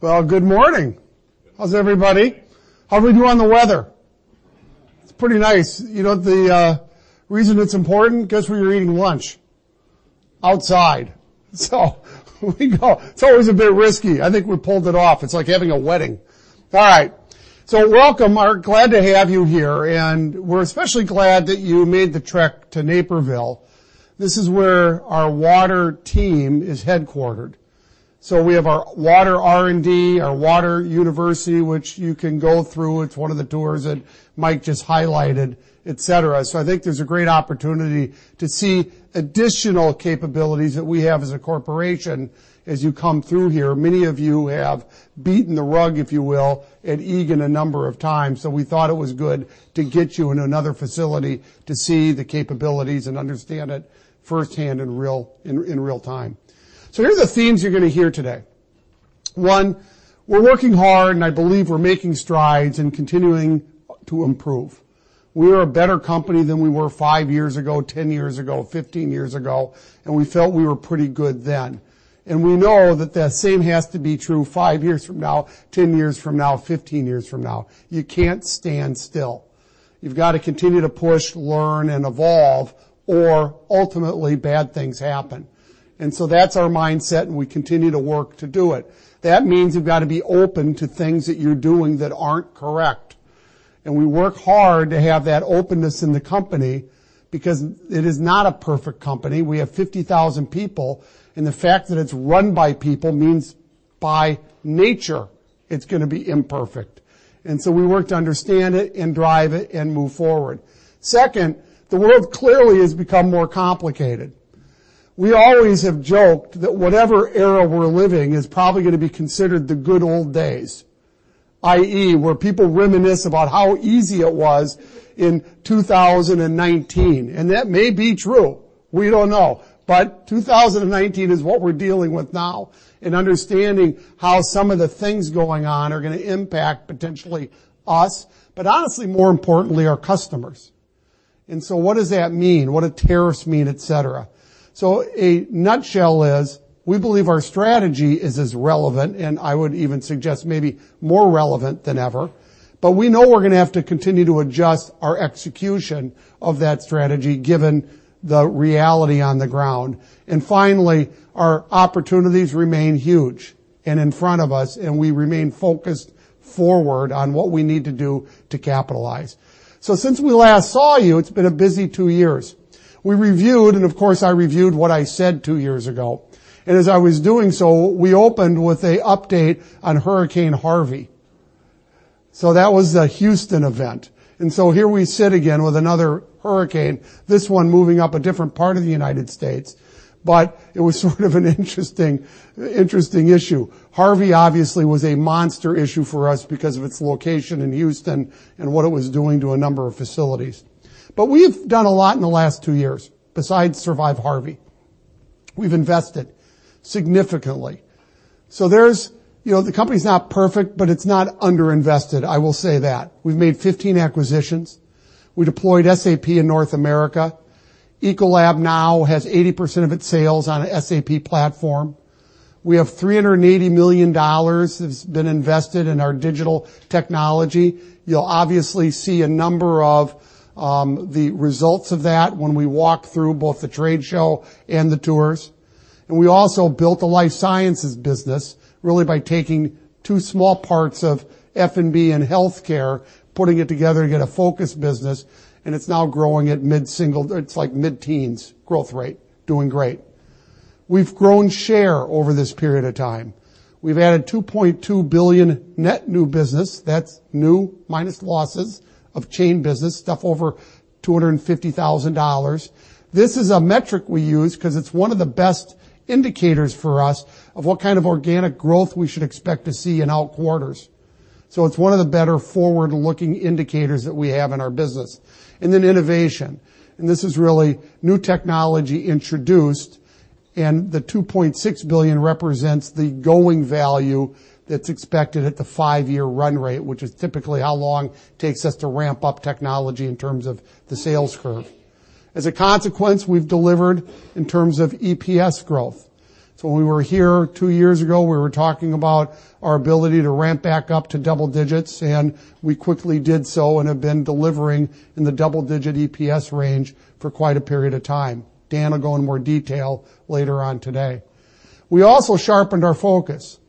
Well, good morning. How's everybody? How are we doing on the weather? It's pretty nice. The reason it's important, guess where you're eating lunch? Outside. It's always a bit risky. I think we pulled it off. It's like having a wedding. All right. Welcome. Glad to have you here, and we're especially glad that you made the trek to Naperville. This is where our water team is headquartered. We have our water R&D, our water university, which you can go through. It's one of the tours that Mike just highlighted, et cetera. I think there's a great opportunity to see additional capabilities that we have as a corporation as you come through here. Many of you have beaten the rug, if you will, at Eagan a number of times. We thought it was good to get you in another facility to see the capabilities and understand it firsthand in real time. Here are the themes you're going to hear today. One, we're working hard, and I believe we're making strides and continuing to improve. We are a better company than we were 5 years ago, 10 years ago, 15 years ago. We felt we were pretty good then. We know that the same has to be true 5 years from now, 10 years from now, 15 years from now. You can't stand still. You've got to continue to push, learn, and evolve, or ultimately, bad things happen. That's our mindset. We continue to work to do it. That means you've got to be open to things that you're doing that aren't correct. We work hard to have that openness in the company because it is not a perfect company. We have 50,000 people, and the fact that it's run by people means, by nature, it's going to be imperfect, and so we work to understand it and drive it and move forward. Second, the world clearly has become more complicated. We always have joked that whatever era we're living is probably going to be considered the good old days, i.e., where people reminisce about how easy it was in 2019, and that may be true. We don't know. 2019 is what we're dealing with now and understanding how some of the things going on are going to impact potentially us, but honestly, more importantly, our customers. What does that mean? What do tariffs mean, et cetera? A nutshell is we believe our strategy is as relevant, and I would even suggest maybe more relevant than ever. We know we're going to have to continue to adjust our execution of that strategy, given the reality on the ground. Finally, our opportunities remain huge and in front of us, and we remain focused forward on what we need to do to capitalize. Since we last saw you, it's been a busy two years. We reviewed, and of course, I reviewed what I said two years ago. As I was doing so, we opened with an update on Hurricane Harvey. That was the Houston event. Here we sit again with another hurricane, this one moving up a different part of the United States. It was sort of an interesting issue. Harvey, obviously, was a monster issue for us because of its location in Houston and what it was doing to a number of facilities. We've done a lot in the last two years besides survive Harvey. We've invested significantly. The company's not perfect, but it's not underinvested, I will say that. We've made 15 acquisitions. We deployed SAP in North America. Ecolab now has 80% of its sales on an SAP platform. We have $380 million that's been invested in our digital technology. You'll obviously see a number of the results of that when we walk through both the trade show and the tours. We also built a life sciences business, really by taking two small parts of F&B and healthcare, putting it together to get a focused business, and it's now growing, it's like mid-teens growth rate. Doing great. We've grown share over this period of time. We've added $2.2 billion net new business. That's new minus losses of chain business, stuff over $250,000. This is a metric we use because it's one of the best indicators for us of what kind of organic growth we should expect to see in our quarters. It's one of the better forward-looking indicators that we have in our business. Then innovation. This is really new technology introduced, and the $2.6 billion represents the going value that's expected at the five-year run rate, which is typically how long it takes us to ramp up technology in terms of the sales curve. As a consequence, we've delivered in terms of EPS growth. When we were here two years ago, we were talking about our ability to ramp back up to double digits, and we quickly did so and have been delivering in the double-digit EPS range for quite a period of time. Dan will go in more detail later on today. We also sharpened our focus.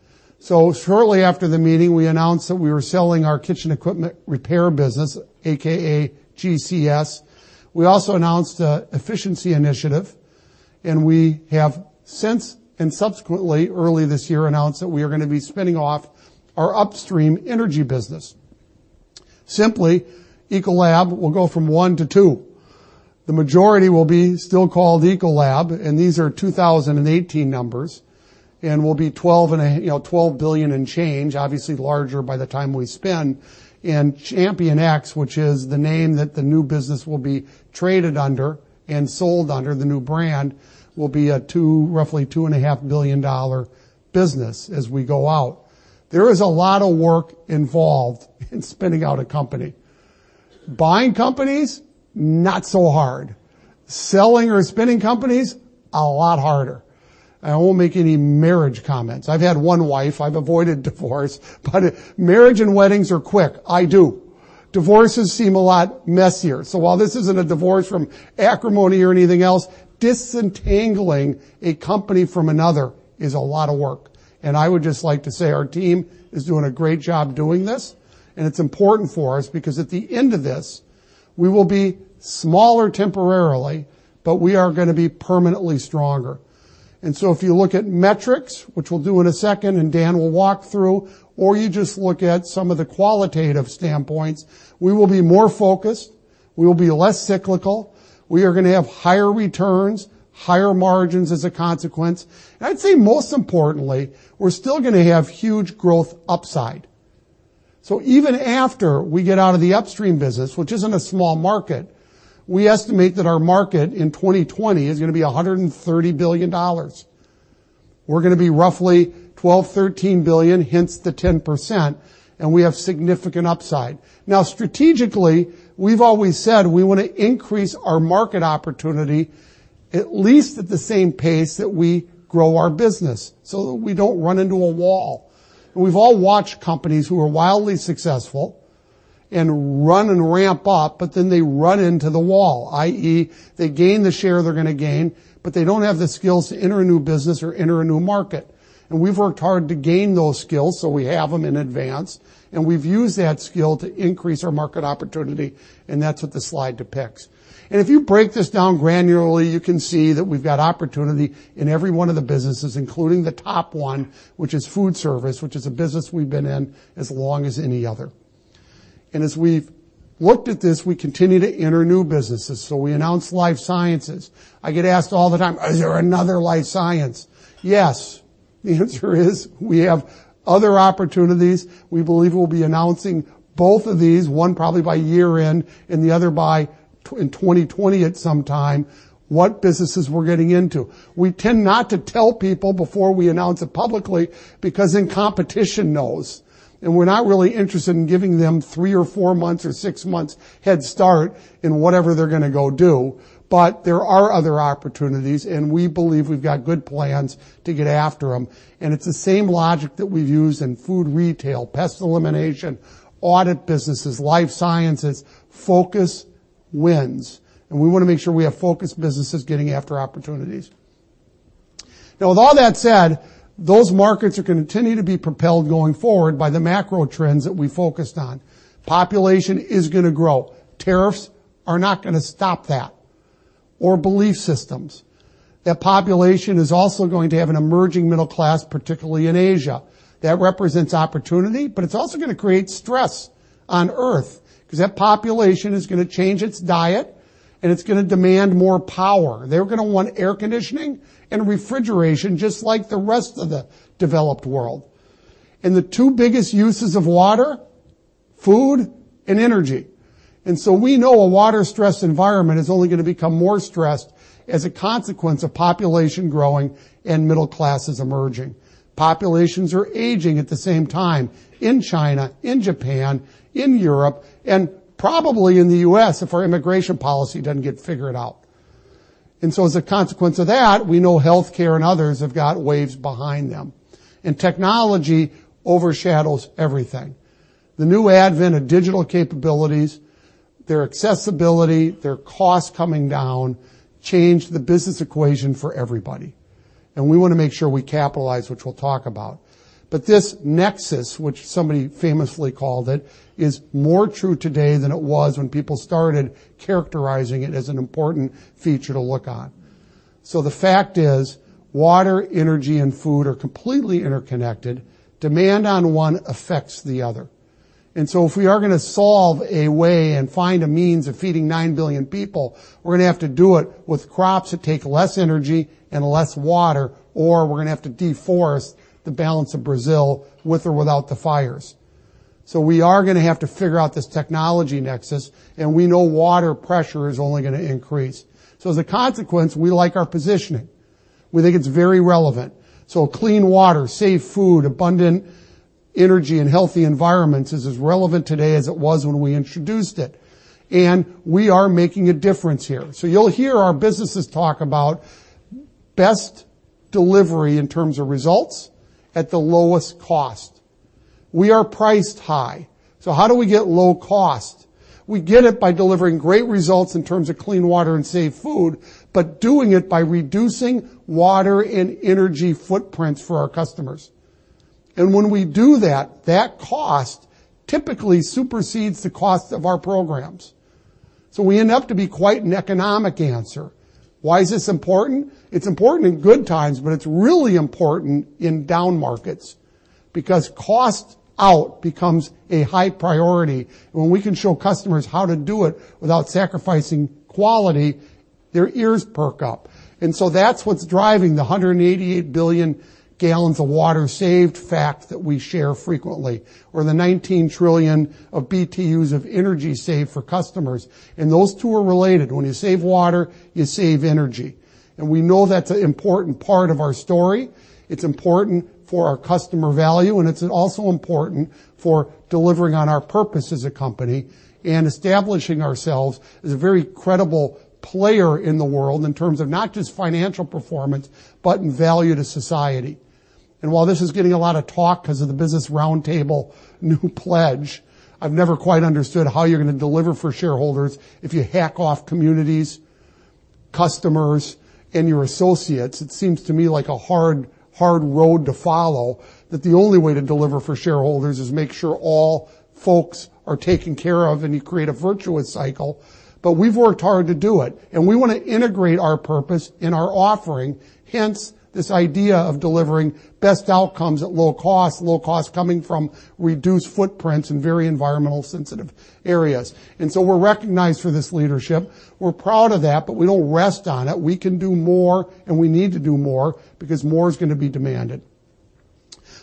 Shortly after the meeting, we announced that we were selling our kitchen equipment repair business, AKA GCS. We also announced an efficiency initiative, and we have since and subsequently early this year announced that we are going to be spinning off our upstream energy business. Simply, Ecolab will go from one to two. The majority will be still called Ecolab, and these are 2018 numbers and will be $12 billion in change, obviously larger by the time we spin. ChampionX, which is the name that the new business will be traded under and sold under the new brand, will be a roughly $2.5 billion business as we go out. Buying companies, not so hard. Selling or spinning companies, a lot harder. I won't make any marriage comments. I've had one wife, I've avoided divorce, but marriage and weddings are quick. I do. Divorces seem a lot messier. While this isn't a divorce from acrimony or anything else, disentangling a company from another is a lot of work. I would just like to say our team is doing a great job doing this, and it's important for us because at the end of this, we will be smaller temporarily, but we are going to be permanently stronger. If you look at metrics, which we'll do in a second and Dan will walk through, or you just look at some of the qualitative standpoints, we will be more focused, we will be less cyclical, we are going to have higher returns, higher margins as a consequence. I'd say, most importantly, we're still going to have huge growth upside. Even after we get out of the upstream business, which isn't a small market, we estimate that our market in 2020 is going to be $130 billion. We're going to be roughly $12, $13 billion, hence the 10%, and we have significant upside. Now, strategically, we've always said we want to increase our market opportunity at least at the same pace that we grow our business so that we don't run into a wall. We've all watched companies who are wildly successful and run and ramp up, but then they run into the wall, i.e., they gain the share they're going to gain, but they don't have the skills to enter a new business or enter a new market. We've worked hard to gain those skills, so we have them in advance, and we've used that skill to increase our market opportunity, and that's what the slide depicts. If you break this down granularly, you can see that we've got opportunity in every one of the businesses, including the top one, which is food service, which is a business we've been in as long as any other. As we've looked at this, we continue to enter new businesses. We announced life sciences. I get asked all the time, "Is there another life science?" Yes, the answer is we have other opportunities. We believe we'll be announcing both of these, one probably by year end and the other in 2020 at some time, what businesses we're getting into. We tend not to tell people before we announce it publicly because then competition knows, and we're not really interested in giving them three or four months or six months head start in whatever they're going to go do. There are other opportunities, and we believe we've got good plans to get after them. It's the same logic that we've used in food retail, pest elimination, audit businesses, life sciences. Focus wins, and we want to make sure we have focused businesses getting after opportunities. Now, with all that said, those markets are going to continue to be propelled going forward by the macro trends that we focused on. Population is going to grow. Tariffs are not going to stop that or belief systems. That population is also going to have an emerging middle class, particularly in Asia. That represents opportunity, but it's also going to create stress on Earth because that population is going to change its diet and it's going to demand more power. They're going to want air conditioning and refrigeration, just like the rest of the developed world. The two biggest uses of water, food and energy. We know a water-stressed environment is only going to become more stressed as a consequence of population growing and middle classes emerging. Populations are aging at the same time in China, in Japan, in Europe, and probably in the U.S. if our immigration policy doesn't get figured out. As a consequence of that, we know healthcare and others have got waves behind them. Technology overshadows everything. The new advent of digital capabilities, their accessibility, their cost coming down, change the business equation for everybody. We want to make sure we capitalize, which we'll talk about. This nexus, which somebody famously called it, is more true today than it was when people started characterizing it as an important feature to look on. The fact is, water, energy, and food are completely interconnected. Demand on one affects the other. If we are going to solve a way and find a means of feeding 9 billion people, we're going to have to do it with crops that take less energy and less water, or we're going to have to deforest the balance of Brazil with or without the fires. We are going to have to figure out this technology nexus, and we know water pressure is only going to increase. As a consequence, we like our positioning. We think it's very relevant. Clean water, safe food, abundant energy, and healthy environments is as relevant today as it was when we introduced it. We are making a difference here. You'll hear our businesses talk about best delivery in terms of results at the lowest cost. We are priced high. How do we get low cost? We get it by delivering great results in terms of clean water and safe food, but doing it by reducing water and energy footprints for our customers. When we do that cost typically supersedes the cost of our programs. We end up to be quite an economic answer. Why is this important? It's important in good times, but it's really important in down markets because cost out becomes a high priority. When we can show customers how to do it without sacrificing quality, their ears perk up. That's what's driving the 188 billion gallons of water saved fact that we share frequently, or the 19 trillion of BTUs of energy saved for customers. Those two are related. When you save water, you save energy. We know that's an important part of our story. It's important for our customer value, and it's also important for delivering on our purpose as a company and establishing ourselves as a very credible player in the world in terms of not just financial performance, but in value to society. While this is getting a lot of talk because of the Business Roundtable new pledge, I've never quite understood how you're going to deliver for shareholders if you hack off communities, customers, and your associates. It seems to me like a hard road to follow, that the only way to deliver for shareholders is make sure all folks are taken care of and you create a virtuous cycle. We've worked hard to do it, and we want to integrate our purpose in our offering, hence this idea of delivering best outcomes at low cost coming from reduced footprints in very environmentally sensitive areas. We're recognized for this leadership. We're proud of that, but we don't rest on it. We can do more, and we need to do more, because more is going to be demanded.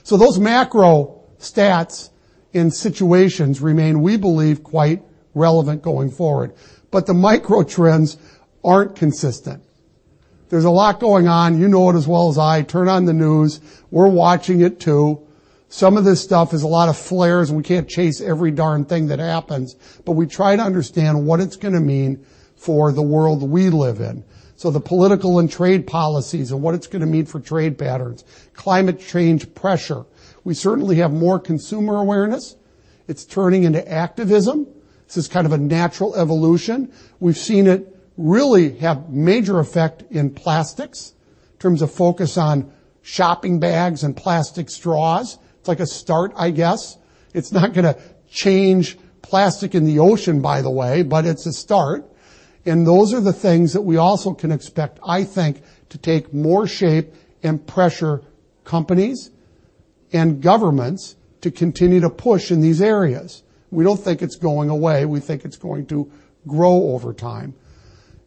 Those macro stats and situations remain, we believe, quite relevant going forward, but the micro trends aren't consistent. There's a lot going on. You know it as well as I. Turn on the news. We're watching it too. Some of this stuff is a lot of flares, and we can't chase every darn thing that happens, but we try to understand what it's going to mean for the world we live in. The political and trade policies and what it's going to mean for trade patterns, climate change pressure. We certainly have more consumer awareness. It's turning into activism. This is kind of a natural evolution. We've seen it really have major effect in plastics in terms of focus on shopping bags and plastic straws. It's like a start, I guess. It's not going to change plastic in the ocean, by the way, but it's a start, and those are the things that we also can expect, I think, to take more shape and pressure companies and governments to continue to push in these areas. We don't think it's going away. We think it's going to grow over time.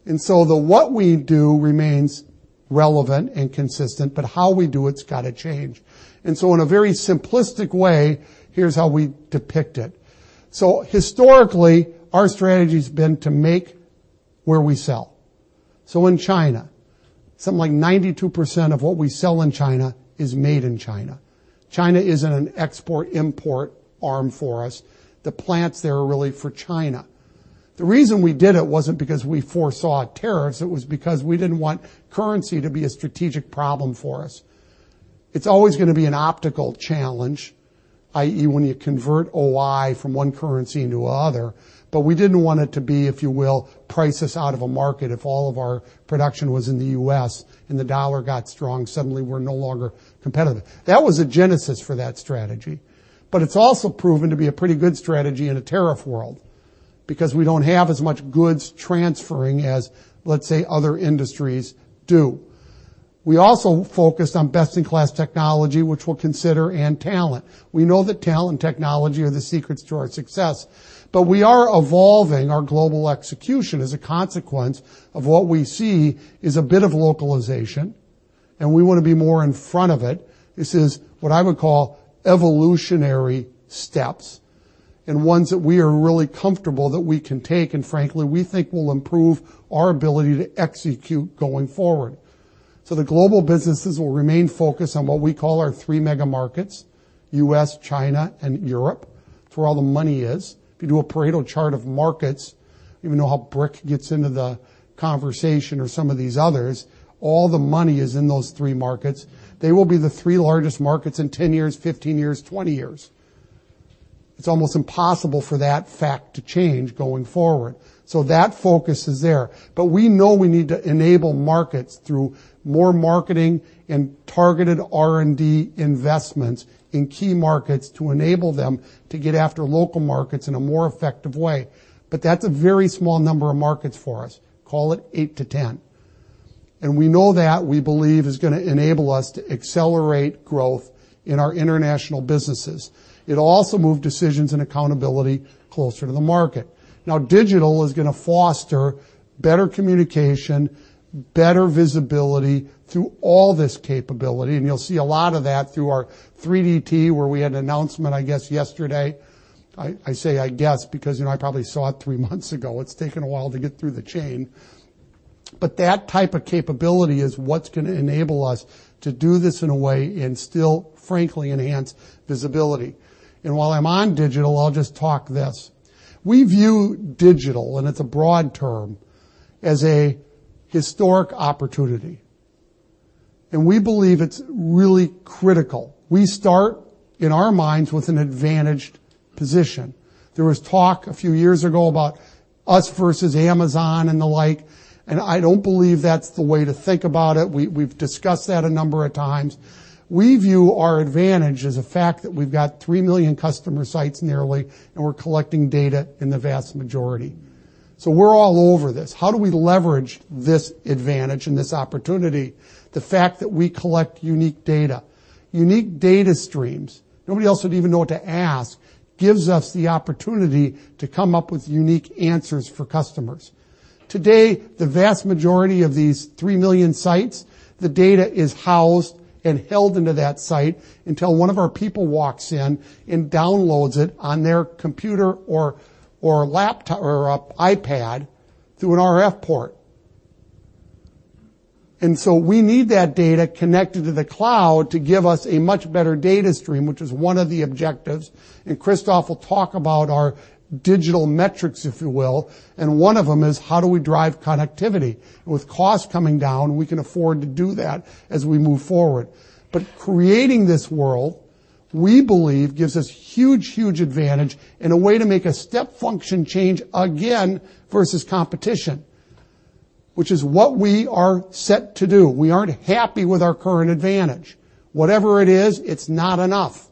The what we do remains relevant and consistent, but how we do it's got to change. In a very simplistic way, here's how we depict it. Historically, our strategy's been to make where we sell. In China, something like 92% of what we sell in China is made in China. China isn't an export-import arm for us. The plants there are really for China. The reason we did it wasn't because we foresaw tariffs, it was because we didn't want currency to be a strategic problem for us. It's always going to be an optical challenge, i.e., when you convert OI from one currency into another. We didn't want it to be, if you will, price us out of a market if all of our production was in the U.S. and the dollar got strong, suddenly we're no longer competitive. That was a genesis for that strategy. It's also proven to be a pretty good strategy in a tariff world because we don't have as much goods transferring as, let's say, other industries do. We also focused on best-in-class technology, which we'll consider and talent. We know that talent technology are the secrets to our success, but we are evolving our global execution as a consequence of what we see is a bit of localization, and we want to be more in front of it. This is what I would call evolutionary steps and ones that we are really comfortable that we can take and frankly, we think will improve our ability to execute going forward. The global businesses will remain focused on what we call our three mega markets, U.S., China, and Europe. It's where all the money is. If you do a Pareto Chart of markets, even though how BRIC gets into the conversation or some of these others, all the money is in those three markets. They will be the three largest markets in 10 years, 15 years, 20 years. It's almost impossible for that fact to change going forward. That focus is there. We know we need to enable markets through more marketing and targeted R&D investments in key markets to enable them to get after local markets in a more effective way. That's a very small number of markets for us. Call it 8 to 10. We know that, we believe, is going to enable us to accelerate growth in our international businesses. It'll also move decisions and accountability closer to the market. Digital is going to foster better communication, better visibility through all this capability, and you'll see a lot of that through our 3DT, where we had an announcement, I guess, yesterday. I say, I guess, because I probably saw it three months ago. It's taken a while to get through the chain. That type of capability is what's going to enable us to do this in a way and still, frankly, enhance visibility. While I'm on digital, I'll just talk this. We view digital, and it's a broad term, as a historic opportunity, and we believe it's really critical. We start, in our minds, with an advantaged position. There was talk a few years ago about us versus Amazon and the like, and I don't believe that's the way to think about it. We've discussed that a number of times. We view our advantage as a fact that we've got 3 million customer sites nearly, and we're collecting data in the vast majority. We're all over this. How do we leverage this advantage and this opportunity? The fact that we collect unique data, unique data streams, nobody else would even know what to ask, gives us the opportunity to come up with unique answers for customers. Today, the vast majority of these 3 million sites, the data is housed and held into that site until one of our people walks in and downloads it on their computer or laptop or iPad through an RF port. We need that data connected to the cloud to give us a much better data stream, which is one of the objectives. Christophe will talk about our digital metrics, if you will, and one of them is how do we drive connectivity? With cost coming down, we can afford to do that as we move forward. Creating this world, we believe gives us huge advantage in a way to make a step function change again versus competition, which is what we are set to do. We aren't happy with our current advantage. Whatever it is, it's not enough.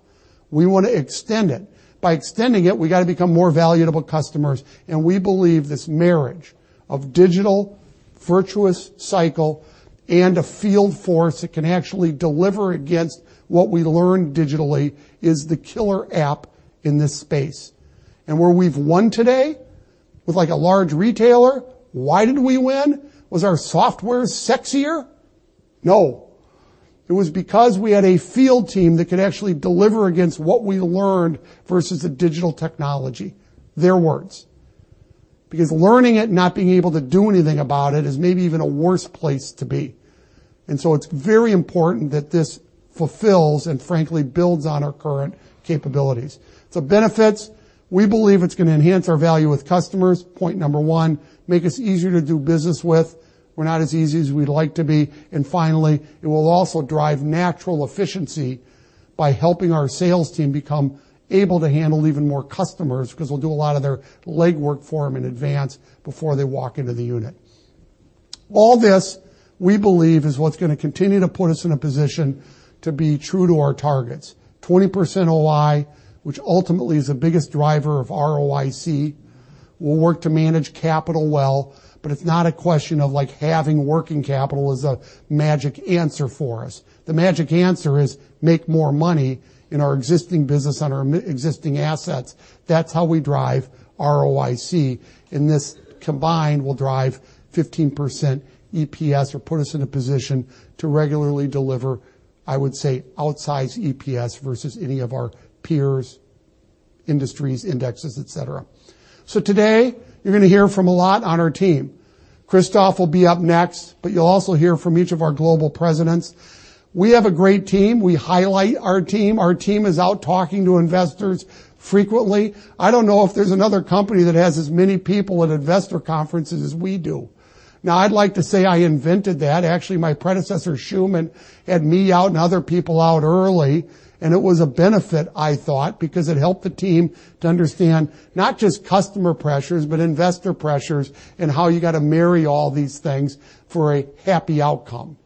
We want to extend it. By extending it, we got to become more valuable to customers, and we believe this marriage of digital virtuous cycle and a field force that can actually deliver against what we learn digitally is the killer app in this space. Where we've won today with like a large retailer, why did we win? Was our software sexier? No. It was because we had a field team that could actually deliver against what we learned versus the digital technology. Their words. Learning it, not being able to do anything about it is maybe even a worse place to be. It's very important that this fulfills and frankly, builds on our current capabilities. Benefits, we believe it's going to enhance our value with customers, point number 1, make us easier to do business with. We're not as easy as we'd like to be. Finally, it will also drive natural efficiency by helping our sales team become able to handle even more customers because we'll do a lot of their legwork for them in advance before they walk into the unit. All this, we believe, is what's going to continue to put us in a position to be true to our targets. 20% OI, which ultimately is the biggest driver of ROIC. We'll work to manage capital well, it's not a question of like having working capital as a magic answer for us. The magic answer is make more money in our existing business on our existing assets. That's how we drive ROIC, and this combined will drive 15% EPS or put us in a position to regularly deliver, I would say, outsize EPS versus any of our peers, industries, indexes, et cetera. Today, you're going to hear from a lot on our team. Christophe will be up next, you'll also hear from each of our global presidents. We have a great team. We highlight our team. Our team is out talking to investors frequently. I don't know if there's another company that has as many people at investor conferences as we do. I'd like to say I invented that. Actually, my predecessor, Allan L. Schuman, had me out and other people out early. It was a benefit, I thought, because it helped the team to understand not just customer pressures, but investor pressures and how you got to marry all these things for a happy outcome.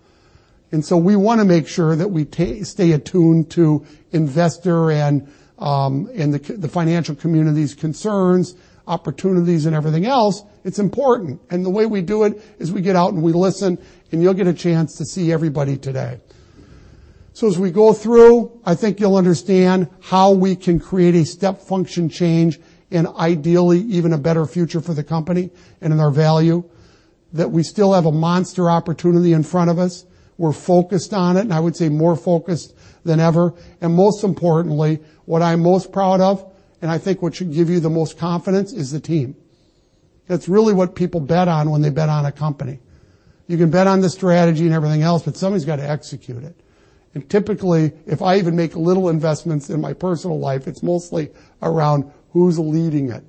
We want to make sure that we stay attuned to investor and the financial community's concerns, opportunities, and everything else. It's important. The way we do it is we get out and we listen. You'll get a chance to see everybody today. As we go through, I think you'll understand how we can create a step function change and ideally even a better future for the company and in our value, that we still have a monster opportunity in front of us. We're focused on it. I would say more focused than ever. Most importantly, what I'm most proud of, and I think what should give you the most confidence is the team. That's really what people bet on when they bet on a company. You can bet on the strategy and everything else, but somebody's got to execute it. Typically, if I even make little investments in my personal life, it's mostly around who's leading it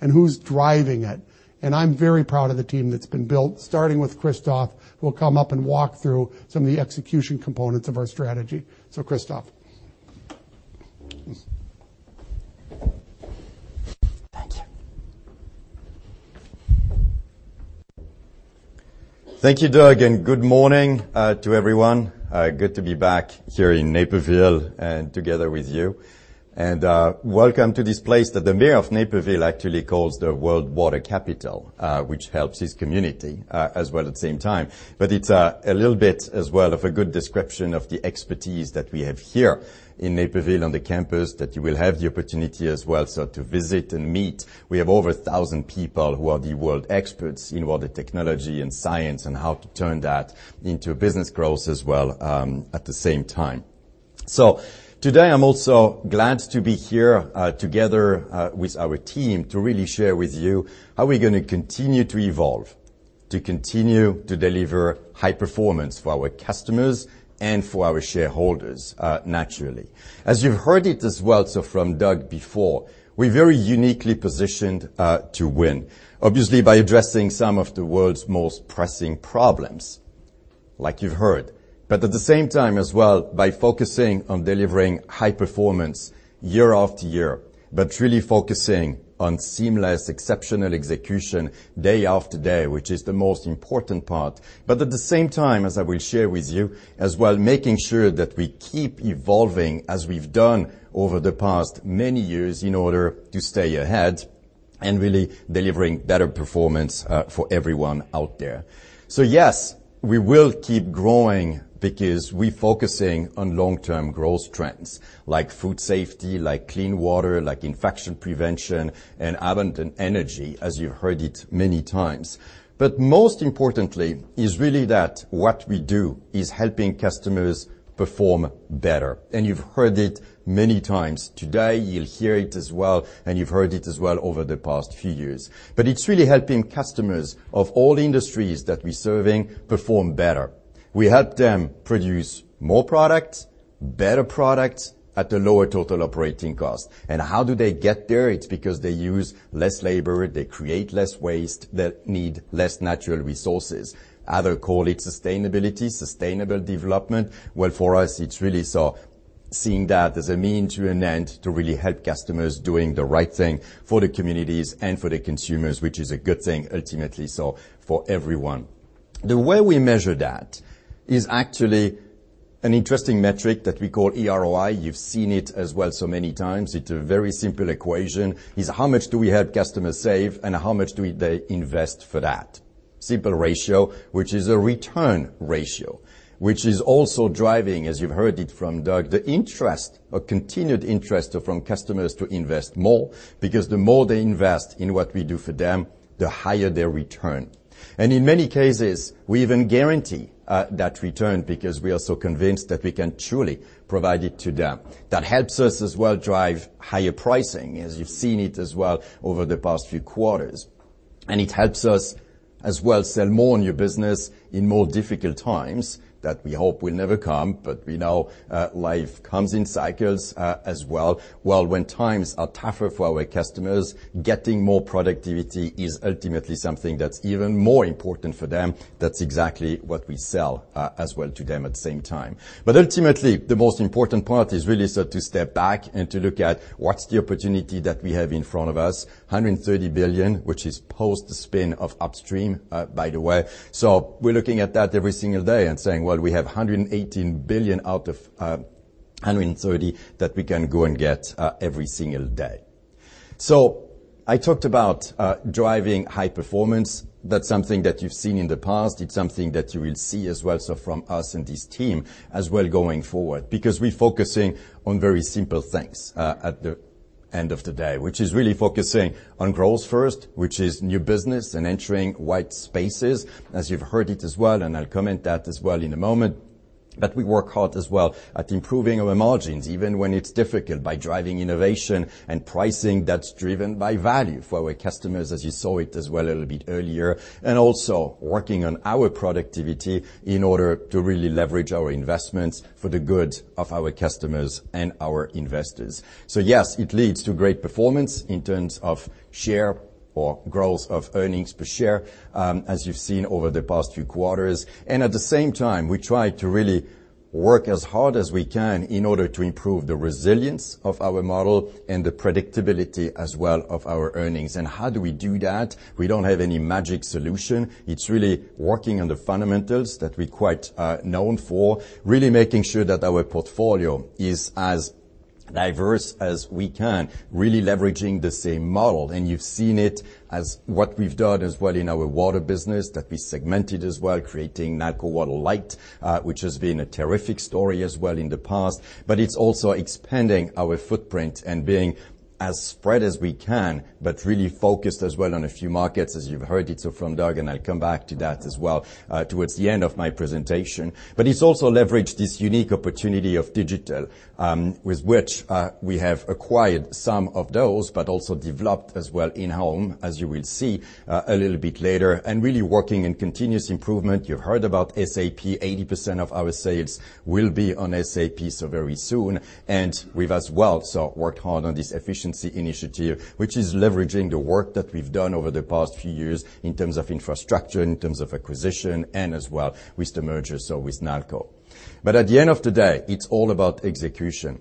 and who's driving it, and I'm very proud of the team that's been built, starting with Christophe, who will come up and walk through some of the execution components of our strategy. Christophe. Thank you. Thank you, Doug. Good morning to everyone. Good to be back here in Naperville and together with you. Welcome to this place that the mayor of Naperville actually calls the world water capital, which helps his community, as well at the same time. It's a little bit as well of a good description of the expertise that we have here in Naperville on the campus that you will have the opportunity as well also to visit and meet. We have over 1,000 people who are the world experts in water technology and science and how to turn that into business growth as well at the same time. Today, I'm also glad to be here together with our team to really share with you how we're going to continue to evolve, to continue to deliver high performance for our customers and for our shareholders, naturally. As you've heard it as well, from Doug before, we're very uniquely positioned to win. Obviously by addressing some of the world's most pressing problems, like you've heard, at the same time as well, by focusing on delivering high performance year after year, but really focusing on seamless, exceptional execution day after day, which is the most important part. At the same time, as I will share with you, as well, making sure that we keep evolving as we've done over the past many years in order to stay ahead and really delivering better performance for everyone out there. Yes, we will keep growing because we're focusing on long-term growth trends like food safety, like clean water, like infection prevention, and abundant energy, as you've heard it many times. Most importantly is really that what we do is helping customers perform better. You've heard it many times today, you'll hear it as well, and you've heard it as well over the past few years. It's really helping customers of all industries that we're serving perform better. We help them produce more products, better products, at a lower total operating cost. How do they get there? It's because they use less labor, they create less waste, they need less natural resources. Other call it sustainability, sustainable development. Well, for us, it's really seeing that as a means to an end to really help customers doing the right thing for the communities and for the consumers, which is a good thing, ultimately, for everyone. The way we measure that is actually an interesting metric that we call EROI. You've seen it as well so many times. It's a very simple equation, is how much do we help customers save, and how much do they invest for that? Simple ratio, which is a return ratio, which is also driving, as you've heard it from Doug, the interest or continued interest from customers to invest more. The more they invest in what we do for them, the higher their return. In many cases, we even guarantee that return because we are so convinced that we can truly provide it to them. That helps us as well drive higher pricing, as you've seen it as well over the past few quarters. It helps us as well sell more in your business in more difficult times, that we hope will never come, but we know life comes in cycles as well. When times are tougher for our customers, getting more productivity is ultimately something that's even more important for them. That's exactly what we sell as well to them at the same time. Ultimately, the most important part is really, to step back and to look at what's the opportunity that we have in front of us, $130 billion, which is post spin of Upstream, by the way. We're looking at that every single day and saying, "We have $118 billion out of $130 billion that we can go and get every single day." I talked about driving high performance. That's something that you've seen in the past. It's something that you will see as well, from us and this team as well going forward, because we're focusing on very simple things, at the end of the day. Which is really focusing on growth first, which is new business and entering white spaces, as you've heard it as well, and I'll comment that as well in a moment. We work hard as well at improving our margins, even when it's difficult, by driving innovation and pricing that's driven by value for our customers, as you saw it as well a little bit earlier. Also working on our productivity in order to really leverage our investments for the good of our customers and our investors. Yes, it leads to great performance in terms of share or growth of earnings per share, as you've seen over the past few quarters. At the same time, we try to really work as hard as we can in order to improve the resilience of our model and the predictability as well of our earnings. How do we do that? We don't have any magic solution. It's really working on the fundamentals that we're quite known for, really making sure that our portfolio is as diverse as we can, really leveraging the same model. You've seen it as what we've done as well in our water business that we segmented as well, creating Nalco Water Light, which has been a terrific story as well in the past. It's also expanding our footprint and being as spread as we can, but really focused as well on a few markets, as you've heard it from Doug. I'll come back to that as well towards the end of my presentation. It's also leveraged this unique opportunity of digital, with which we have acquired some of those, but also developed as well in-home, as you will see a little bit later. Really working in continuous improvement. You've heard about SAP, 80% of our sales will be on SAP so very soon. We've as well worked hard on this efficiency initiative, which is leveraging the work that we've done over the past few years in terms of infrastructure, in terms of acquisition, and as well with the merger, so with Nalco. At the end of the day, it's all about execution.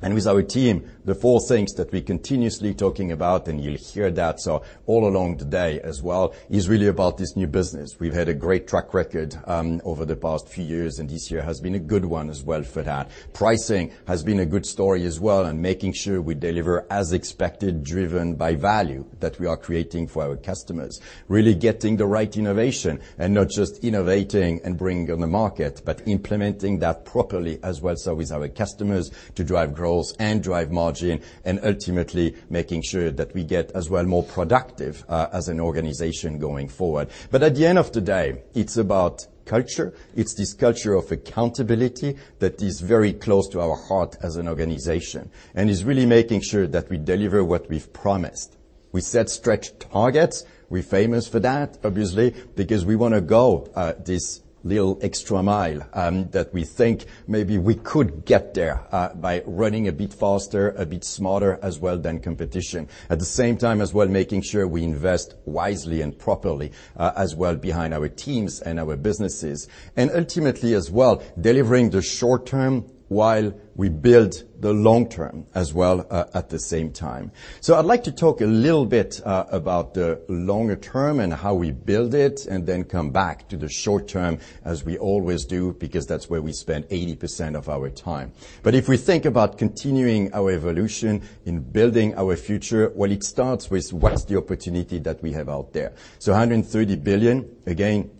With our team, the four things that we're continuously talking about, and you'll hear that all along today as well, is really about this new business. We've had a great track record over the past few years, and this year has been a good one as well for that. Pricing has been a good story as well and making sure we deliver as expected, driven by value that we are creating for our customers. Really getting the right innovation and not just innovating and bringing on the market, but implementing that properly as well, so with our customers to drive growth and drive margin, and ultimately making sure that we get as well more productive as an organization going forward. At the end of the day, it's about culture. It's this culture of accountability that is very close to our heart as an organization and is really making sure that we deliver what we've promised. We set stretch targets. We're famous for that, obviously, because we want to go this little extra mile, that we think maybe we could get there by running a bit faster, a bit smarter as well than competition. At the same time as well, making sure we invest wisely and properly as well behind our teams and our businesses. Ultimately as well, delivering the short-term while we build the long-term as well at the same time. I'd like to talk a little bit about the longer-term and how we build it, and then come back to the short-term as we always do, because that's where we spend 80% of our time. If we think about continuing our evolution in building our future, well, it starts with what's the opportunity that we have out there. $130 billion, again,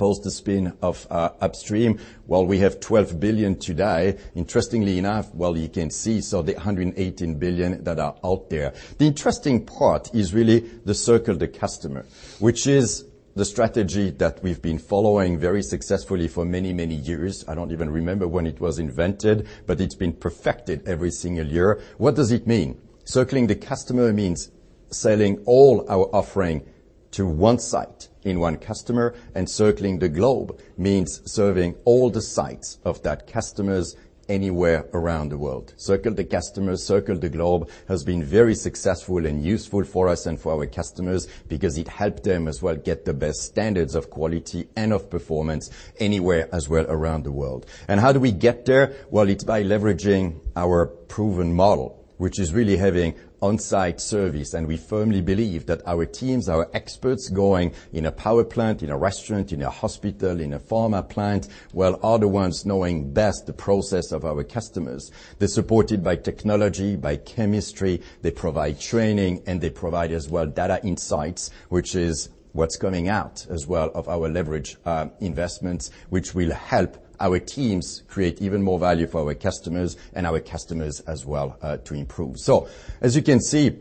post the spin of Upstream, while we have $12 billion today. Interestingly enough, while you can see, the $118 billion that are out there. The interesting part is really the circle, the customer, which is the strategy that we've been following very successfully for many, many years. I don't even remember when it was invented, but it's been perfected every single year. What does it mean? Circling the Customer means selling all our offering to one site in one customer. Circling the Globe means serving all the sites of that customer anywhere around the world. Circle the Customer, Circle the Globe has been very successful and useful for us and for our customers because it helped them as well get the best standards of quality and of performance anywhere as well around the world. How do we get there? Well, it's by leveraging our proven model, which is really having on-site service, and we firmly believe that our teams, our experts, going in a power plant, in a restaurant, in a hospital, in a pharma plant, well, are the ones knowing best the process of our customers. They're supported by technology, by chemistry. They provide training and they provide as well data insights, which is what's coming out as well of our leverage investments, which will help our teams create even more value for our customers and our customers as well, to improve. As you can see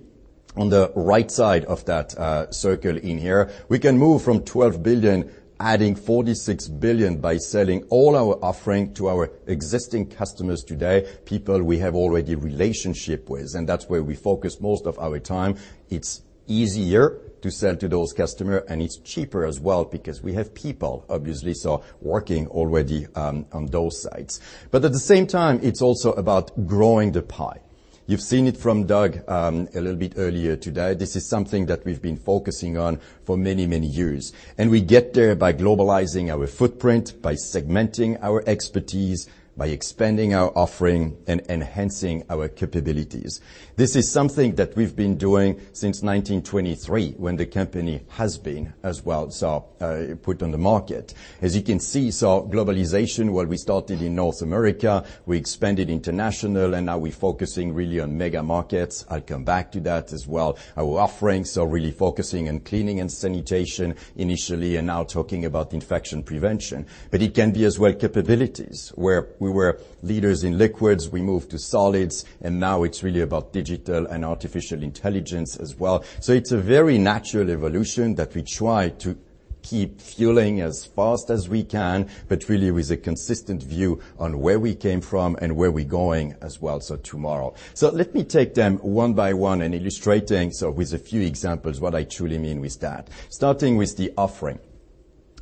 on the right side of that circle in here, we can move from $12 billion, adding $46 billion by selling all our offering to our existing customers today, people we have already relationship with, and that's where we focus most of our time. It's easier to sell to those customer, and it's cheaper as well because we have people obviously so working already on those sites. At the same time, it's also about growing the pie. You've seen it from Doug, a little bit earlier today. This is something that we've been focusing on for many, many years. We get there by globalizing our footprint, by segmenting our expertise, by expanding our offering, and enhancing our capabilities. This is something that we've been doing since 1923, when the company has been as well put on the market. As you can see, globalization, well, we started in North America, we expanded international, and now we're focusing really on mega markets. I'll come back to that as well. Our offerings are really focusing on cleaning and sanitation initially and now talking about infection prevention. It can be as well capabilities, where we were leaders in liquids, we moved to solids, and now it's really about digital and artificial intelligence as well. It's a very natural evolution that we try to keep fueling as fast as we can, but really with a consistent view on where we came from and where we're going as well, so tomorrow. Let me take them one by one and illustrating with a few examples what I truly mean with that. Starting with the offering.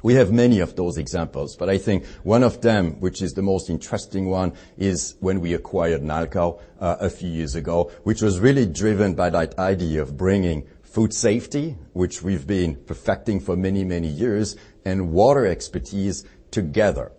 We have many of those examples, but I think one of them, which is the most interesting one, is when we acquired Nalco a few years ago, which was really driven by that idea of bringing food safety, which we've been perfecting for many, many years, and water expertise together.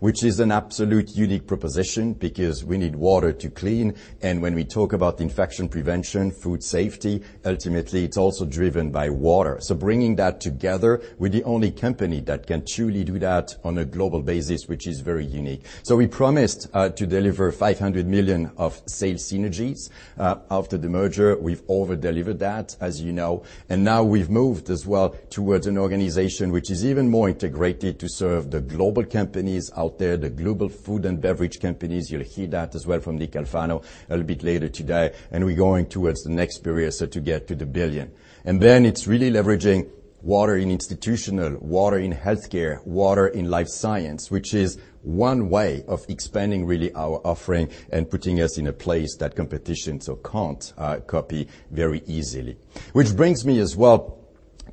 Which is an absolute unique proposition because we need water to clean, and when we talk about infection prevention, food safety, ultimately, it's also driven by water. Bringing that together, we're the only company that can truly do that on a global basis, which is very unique. We promised to deliver $500 million of sales synergies. After the merger, we've over-delivered that, as you know. Now we've moved as well towards an organization which is even more integrated to serve the global companies out there, the global food and beverage companies. You'll hear that as well from Nick Alfano a little bit later today. We're going towards the next period, so to get to the $1 billion. It's really leveraging water in institutional, water in healthcare, water in life science, which is one way of expanding really our offering and putting us in a place that competition so can't copy very easily. Which brings me as well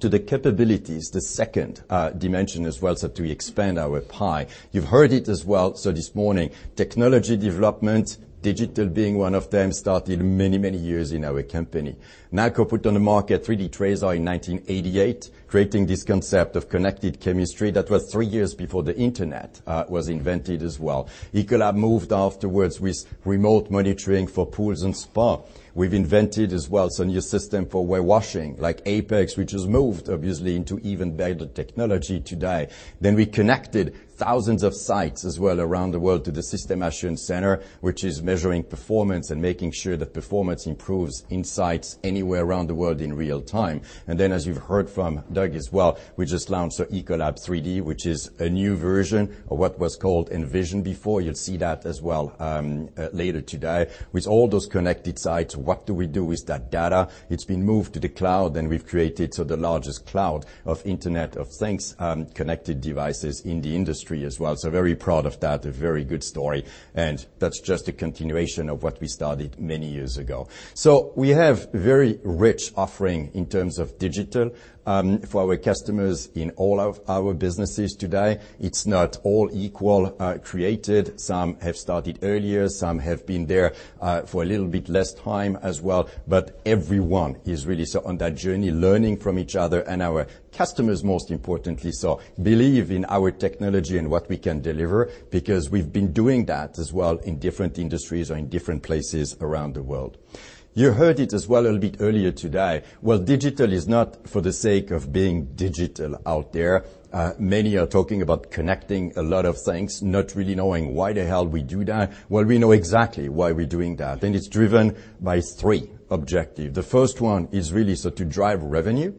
to the capabilities, the second dimension as well, so to expand our pie. You've heard it as well, this morning, technology development, digital being one of them, started many, many years in our company. Nalco put on the market 3D TRASAR in 1988, creating this concept of connected chemistry. That was three years before the internet was invented as well. Ecolab moved afterwards with remote monitoring for pools and spa. We've invented as well a new system for warewashing, like Apex, which has moved obviously into even better technology today. We connected thousands of sites as well around the world to the System Assurance Center, which is measuring performance and making sure that performance improves insights anywhere around the world in real time. As you've heard from Doug as well, we just launched ECOLAB3D, which is a new version of what was called Envision before. You'll see that as well later today. With all those connected sites, what do we do with that data? It's been moved to the cloud, and we've created the largest cloud of Internet of Things connected devices in the industry as well. Very proud of that, a very good story, and that's just a continuation of what we started many years ago. We have very rich offering in terms of digital, for our customers in all of our businesses today. It's not all equal created. Some have started earlier, some have been there for a little bit less time as well, but everyone is really on that journey, learning from each other. Our customers, most importantly, believe in our technology and what we can deliver because we've been doing that as well in different industries or in different places around the world. You heard it as well a little bit earlier today. While digital is not for the sake of being digital out there, many are talking about connecting a lot of things, not really knowing why the hell we do that. Well, we know exactly why we're doing that, it's driven by three objective. The first one is really so to drive revenue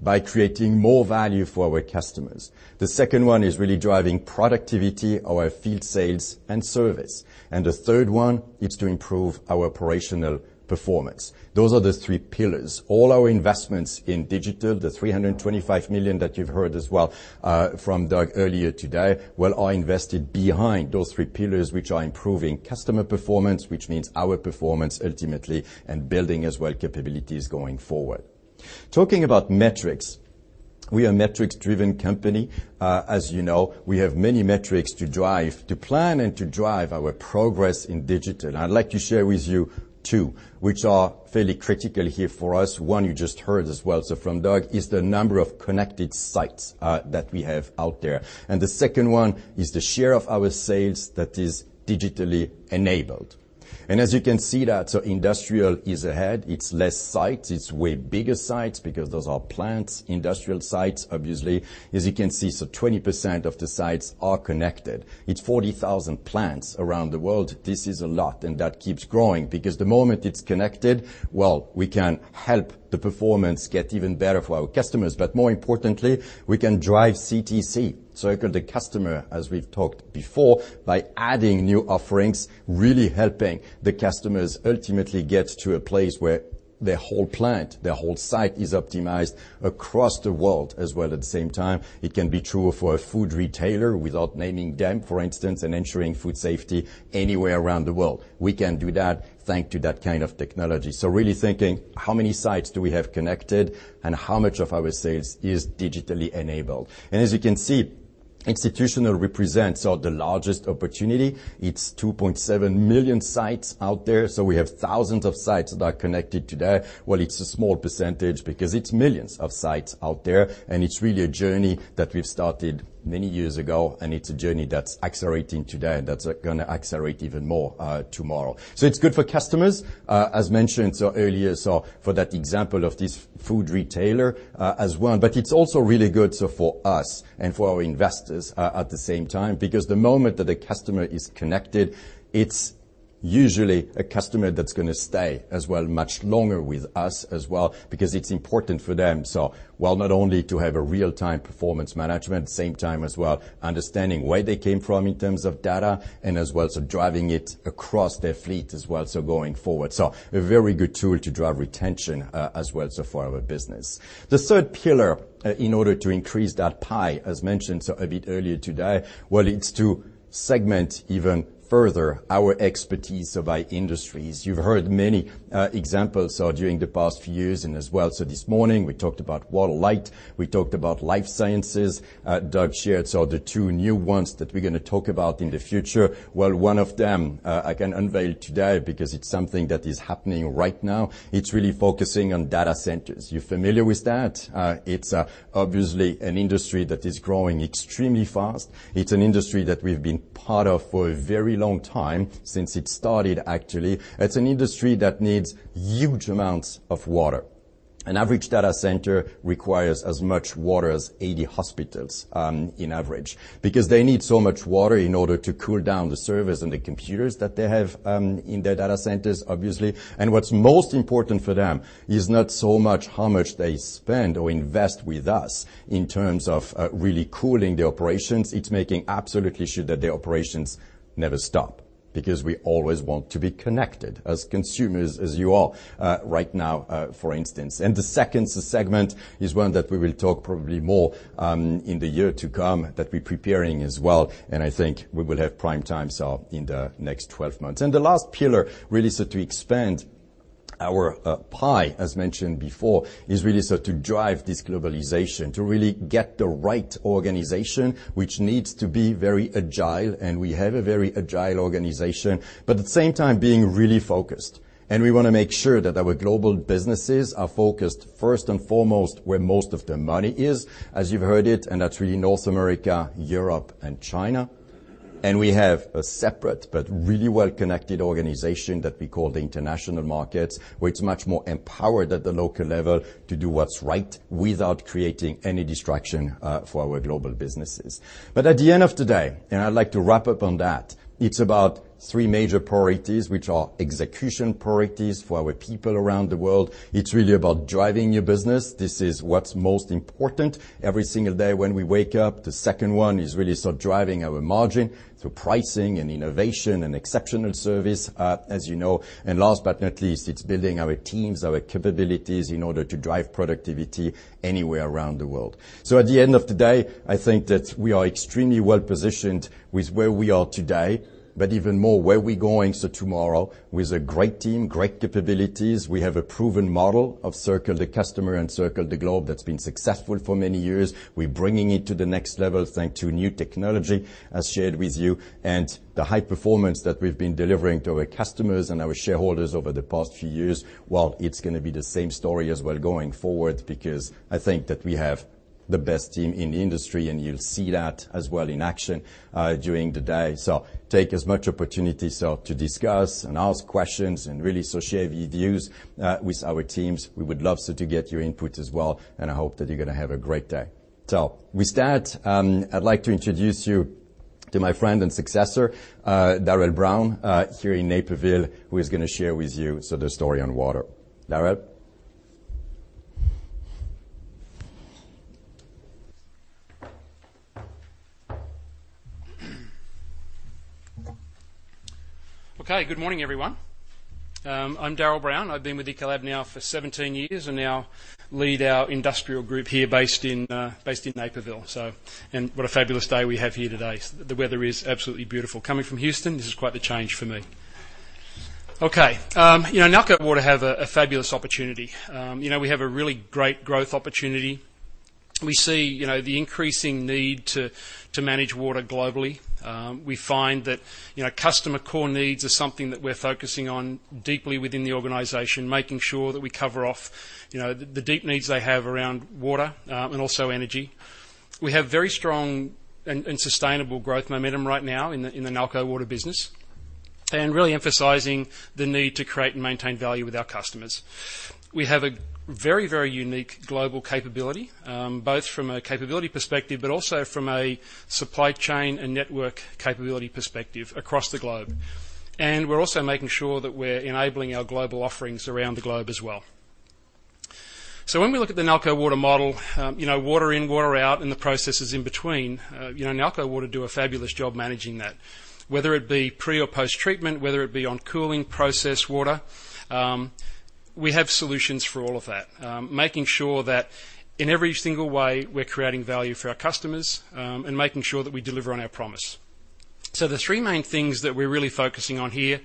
by creating more value for our customers. The second one is really driving productivity, our field sales, and service. The third one is to improve our operational performance. Those are the three pillars. All our investments in digital, the $325 million that you've heard as well from Doug earlier today, well, are invested behind those three pillars, which are improving customer performance, which means our performance ultimately, and building as well capabilities going forward. Talking about metrics. We are a metrics-driven company. As you know, we have many metrics to plan and to drive our progress in digital. I'd like to share with you two, which are fairly critical here for us. One you just heard as well from Doug, is the number of connected sites that we have out there. The second one is the share of our sales that is digitally enabled. As you can see that, industrial is ahead. It's less sites. It's way bigger sites because those are plants, industrial sites, obviously. As you can see, 20% of the sites are connected. It's 40,000 plants around the world. This is a lot, and that keeps growing because the moment it's connected, well, we can help the performance get even better for our customers. More importantly, we can drive CTC, Circle the Customer, as we've talked before, by adding new offerings, really helping the customers ultimately get to a place where their whole plant, their whole site is optimized across the world as well at the same time. It can be true for a food retailer, without naming them, for instance, and ensuring food safety anywhere around the world. We can do that thanks to that kind of technology. Really thinking, how many sites do we have connected, and how much of our sales is digitally enabled? As you can see, institutional represents the largest opportunity. It's 2.7 million sites out there, so we have thousands of sites that are connected today. Well, it's a small percentage because it's millions of sites out there, and it's really a journey that we've started many years ago, and it's a journey that's accelerating today and that's going to accelerate even more tomorrow. It's good for customers, as mentioned earlier, for that example of this food retailer as well. It's also really good for us and for our investors at the same time, because the moment that a customer is connected, it's usually a customer that's going to stay as well much longer with us as well because it's important for them. While not only to have a real-time performance management, same time as well understanding where they came from in terms of data and as well driving it across their fleet as well going forward. A very good tool to drive retention as well for our business. The third pillar in order to increase that pie, as mentioned a bit earlier today, well, it's to segment even further our expertise by industries. You've heard many examples during the past few years and as well this morning. We talked about Nalco Water Light. We talked about Life Sciences. Doug shared the two new ones that we're going to talk about in the future. Well, one of them I can unveil today because it's something that is happening right now. It's really focusing on data centers. You're familiar with that? It's obviously an industry that is growing extremely fast. It's an industry that we've been part of for a very long time, since it started, actually. It's an industry that needs huge amounts of water. An average data center requires as much water as 80 hospitals on average because they need so much water in order to cool down the servers and the computers that they have in their data centers, obviously. What's most important for them is not so much how much they spend or invest with us in terms of really cooling the operations. It's making absolutely sure that their operations never stop because we always want to be connected as consumers, as you are right now, for instance. The second segment is one that we will talk probably more in the year to come that we're preparing as well, and I think we will have prime time in the next 12 months. The last pillar, really to expand our pie, as mentioned before, is really to drive this globalization, to really get the right organization, which needs to be very agile, and we have a very agile organization, at the same time being really focused. We want to make sure that our global businesses are focused first and foremost where most of the money is, as you've heard it, and that's really North America, Europe, and China. We have a separate but really well-connected organization that we call the international markets, where it's much more empowered at the local level to do what's right without creating any distraction for our global businesses. At the end of the day, and I'd like to wrap up on that, it's about three major priorities, which are execution priorities for our people around the world. It's really about driving your business. This is what's most important every single day when we wake up. The second one is really sort of driving our margin through pricing and innovation and exceptional service, as you know. Last but not least, it's building our teams, our capabilities in order to drive productivity anywhere around the world. At the end of the day, I think that we are extremely well-positioned with where we are today, but even more where we're going tomorrow with a great team, great capabilities. We have a proven model of Circle the Customer and Circle the Globe that's been successful for many years. We're bringing it to the next level, thanks to new technology, as shared with you, and the high performance that we've been delivering to our customers and our shareholders over the past few years, well, it's going to be the same story as well going forward because I think that we have the best team in the industry, and you'll see that as well in action during the day. Take as much opportunity to discuss and ask questions and really share views with our teams. We would love to get your input as well, and I hope that you're going to have a great day. With that, I'd like to introduce you to my friend and successor, Darrell Brown, here in Naperville, who is going to share with you the story on water. Darrell? Okay, good morning, everyone. I'm Darrell Brown. I've been with Ecolab now for 17 years and now lead our industrial group here based in Naperville. What a fabulous day we have here today. The weather is absolutely beautiful. Coming from Houston, this is quite the change for me. Nalco Water have a fabulous opportunity. We have a really great growth opportunity. We see the increasing need to manage water globally. We find that customer core needs are something that we're focusing on deeply within the organization, making sure that we cover off the deep needs they have around water and also energy. We have very strong and sustainable growth momentum right now in the Nalco Water business, and really emphasizing the need to create and maintain value with our customers. We have a very unique global capability, both from a capability perspective, but also from a supply chain and network capability perspective across the globe. We're also making sure that we're enabling our global offerings around the globe as well. When we look at the Nalco Water model, water in, water out, and the processes in between, Nalco Water do a fabulous job managing that. Whether it be pre or post-treatment, whether it be on cooling process water, we have solutions for all of that, making sure that in every single way, we're creating value for our customers, and making sure that we deliver on our promise. The three main things that we're really focusing on here,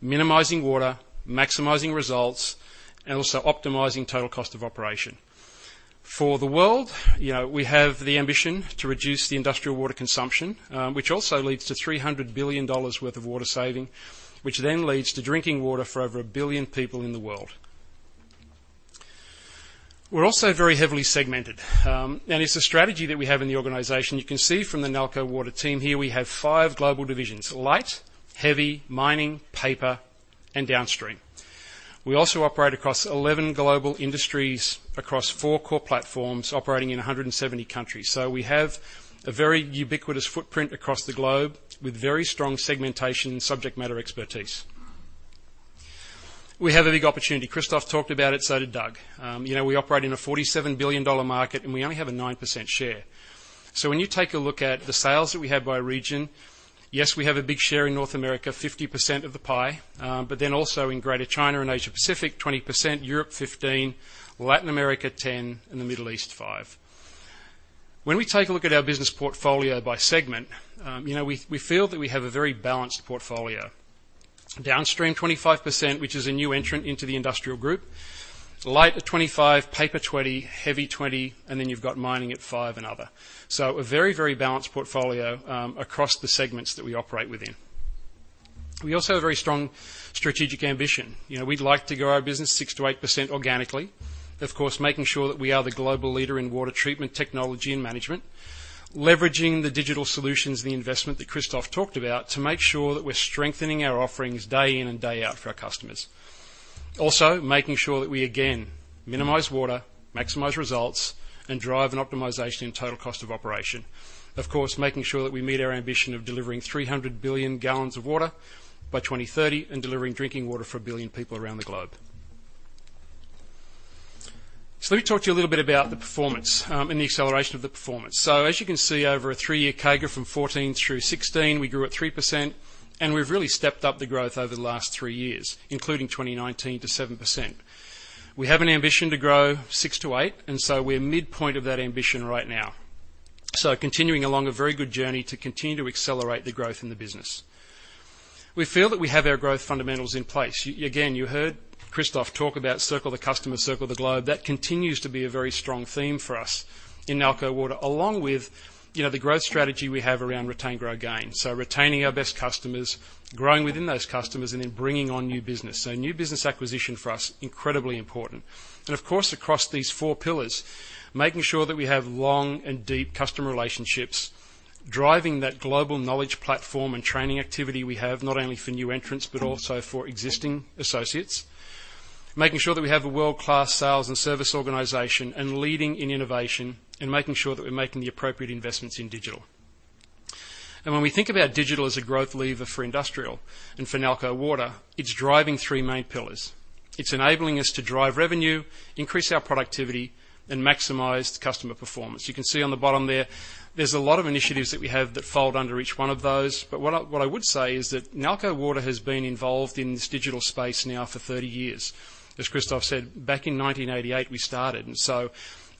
minimizing water, maximizing results, and also optimizing total cost of operation. For the world, we have the ambition to reduce the industrial water consumption, which also leads to $300 billion worth of water saving, which then leads to drinking water for over a billion people in the world. We're also very heavily segmented. It's a strategy that we have in the organization. You can see from the Nalco Water team here, we have five global divisions, light, heavy, mining, paper, and downstream. We also operate across 11 global industries across four core platforms, operating in 170 countries. We have a very ubiquitous footprint across the globe with very strong segmentation subject matter expertise. We have a big opportunity. Christophe talked about it, so did Doug. We operate in a $47 billion market, we only have a 9% share. When you take a look at the sales that we have by region, yes, we have a big share in North America, 50% of the pie, but then also in Greater China and Asia Pacific, 20%, Europe 15%, Latin America 10%, and the Middle East 5%. When we take a look at our business portfolio by segment, we feel that we have a very balanced portfolio. Downstream 25%, which is a new entrant into the industrial group. Light at 25%, Paper 20%, Heavy 20%, Mining at 5% and other. A very balanced portfolio across the segments that we operate within. We also have very strong strategic ambition. We'd like to grow our business 6%-8% organically. Of course, making sure that we are the global leader in water treatment technology and management. Leveraging the digital solutions and the investment that Christophe talked about to make sure that we're strengthening our offerings day in and day out for our customers. Making sure that we, again, minimize water, maximize results, and drive an optimization in total cost of operation. Making sure that we meet our ambition of delivering 300 billion gallons of water by 2030 and delivering drinking water for 1 billion people around the globe. Let me talk to you a little bit about the performance and the acceleration of the performance. As you can see over a 3-year CAGR from 2014 through 2016, we grew at 3%, and we've really stepped up the growth over the last three years, including 2019 to 7%. We have an ambition to grow 6% to 8%, we're midpoint of that ambition right now. Continuing along a very good journey to continue to accelerate the growth in the business. We feel that we have our growth fundamentals in place. Again, you heard Christophe talk about Circle the Customer, Circle the Globe. That continues to be a very strong theme for us in Nalco Water, along with the growth strategy we have around retain, grow, gain. Retaining our best customers, growing within those customers, and then bringing on new business. New business acquisition for us, incredibly important. Of course, across these four pillars, making sure that we have long and deep customer relationships, driving that global knowledge platform and training activity we have, not only for new entrants but also for existing associates. Making sure that we have a world-class sales and service organization and leading in innovation, and making sure that we're making the appropriate investments in digital. When we think about digital as a growth lever for industrial and for Nalco Water, it's driving three main pillars. It's enabling us to drive revenue, increase our productivity, and maximize customer performance. You can see on the bottom there's a lot of initiatives that we have that fold under each one of those. What I would say is that Nalco Water has been involved in this digital space now for 30 years. As Christophe said, back in 1988, we started, and so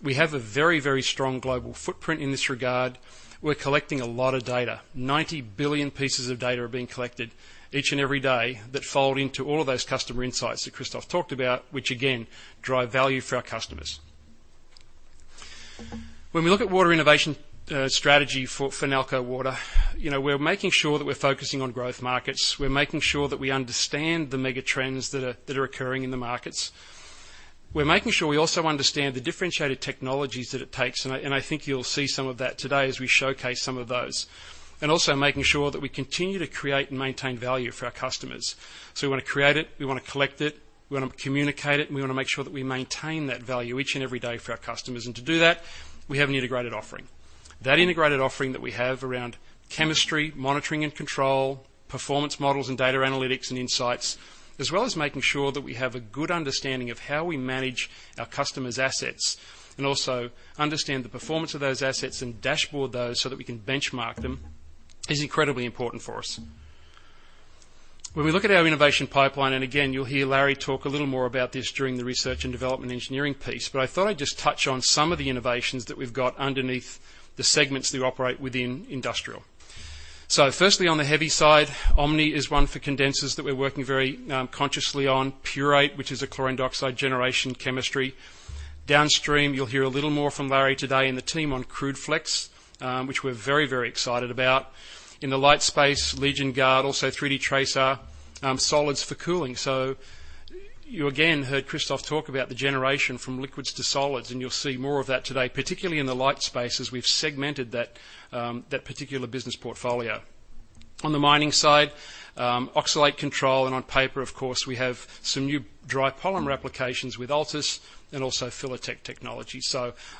we have a very strong global footprint in this regard. We're collecting a lot of data. 90 billion pieces of data are being collected each and every day that fold into all of those customer insights that Christophe talked about, which again, drive value for our customers. When we look at water innovation strategy for Nalco Water, we're making sure that we're focusing on growth markets. We're making sure that we understand the mega trends that are occurring in the markets. We're making sure we also understand the differentiated technologies that it takes, I think you'll see some of that today as we showcase some of those. Also making sure that we continue to create and maintain value for our customers. We want to create it, we want to collect it, we want to communicate it, and we want to make sure that we maintain that value each and every day for our customers. To do that, we have an integrated offering. That integrated offering that we have around chemistry, monitoring and control, performance models and data analytics and insights, as well as making sure that we have a good understanding of how we manage our customers' assets, and also understand the performance of those assets and dashboard those so that we can benchmark them, is incredibly important for us. When we look at our innovation pipeline, and again, you'll hear Larry talk a little more about this during the research and development engineering piece, but I thought I'd just touch on some of the innovations that we've got underneath the segments that operate within industrial. Firstly, on the heavy side, OMNI is one for condensers that we're working very consciously on. PURATE, which is a chlorine dioxide generation chemistry. Downstream, you'll hear a little more from Larry today and the team on CrudeFlex, which we're very excited about. In the light space, LegionGuard, also 3D TRASAR, solids for cooling. You again heard Christophe talk about the generation from liquids to solids, and you'll see more of that today, particularly in the light space as we've segmented that particular business portfolio. On the mining side, oxalate control, and on paper, of course, we have some new dry polymer applications with Altus and also Filatech technology.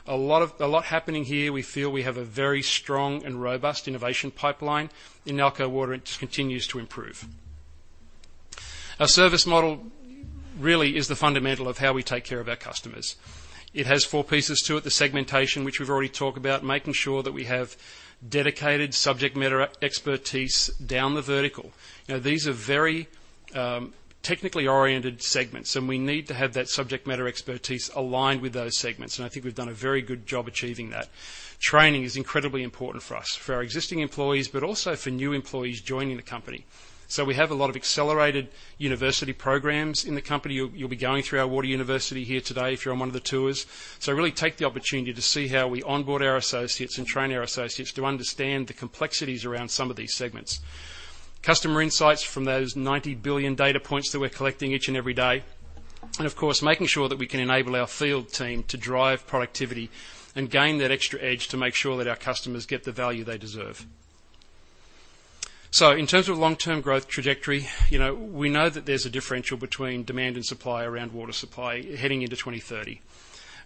A lot happening here. We feel we have a very strong and robust innovation pipeline in Nalco Water, and it continues to improve. Our service model really is the fundamental of how we take care of our customers. It has four pieces to it. The segmentation, which we've already talked about, making sure that we have dedicated subject matter expertise down the vertical. These are very technically oriented segments, and we need to have that subject matter expertise aligned with those segments, and I think we've done a very good job achieving that. Training is incredibly important for us, for our existing employees, but also for new employees joining the company. We have a lot of accelerated university programs in the company. You'll be going through our water university here today if you're on one of the tours. Really take the opportunity to see how we onboard our associates and train our associates to understand the complexities around some of these segments. Customer insights from those 90 billion data points that we're collecting each and every day. Of course, making sure that we can enable our field team to drive productivity and gain that extra edge to make sure that our customers get the value they deserve. In terms of long-term growth trajectory, we know that there's a differential between demand and supply around water supply heading into 2030.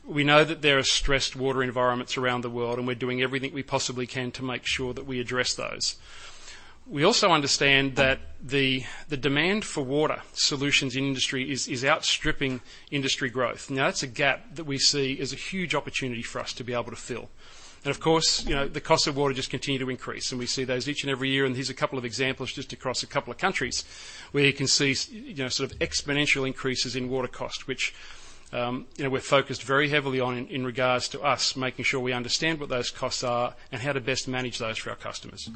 We know that there are stressed water environments around the world, and we're doing everything we possibly can to make sure that we address those. We also understand that the demand for water solutions in industry is outstripping industry growth. Now, that's a gap that we see as a huge opportunity for us to be able to fill. Of course, the cost of water just continue to increase, and we see those each and every year, and here's a couple of examples just across a couple of countries where you can see exponential increases in water cost, which we're focused very heavily on in regards to us making sure we understand what those costs are and how to best manage those for our customers.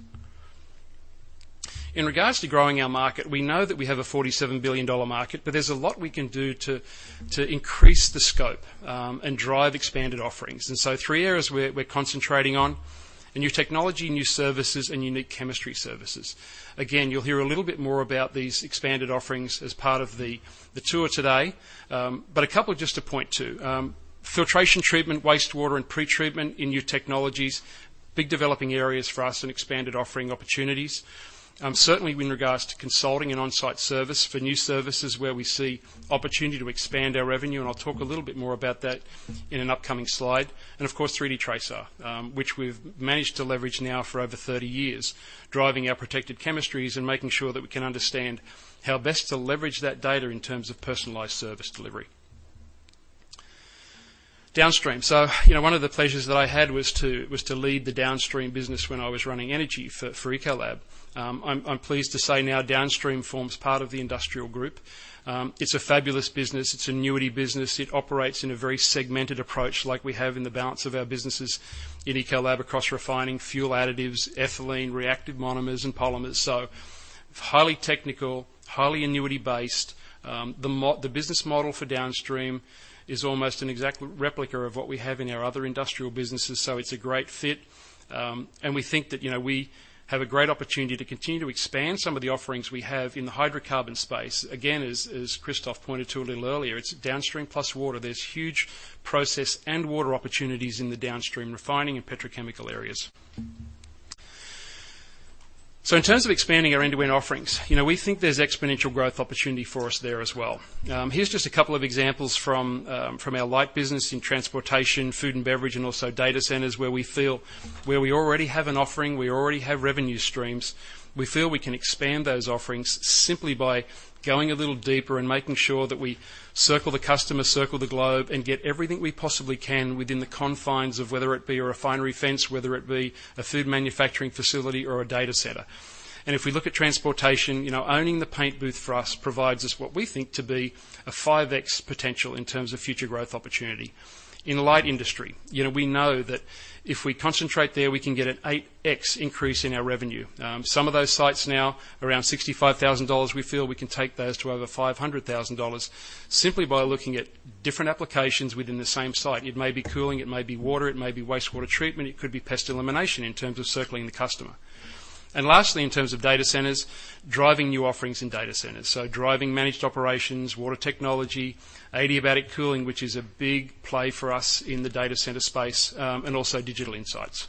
In regards to growing our market, we know that we have a $47 billion market, there's a lot we can do to increase the scope and drive expanded offerings. Three areas we're concentrating on. The new technology, new services, and unique chemistry services. Again, you'll hear a little bit more about these expanded offerings as part of the tour today. A couple just to point to. Filtration treatment, wastewater, and pretreatment in new technologies. Big developing areas for us and expanded offering opportunities. Certainly in regards to consulting and on-site service for new services where we see opportunity to expand our revenue, I'll talk a little bit more about that in an upcoming slide. Of course, 3D TRASAR, which we've managed to leverage now for over 30 years, driving our protected chemistries and making sure that we can understand how best to leverage that data in terms of personalized service delivery. Downstream. One of the pleasures that I had was to lead the Downstream business when I was running energy for Ecolab. I'm pleased to say now Downstream forms part of the industrial group. It's a fabulous business. It's an annuity business. It operates in a very segmented approach like we have in the balance of our businesses in Ecolab across refining, fuel additives, ethylene, reactive monomers, and polymers. Highly technical, highly annuity-based. The business model for Downstream is almost an exact replica of what we have in our other industrial businesses, so it's a great fit. We think that we have a great opportunity to continue to expand some of the offerings we have in the hydrocarbon space. Again, as Christophe pointed to a little earlier, it's downstream plus water. There's huge process and water opportunities in the downstream refining and petrochemical areas. In terms of expanding our end-to-end offerings, we think there's exponential growth opportunity for us there as well. Here's just a couple of examples from our light business in transportation, food and beverage, and also data centers where we feel we already have an offering, we already have revenue streams. We feel we can expand those offerings simply by going a little deeper and making sure that we circle the customer, circle the globe, and get everything we possibly can within the confines of whether it be a refinery fence, whether it be a food manufacturing facility or a data center. If we look at transportation, owning the paint booth for us provides us what we think to be a 5x potential in terms of future growth opportunity. In light industry, we know that if we concentrate there, we can get an 8x increase in our revenue. Some of those sites now around $65,000, we feel we can take those to over $500,000 simply by looking at different applications within the same site. It may be cooling, it may be water, it may be wastewater treatment, it could be pest elimination in terms of circling the customer. Lastly, in terms of data centers, driving new offerings in data centers. Driving managed operations, water technology, adiabatic cooling, which is a big play for us in the data center space, and also digital insights.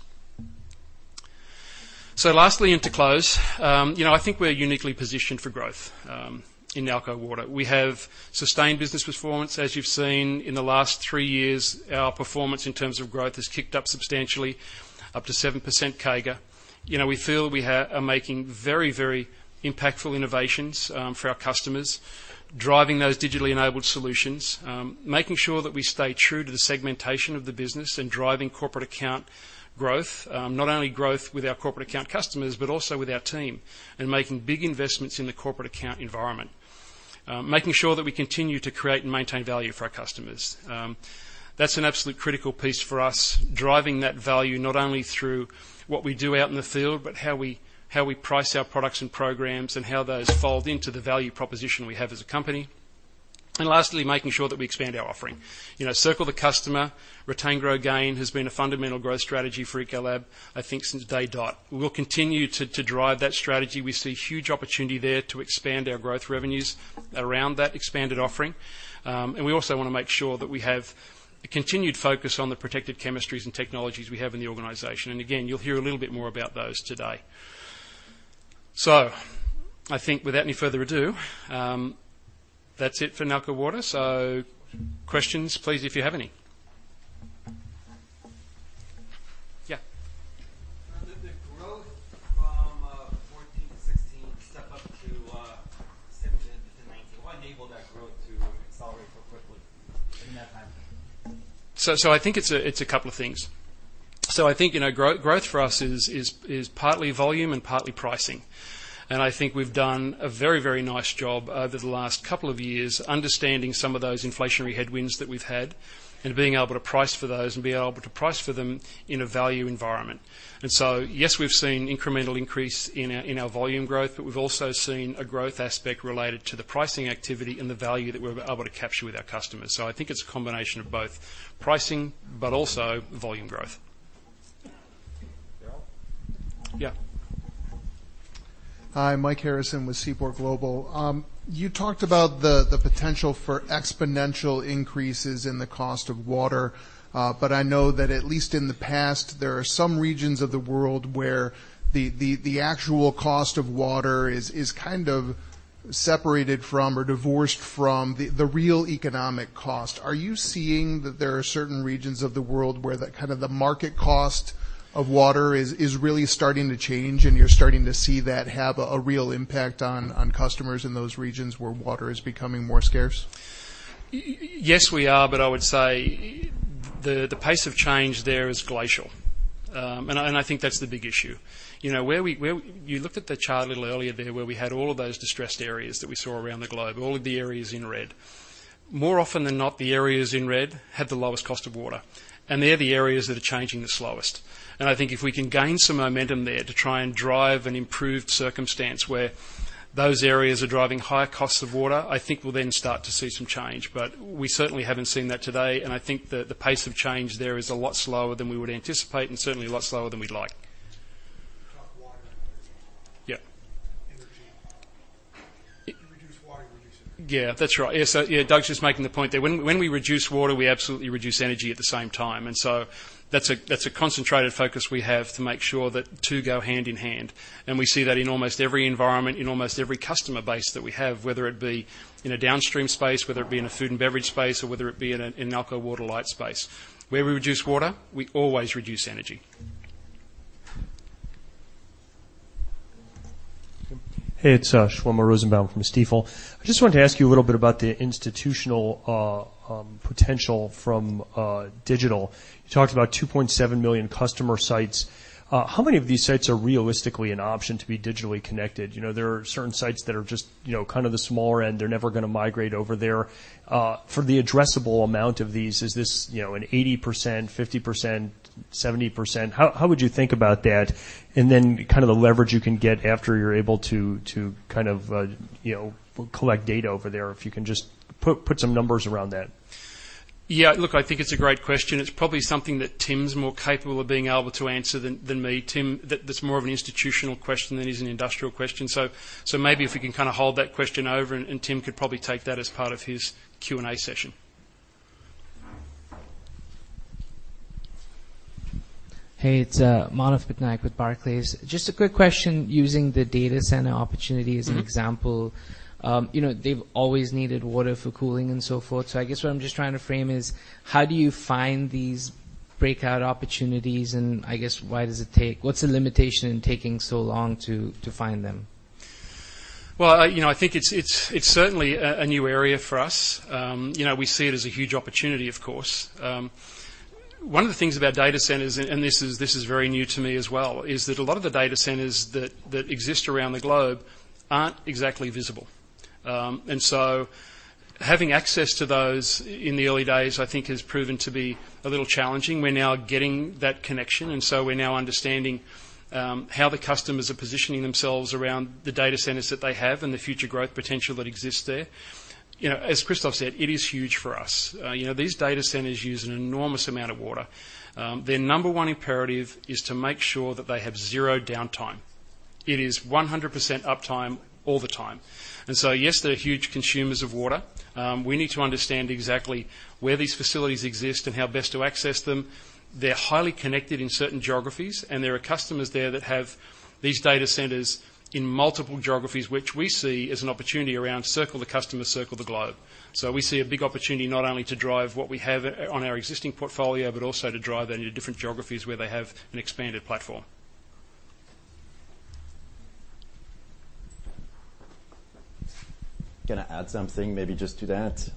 Lastly, and to close, I think we're uniquely positioned for growth in Nalco Water. We have sustained business performance, as you've seen in the last three years. Our performance in terms of growth has kicked up substantially up to 7% CAGR. We feel we are making very impactful innovations for our customers, driving those digitally enabled solutions, making sure that we stay true to the segmentation of the business and driving corporate account growth. Not only growth with our corporate account customers, but also with our team, and making big investments in the corporate account environment. Making sure that we continue to create and maintain value for our customers. That's an absolute critical piece for us, driving that value not only through what we do out in the field, but how we price our products and programs and how those fold into the value proposition we have as a company. Lastly, making sure that we expand our offering. Circle the customer, retain, grow, gain has been a fundamental growth strategy for Ecolab, I think, since day dot. We'll continue to drive that strategy. We see huge opportunity there to expand our growth revenues around that expanded offering. We also want to make sure that we have a continued focus on the protected chemistries and technologies we have in the organization. Again, you'll hear a little bit more about those today. I think without any further ado, that's it for Nalco Water. Questions, please, if you have any. Yeah. The growth from 2014 to 2016, step up to 2017 to 2019, what enabled that growth to accelerate so quickly in that time frame? I think it's a couple of things. I think growth for us is partly volume and partly pricing. I think we've done a very, very nice job over the last couple of years understanding some of those inflationary headwinds that we've had and being able to price for those and being able to price for them in a value environment. Yes, we've seen incremental increase in our volume growth, but we've also seen a growth aspect related to the pricing activity and the value that we're able to capture with our customers. I think it's a combination of both pricing but also volume growth. Darryl? Yeah. Hi, Mike Harrison with Seaport Global. You talked about the potential for exponential increases in the cost of water. I know that at least in the past, there are some regions of the world where the actual cost of water is kind of separated from or divorced from the real economic cost. Are you seeing that there are certain regions of the world where the market cost of water is really starting to change and you're starting to see that have a real impact on customers in those regions where water is becoming more scarce? Yes, we are, but I would say the pace of change there is glacial. I think that's the big issue. You looked at the chart a little earlier there where we had all of those distressed areas that we saw around the globe, all of the areas in red. More often than not, the areas in red had the lowest cost of water, and they're the areas that are changing the slowest. I think if we can gain some momentum there to try and drive an improved circumstance where those areas are driving higher costs of water, I think we'll then start to see some change. We certainly haven't seen that today, and I think that the pace of change there is a lot slower than we would anticipate and certainly a lot slower than we'd like. Talk water and energy. Yeah. Energy. If you reduce water, you reduce energy. Yeah, that's right. Yeah, Doug's just making the point there. When we reduce water, we absolutely reduce energy at the same time. That's a concentrated focus we have to make sure that two go hand in hand. We see that in almost every environment, in almost every customer base that we have, whether it be in a downstream space, whether it be in a food and beverage space, or whether it be in Nalco Water Light space. Where we reduce water, we always reduce energy. Shlomo. Hey, it's Shlomo Rosenbaum from Stifel. I just wanted to ask you a little bit about the institutional potential from digital. You talked about 2.7 million customer sites. How many of these sites are realistically an option to be digitally connected? There are certain sites that are just kind of the smaller end, they're never gonna migrate over there. For the addressable amount of these, is this an 80%, 50%, 70%? How would you think about that? Then kind of the leverage you can get after you're able to collect data over there. If you can just put some numbers around that. Yeah, look, I think it's a great question. It's probably something that Tim's more capable of being able to answer than me. Tim, that's more of an institutional question than it is an industrial question. Maybe if we can kind of hold that question over, and Tim could probably take that as part of his Q&A session. Hey, it's Manav Patnaik with Barclays. Just a quick question using the data center opportunity as an example. They've always needed water for cooling and so forth. I guess what I'm just trying to frame is, how do you find these breakout opportunities, and I guess what's the limitation in taking so long to find them? Well, I think it's certainly a new area for us. We see it as a huge opportunity, of course. One of the things about data centers, and this is very new to me as well, is that a lot of the data centers that exist around the globe aren't exactly visible. Having access to those in the early days, I think, has proven to be a little challenging. We're now getting that connection, and so we're now understanding how the customers are positioning themselves around the data centers that they have and the future growth potential that exists there. As Christophe said, it is huge for us. These data centers use an enormous amount of water. Their number one imperative is to make sure that they have zero downtime. It is 100% uptime all the time. Yes, they're huge consumers of water. We need to understand exactly where these facilities exist and how best to access them. They're highly connected in certain geographies, and there are customers there that have these data centers in multiple geographies, which we see as an opportunity around circle the customer, circle the globe. We see a big opportunity not only to drive what we have on our existing portfolio, but also to drive that into different geographies where they have an expanded platform. Can I add something maybe just to that?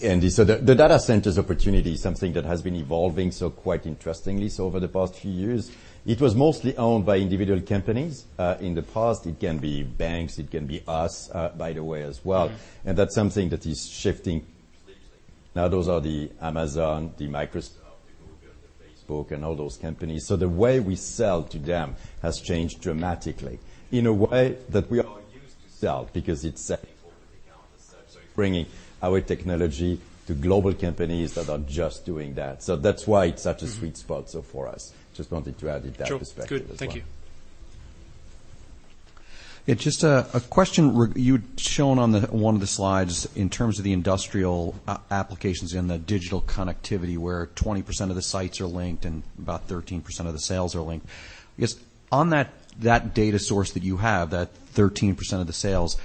The data centers opportunity is something that has been evolving so quite interestingly. Over the past few years, it was mostly owned by individual companies. In the past, it can be banks, it can be us, by the way, as well. That's something that is shifting. Now those are the Amazon, the Microsoft, the Google, the Facebook, and all those companies. The way we sell to them has changed dramatically in a way that we are used to sell because it's selling over the counter, bringing our technology to global companies that are just doing that. That's why it's such a sweet spot, so for us. Just wanted to add it, that perspective as well. Sure. Good. Thank you. Yeah, just a question. You'd shown on one of the slides in terms of the industrial applications in the digital connectivity, where 20% of the sites are linked and about 13% of the sales are linked. I guess on that data source that you have, that 13% of the sales,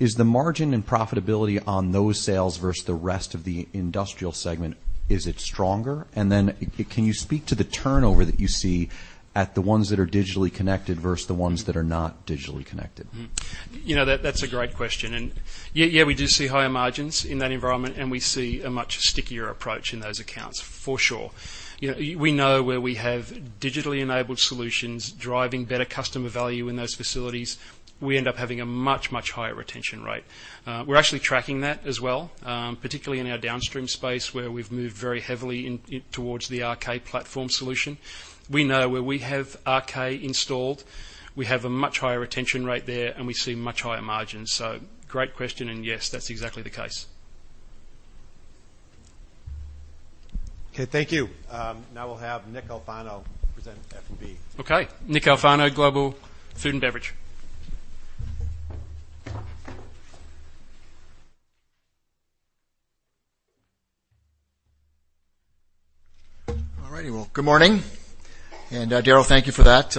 is the margin and profitability on those sales versus the rest of the industrial segment, is it stronger? Can you speak to the turnover that you see at the ones that are digitally connected versus the ones that are not digitally connected? That's a great question. Yeah, we do see higher margins in that environment, and we see a much stickier approach in those accounts for sure. We know where we have digitally enabled solutions driving better customer value in those facilities, we end up having a much, much higher retention rate. We're actually tracking that as well, particularly in our downstream space, where we've moved very heavily towards the RK platform solution. We know where we have RK installed, we have a much higher retention rate there, and we see much 8margins. Great question, and yes, that's exactly the case. Okay, thank you. Now we'll have Nicholas Alfano present F&B. Okay. Nicholas Alfano, Global Food and Beverage. All right. Well, good morning. Darrell, thank you for that.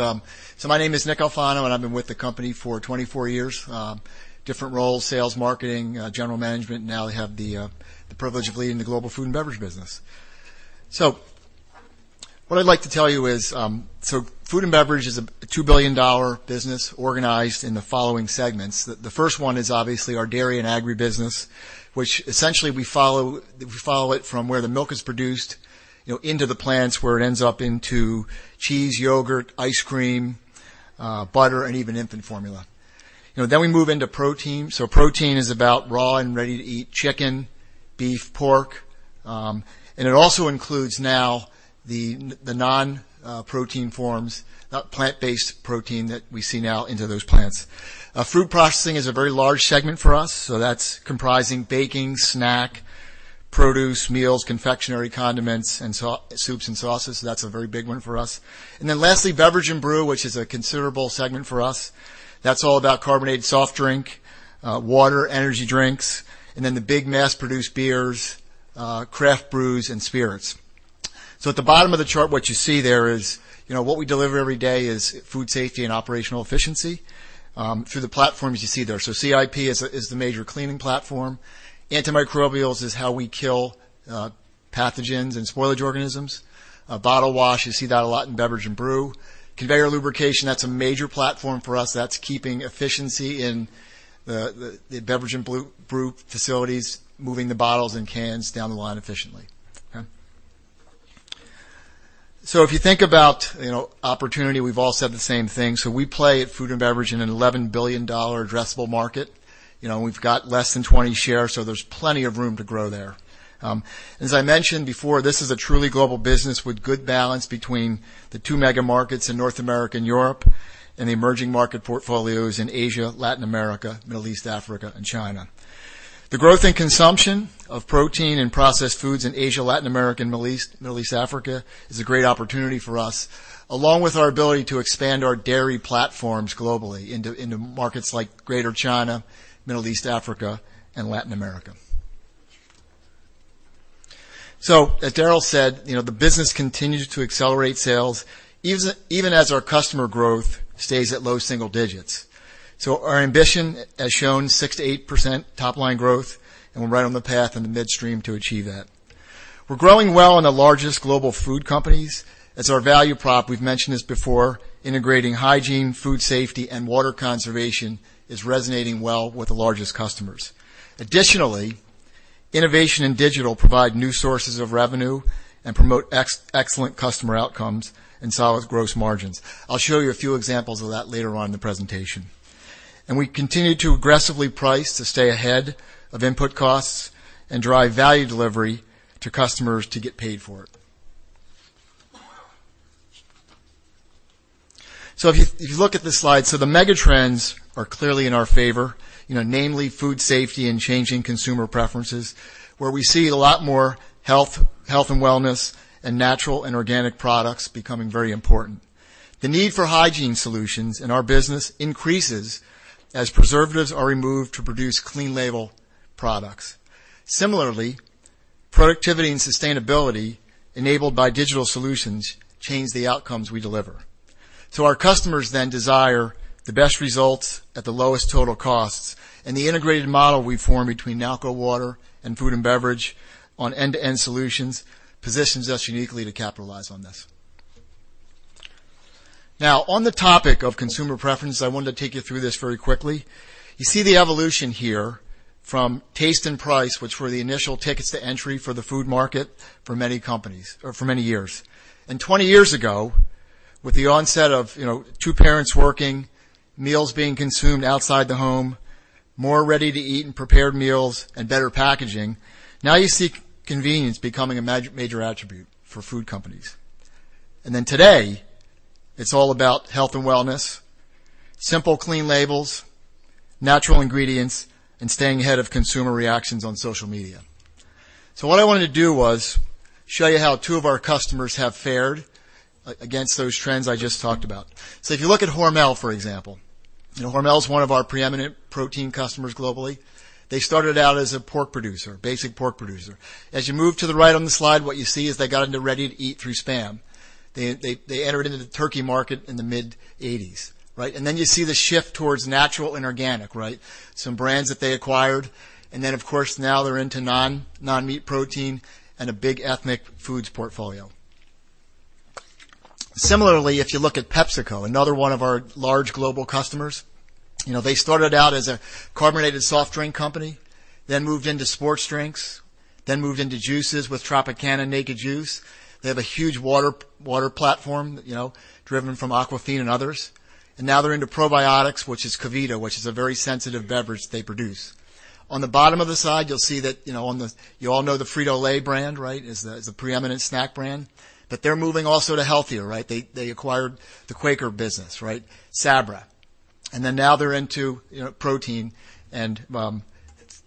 My name is Nick Alfano, and I've been with the company for 24 years. Different roles, sales, marketing, general management. Now I have the privilege of leading the global food and beverage business. What I'd like to tell you is, food and beverage is a $2 billion business organized in the following segments. The first one is obviously our dairy and agri business, which essentially we follow it from where the milk is produced into the plants, where it ends up into cheese, yogurt, ice cream, butter, and even infant formula. We move into protein. Protein is about raw and ready-to-eat chicken, beef, pork. It also includes now the non-protein forms, plant-based protein that we see now into those plants. Food processing is a very large segment for us. That's comprising baking, snack, produce, meals, confectionery, condiments, and soups and sauces. That's a very big one for us. Lastly, beverage and brew, which is a considerable segment for us. That's all about carbonated soft drink, water, energy drinks, and then the big mass-produced beers, craft brews and spirits. At the bottom of the chart, what you see there is what we deliver every day is food safety and operational efficiency through the platforms you see there. CIP is the major cleaning platform. Antimicrobials is how we kill pathogens and spoilage organisms. Bottle wash, you see that a lot in beverage and brew. Conveyor lubrication, that's a major platform for us. That's keeping efficiency in the beverage and brew facilities, moving the bottles and cans down the line efficiently. Okay. If you think about opportunity, we've all said the same thing. We play at food and beverage in an $11 billion addressable market. We've got less than 20 share, there's plenty of room to grow there. As I mentioned before, this is a truly global business with good balance between the two mega markets in North America and Europe and the emerging market portfolios in Asia, Latin America, Middle East, Africa, and China. The growth in consumption of protein and processed foods in Asia, Latin America, and Middle East, Africa is a great opportunity for us, along with our ability to expand our dairy platforms globally into markets like Greater China, Middle East, Africa, and Latin America. As Darrell said, the business continues to accelerate sales even as our customer growth stays at low single digits. Our ambition has shown 6%-8% top-line growth, and we're right on the path in the midstream to achieve that. We're growing well in the largest global food companies. As our value prop, we've mentioned this before, integrating hygiene, food safety, and water conservation is resonating well with the largest customers. Additionally, innovation and digital provide new sources of revenue and promote excellent customer outcomes and solid gross margins. I'll show you a few examples of that later on in the presentation. We continue to aggressively price to stay ahead of input costs and drive value delivery to customers to get paid for it. If you look at this slide, the mega trends are clearly in our favor, namely food safety and changing consumer preferences, where we see a lot more health and wellness and natural and organic products becoming very important. The need for hygiene solutions in our business increases as preservatives are removed to produce clean label products. Similarly, productivity and sustainability enabled by digital solutions change the outcomes we deliver. Our customers then desire the best results at the lowest total costs, and the integrated model we form between Nalco Water and Food and Beverage on end-to-end solutions positions us uniquely to capitalize on this. Now, on the topic of consumer preference, I wanted to take you through this very quickly. You see the evolution here from taste and price, which were the initial tickets to entry for the food market for many years. 20 years ago, with the onset of two parents working, meals being consumed outside the home, more ready-to-eat and prepared meals, and better packaging, now you see convenience becoming a major attribute for food companies. Today, it's all about health and wellness, simple, clean labels, natural ingredients, and staying ahead of consumer reactions on social media. What I wanted to do was show you how two of our customers have fared against those trends I just talked about. If you look at Hormel, for example. Hormel is one of our preeminent protein customers globally. They started out as a basic pork producer. As you move to the right on the slide, what you see is they got into ready-to-eat through SPAM. They entered into the turkey market in the mid-'80s. Right. You see the shift towards natural and organic. Right. Some brands that they acquired, of course, now they're into non-meat protein and a big ethnic foods portfolio. Similarly, if you look at PepsiCo, another one of our large global customers. They started out as a carbonated soft drink company, then moved into sports drinks, then moved into juices with Tropicana and Naked Juice. They have a huge water platform driven from Aquafina and others. Now they're into probiotics, which is KeVita, which is a very sensitive beverage they produce. On the bottom of the slide, you all know the Frito-Lay brand. Right? As the preeminent snack brand. They're moving also to healthier. Right? They acquired the Quaker business. Right? Sabra. Then now they're into protein and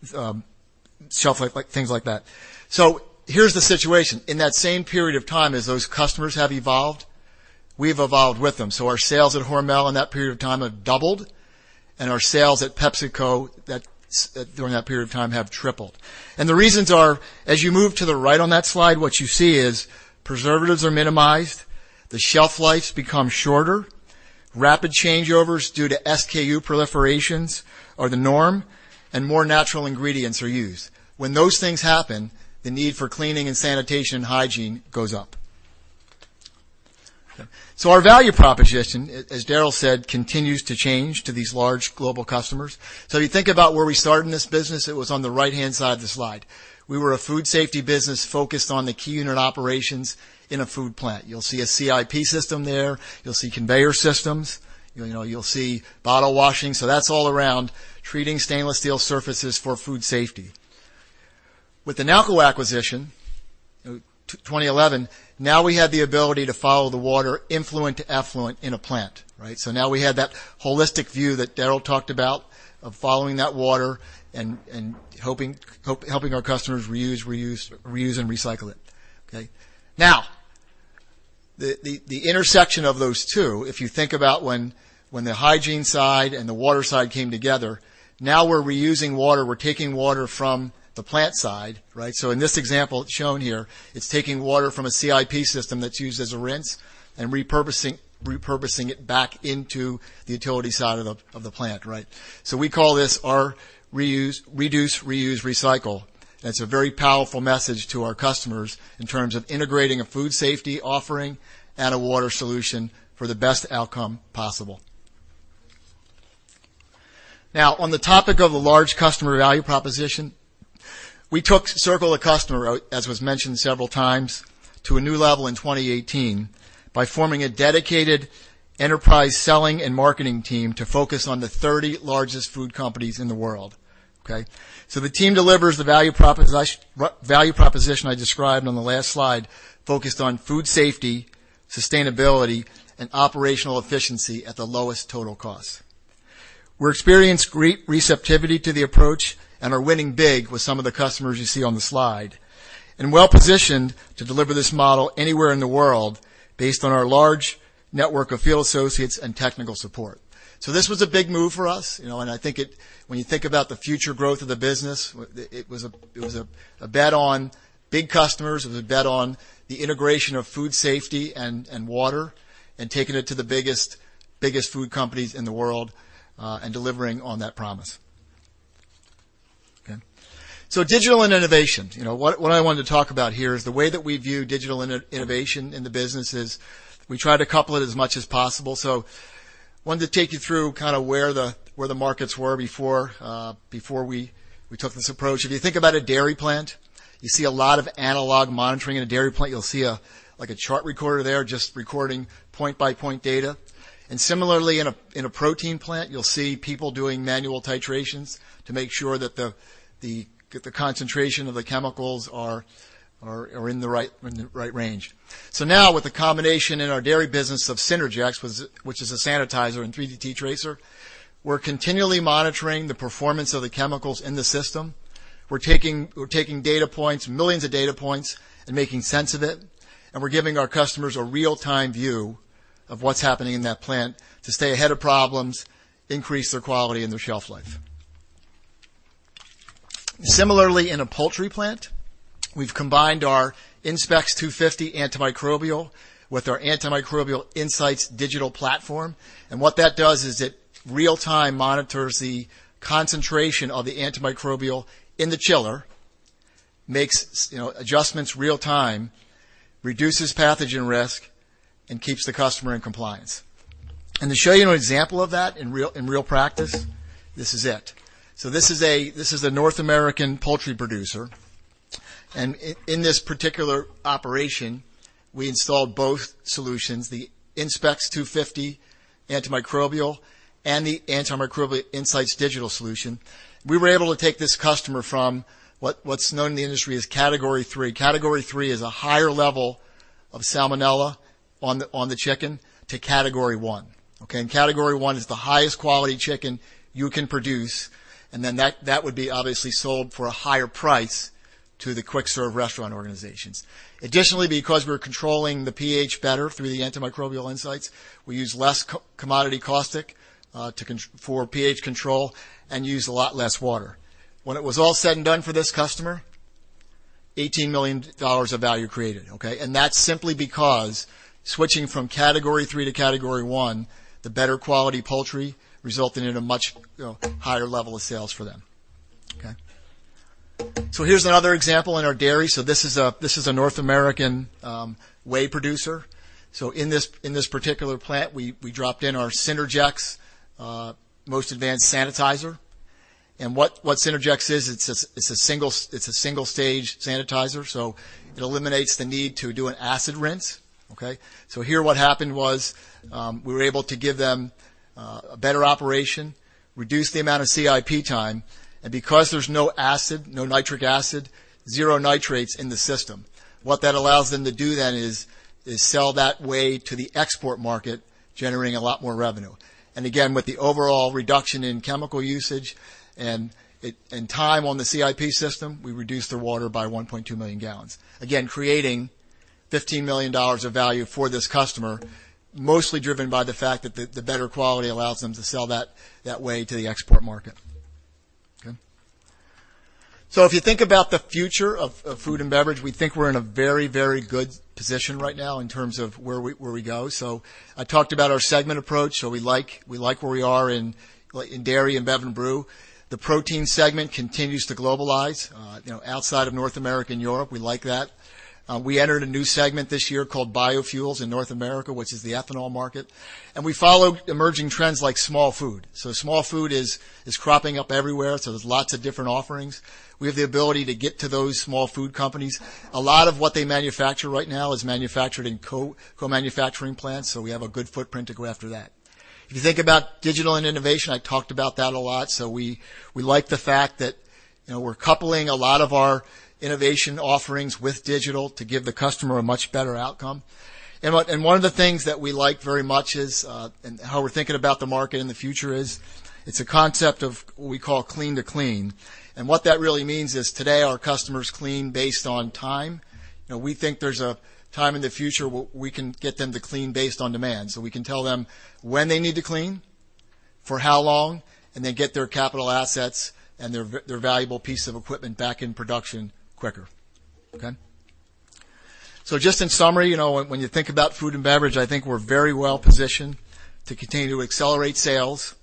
things like that. Here's the situation. In that same period of time as those customers have evolved, we've evolved with them. Our sales at Hormel in that period of time have doubled, and our sales at PepsiCo during that period of time have tripled. The reasons are, as you move to the right on that slide, what you see is preservatives are minimized, the shelf lives become shorter, rapid changeovers due to SKU proliferations are the norm, and more natural ingredients are used. When those things happen, the need for cleaning and sanitation hygiene goes up. Our value proposition, as Darrell said, continues to change to these large global customers. You think about where we started in this business, it was on the right-hand side of the slide. We were a food safety business focused on the key unit operations in a food plant. You'll see a CIP system there, you'll see conveyor systems, you'll see bottle washing. That's all around treating stainless steel surfaces for food safety. With the Nalco acquisition, 2011, now we had the ability to follow the water influent to effluent in a plant. Right? Now we had that holistic view that Darrell talked about of following that water and helping our customers reuse and recycle it. Okay. The intersection of those two, if you think about when the hygiene side and the water side came together, now we're reusing water. We're taking water from the plant side. Right. In this example shown here, it's taking water from a CIP system that's used as a rinse and repurposing it back into the utility side of the plant. Right. We call this our reduce, reuse, recycle. That's a very powerful message to our customers in terms of integrating a food safety offering and a water solution for the best outcome possible. Now, on the topic of the large customer value proposition, we took Circle a Customer, as was mentioned several times, to a new level in 2018 by forming a dedicated enterprise selling and marketing team to focus on the 30 largest food companies in the world. Okay? The team delivers the value proposition I described on the last slide, focused on food safety, sustainability, and operational efficiency at the lowest total cost. We experienced great receptivity to the approach and are winning big with some of the customers you see on the slide, and well-positioned to deliver this model anywhere in the world based on our large network of field associates and technical support. This was a big move for us, and when you think about the future growth of the business, it was a bet on big customers, it was a bet on the integration of food safety and water, and taking it to the biggest food companies in the world, and delivering on that promise. Okay. Digital and innovation. What I wanted to talk about here is the way that we view digital innovation in the business is we try to couple it as much as possible. Wanted to take you through where the markets were before we took this approach. If you think about a dairy plant, you see a lot of analog monitoring. In a dairy plant, you'll see a chart recorder there just recording point-by-point data. Similarly, in a protein plant, you'll see people doing manual titrations to make sure that the concentration of the chemicals are in the right range. Now with the combination in our dairy business of Synergex, which is a sanitizer, and 3D TRASAR, we're continually monitoring the performance of the chemicals in the system. We're taking data points, millions of data points, and making sense of it, and we're giving our customers a real-time view of what's happening in that plant to stay ahead of problems, increase their quality and their shelf life. Similarly, in a poultry plant, we've combined our InSpecx 250 antimicrobial with our antimicrobial InSight digital platform. What that does is it real-time monitors the concentration of the antimicrobial in the chiller, makes adjustments real time, reduces pathogen risk, and keeps the customer in compliance. To show you an example of that in real practice, this is it. This is a North American poultry producer. In this particular operation, we installed both solutions, the InSpecx 250 antimicrobial and the antimicrobial InSight digital solution. We were able to take this customer from what's known in the industry as Category 3. Category 3 is a higher level of salmonella on the chicken to Category 1. Okay? Category 1 is the highest quality chicken you can produce, and then that would be obviously sold for a higher price to the quick-serve restaurant organizations. Additionally, because we're controlling the pH better through the antimicrobial InSight, we use less commodity caustic for pH control and use a lot less water. When it was all said and done for this customer, $18 million of value created, okay? That's simply because switching from Category 3 to Category 1, the better quality poultry resulted in a much higher level of sales for them. Okay? Here's another example in our dairy. This is a North American whey producer. In this particular plant, we dropped in our Synergex most advanced sanitizer. What Synergex is, it's a 1-stage sanitizer, so it eliminates the need to do an acid rinse. Okay? Here what happened was, we were able to give them a better operation, reduce the amount of CIP time, and because there's no acid, no nitric acid, zero nitrates in the system. What that allows them to do then is sell that whey to the export market, generating a lot more revenue. Again, with the overall reduction in chemical usage and time on the CIP system, we reduced their water by 1.2 million gallons. Creating $15 million of value for this customer, mostly driven by the fact that the better quality allows them to sell that whey to the export market. Okay? If you think about the future of food and beverage, we think we're in a very, very good position right now in terms of where we go. I talked about our segment approach. We like where we are in dairy and bev and brew. The protein segment continues to globalize outside of North America and Europe. We like that. We entered a new segment this year called biofuels in North America, which is the ethanol market. We followed emerging trends like small food. Small food is cropping up everywhere, so there's lots of different offerings. We have the ability to get to those small food companies. A lot of what they manufacture right now is manufactured in co-manufacturing plants, so we have a good footprint to go after that. If you think about digital and innovation, I talked about that a lot. We like the fact that we're coupling a lot of our innovation offerings with digital to give the customer a much better outcome. One of the things that we like very much is, and how we're thinking about the market in the future is, it's a concept of what we call clean to clean. What that really means is today our customers clean based on time. We think there's a time in the future we can get them to clean based on demand. We can tell them when they need to clean, for how long, and then get their capital assets and their valuable piece of equipment back in production quicker. Okay. Just in summary, when you think about food and beverage, I think we're very well positioned to continue to accelerate sales,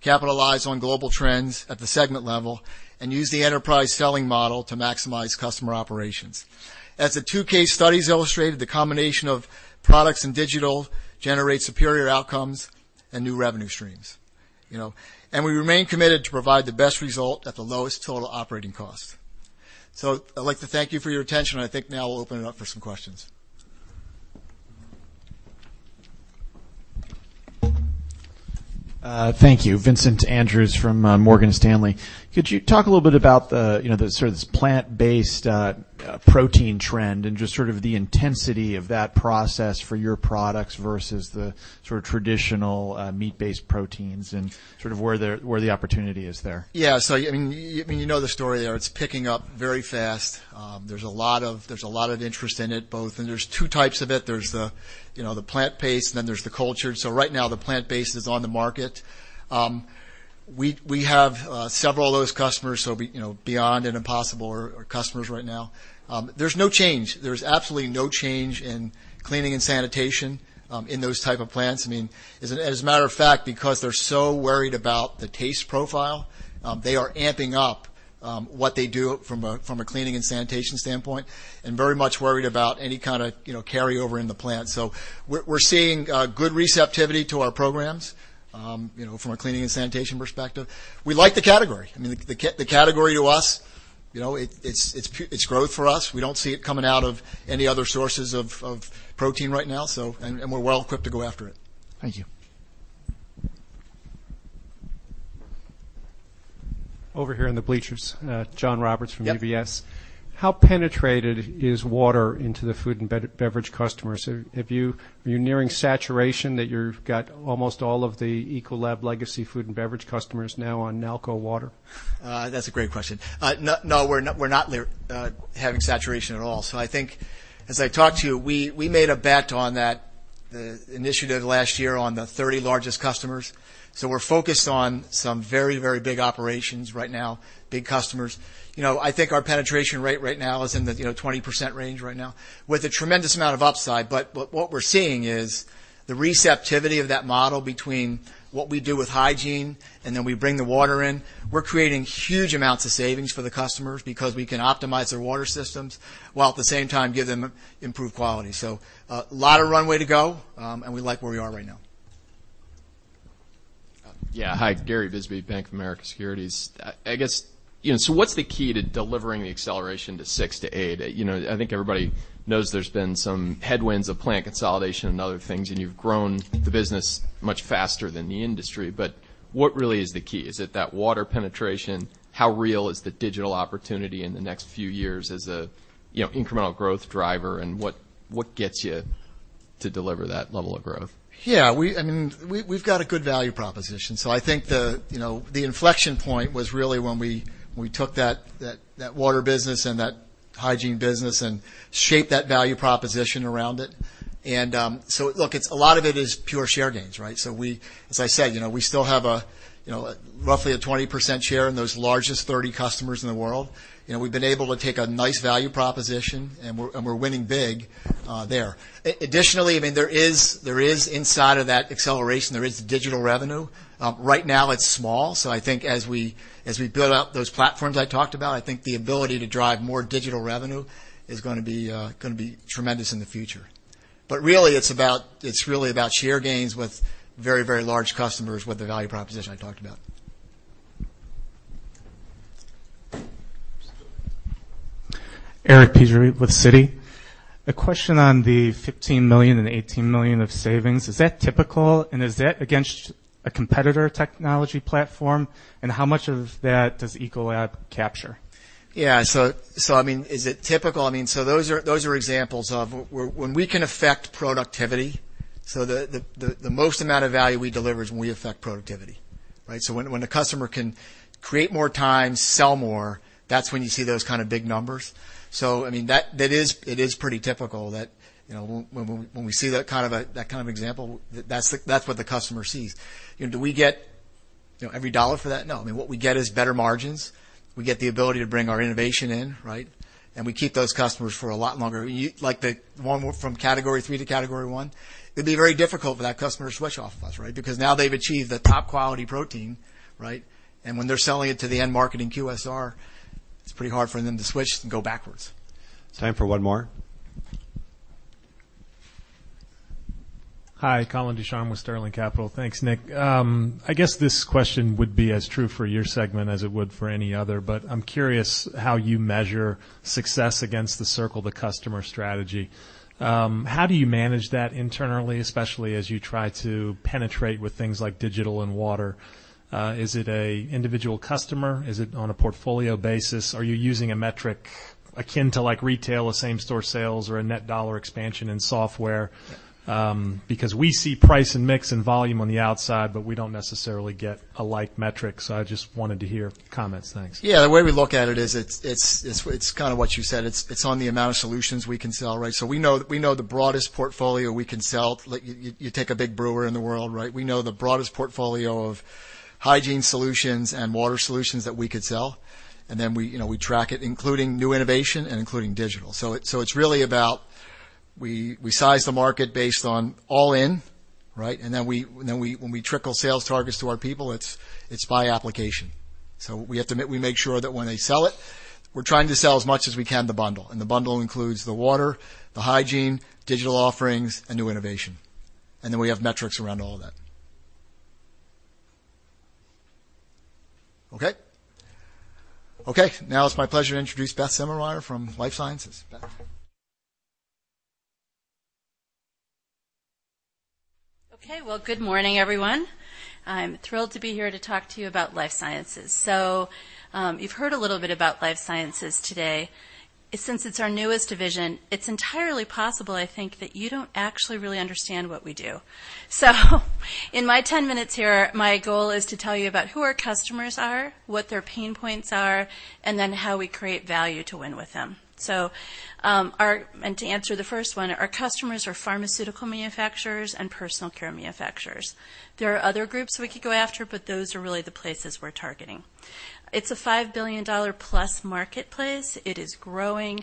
capitalize on global trends at the segment level, and use the enterprise selling model to maximize customer operations. As the two case studies illustrated, the combination of products and digital generate superior outcomes and new revenue streams. We remain committed to provide the best result at the lowest total operating cost. I'd like to thank you for your attention, and I think now we'll open it up for some questions. Thank you. Vincent Andrews from Morgan Stanley. Could you talk a little bit about the sort of this plant-based protein trend and just sort of the intensity of that process for your products versus the sort of traditional meat-based proteins and sort of where the opportunity is there? Yeah. You know the story there. It's picking up very fast. There's a lot of interest in it both, and there's two types of it. There's the plant-based, and then there's the cultured. Right now, the plant-based is on the market. We have several of those customers, so Beyond and Impossible are customers right now. There's no change. There's absolutely no change in cleaning and sanitation in those type of plants. As a matter of fact, because they're so worried about the taste profile, they are amping up what they do from a cleaning and sanitation standpoint, and very much worried about any kind of carryover in the plant. We're seeing good receptivity to our programs from a cleaning and sanitation perspective. We like the category. The category to us, it's growth for us. We don't see it coming out of any other sources of protein right now, and we're well equipped to go after it. Thank you. Over here in the bleachers. John Roberts from UBS. Yep. How penetrated is water into the food and beverage customers? Are you nearing saturation that you've got almost all of the Ecolab legacy food and beverage customers now on Nalco Water? That's a great question. No, we're not having saturation at all. I think as I talked to you, we made a bet on that, the initiative last year on the 30 largest customers. We're focused on some very, very big operations right now, big customers. I think our penetration rate right now is in the 20% range right now with a tremendous amount of upside. What we're seeing is the receptivity of that model between what we do with hygiene and then we bring the water in. We're creating huge amounts of savings for the customers because we can optimize their water systems while at the same time give them improved quality. A lot of runway to go, and we like where we are right now. Yeah. Hi, Gary Bisbee, Bank of America Securities. What's the key to delivering the acceleration to 6%-8%? I think everybody knows there's been some headwinds of plant consolidation and other things, and you've grown the business much faster than the industry. What really is the key? Is it that water penetration? How real is the digital opportunity in the next few years as a incremental growth driver, and what gets you to deliver that level of growth? Yeah. We've got a good value proposition. I think the inflection point was really when we took that water business and that hygiene business and shaped that value proposition around it. Look, a lot of it is pure share gains, right? As I said, we still have roughly a 20% share in those largest 30 customers in the world. We've been able to take a nice value proposition, and we're winning big there. Additionally, inside of that acceleration, there is digital revenue. Right now it's small, so I think as we build out those platforms I talked about, I think the ability to drive more digital revenue is going to be tremendous in the future. Really, it's about share gains with very large customers with the value proposition I talked about. Eric Petrie with Citi. A question on the $15 million and $18 million of savings, is that typical, and is that against a competitor technology platform, and how much of that does Ecolab capture? Yeah. Is it typical? Those are examples of when we can affect productivity, the most amount of value we deliver is when we affect productivity, right? When a customer can create more time, sell more, that's when you see those kind of big numbers. It is pretty typical that when we see that kind of example, that's what the customer sees. Do we get every dollar for that? No. What we get is better margins. We get the ability to bring our innovation in, right? We keep those customers for a lot longer. Like the one from category 3 to category 1, it'd be very difficult for that customer to switch off of us, right? Now they've achieved the top quality protein, right? When they're selling it to the end market in QSR, it's pretty hard for them to switch and go backwards. Time for one more. Hi, Colin Deschamps with Sterling Capital. Thanks, Nick. I guess this question would be as true for your segment as it would for any other, but I'm curious how you measure success against the circle, the customer strategy. How do you manage that internally, especially as you try to penetrate with things like digital and water? Is it an individual customer? Is it on a portfolio basis? Are you using a metric akin to retail or same-store sales or a net dollar expansion in software? Because we see price and mix and volume on the outside, but we don't necessarily get a like metric. I just wanted to hear comments. Thanks. Yeah. The way we look at it is, it's kind of what you said, it's on the amount of solutions we can sell, right? We know the broadest portfolio we can sell. You take a big brewer in the world, right? We know the broadest portfolio of hygiene solutions and water solutions that we could sell, and then we track it, including new innovation and including digital. It's really about, we size the market based on all in, right? When we trickle sales targets to our people, it's by application. We make sure that when they sell it, we're trying to sell as much as we can the bundle, and the bundle includes the water, the hygiene, digital offerings, and new innovation. We have metrics around all of that. Okay? Okay, now it's my pleasure to introduce Beth Simeri from Life Sciences. Beth. Okay. Well, good morning, everyone. I'm thrilled to be here to talk to you about Life Sciences. You've heard a little bit about Life Sciences today. Since it's our newest division, it's entirely possible, I think, that you don't actually really understand what we do. In my 10 minutes here, my goal is to tell you about who our customers are, what their pain points are, and then how we create value to win with them. To answer the first one, our customers are pharmaceutical manufacturers and personal care manufacturers. There are other groups we could go after, but those are really the places we're targeting. It's a $5 billion plus marketplace. It is growing.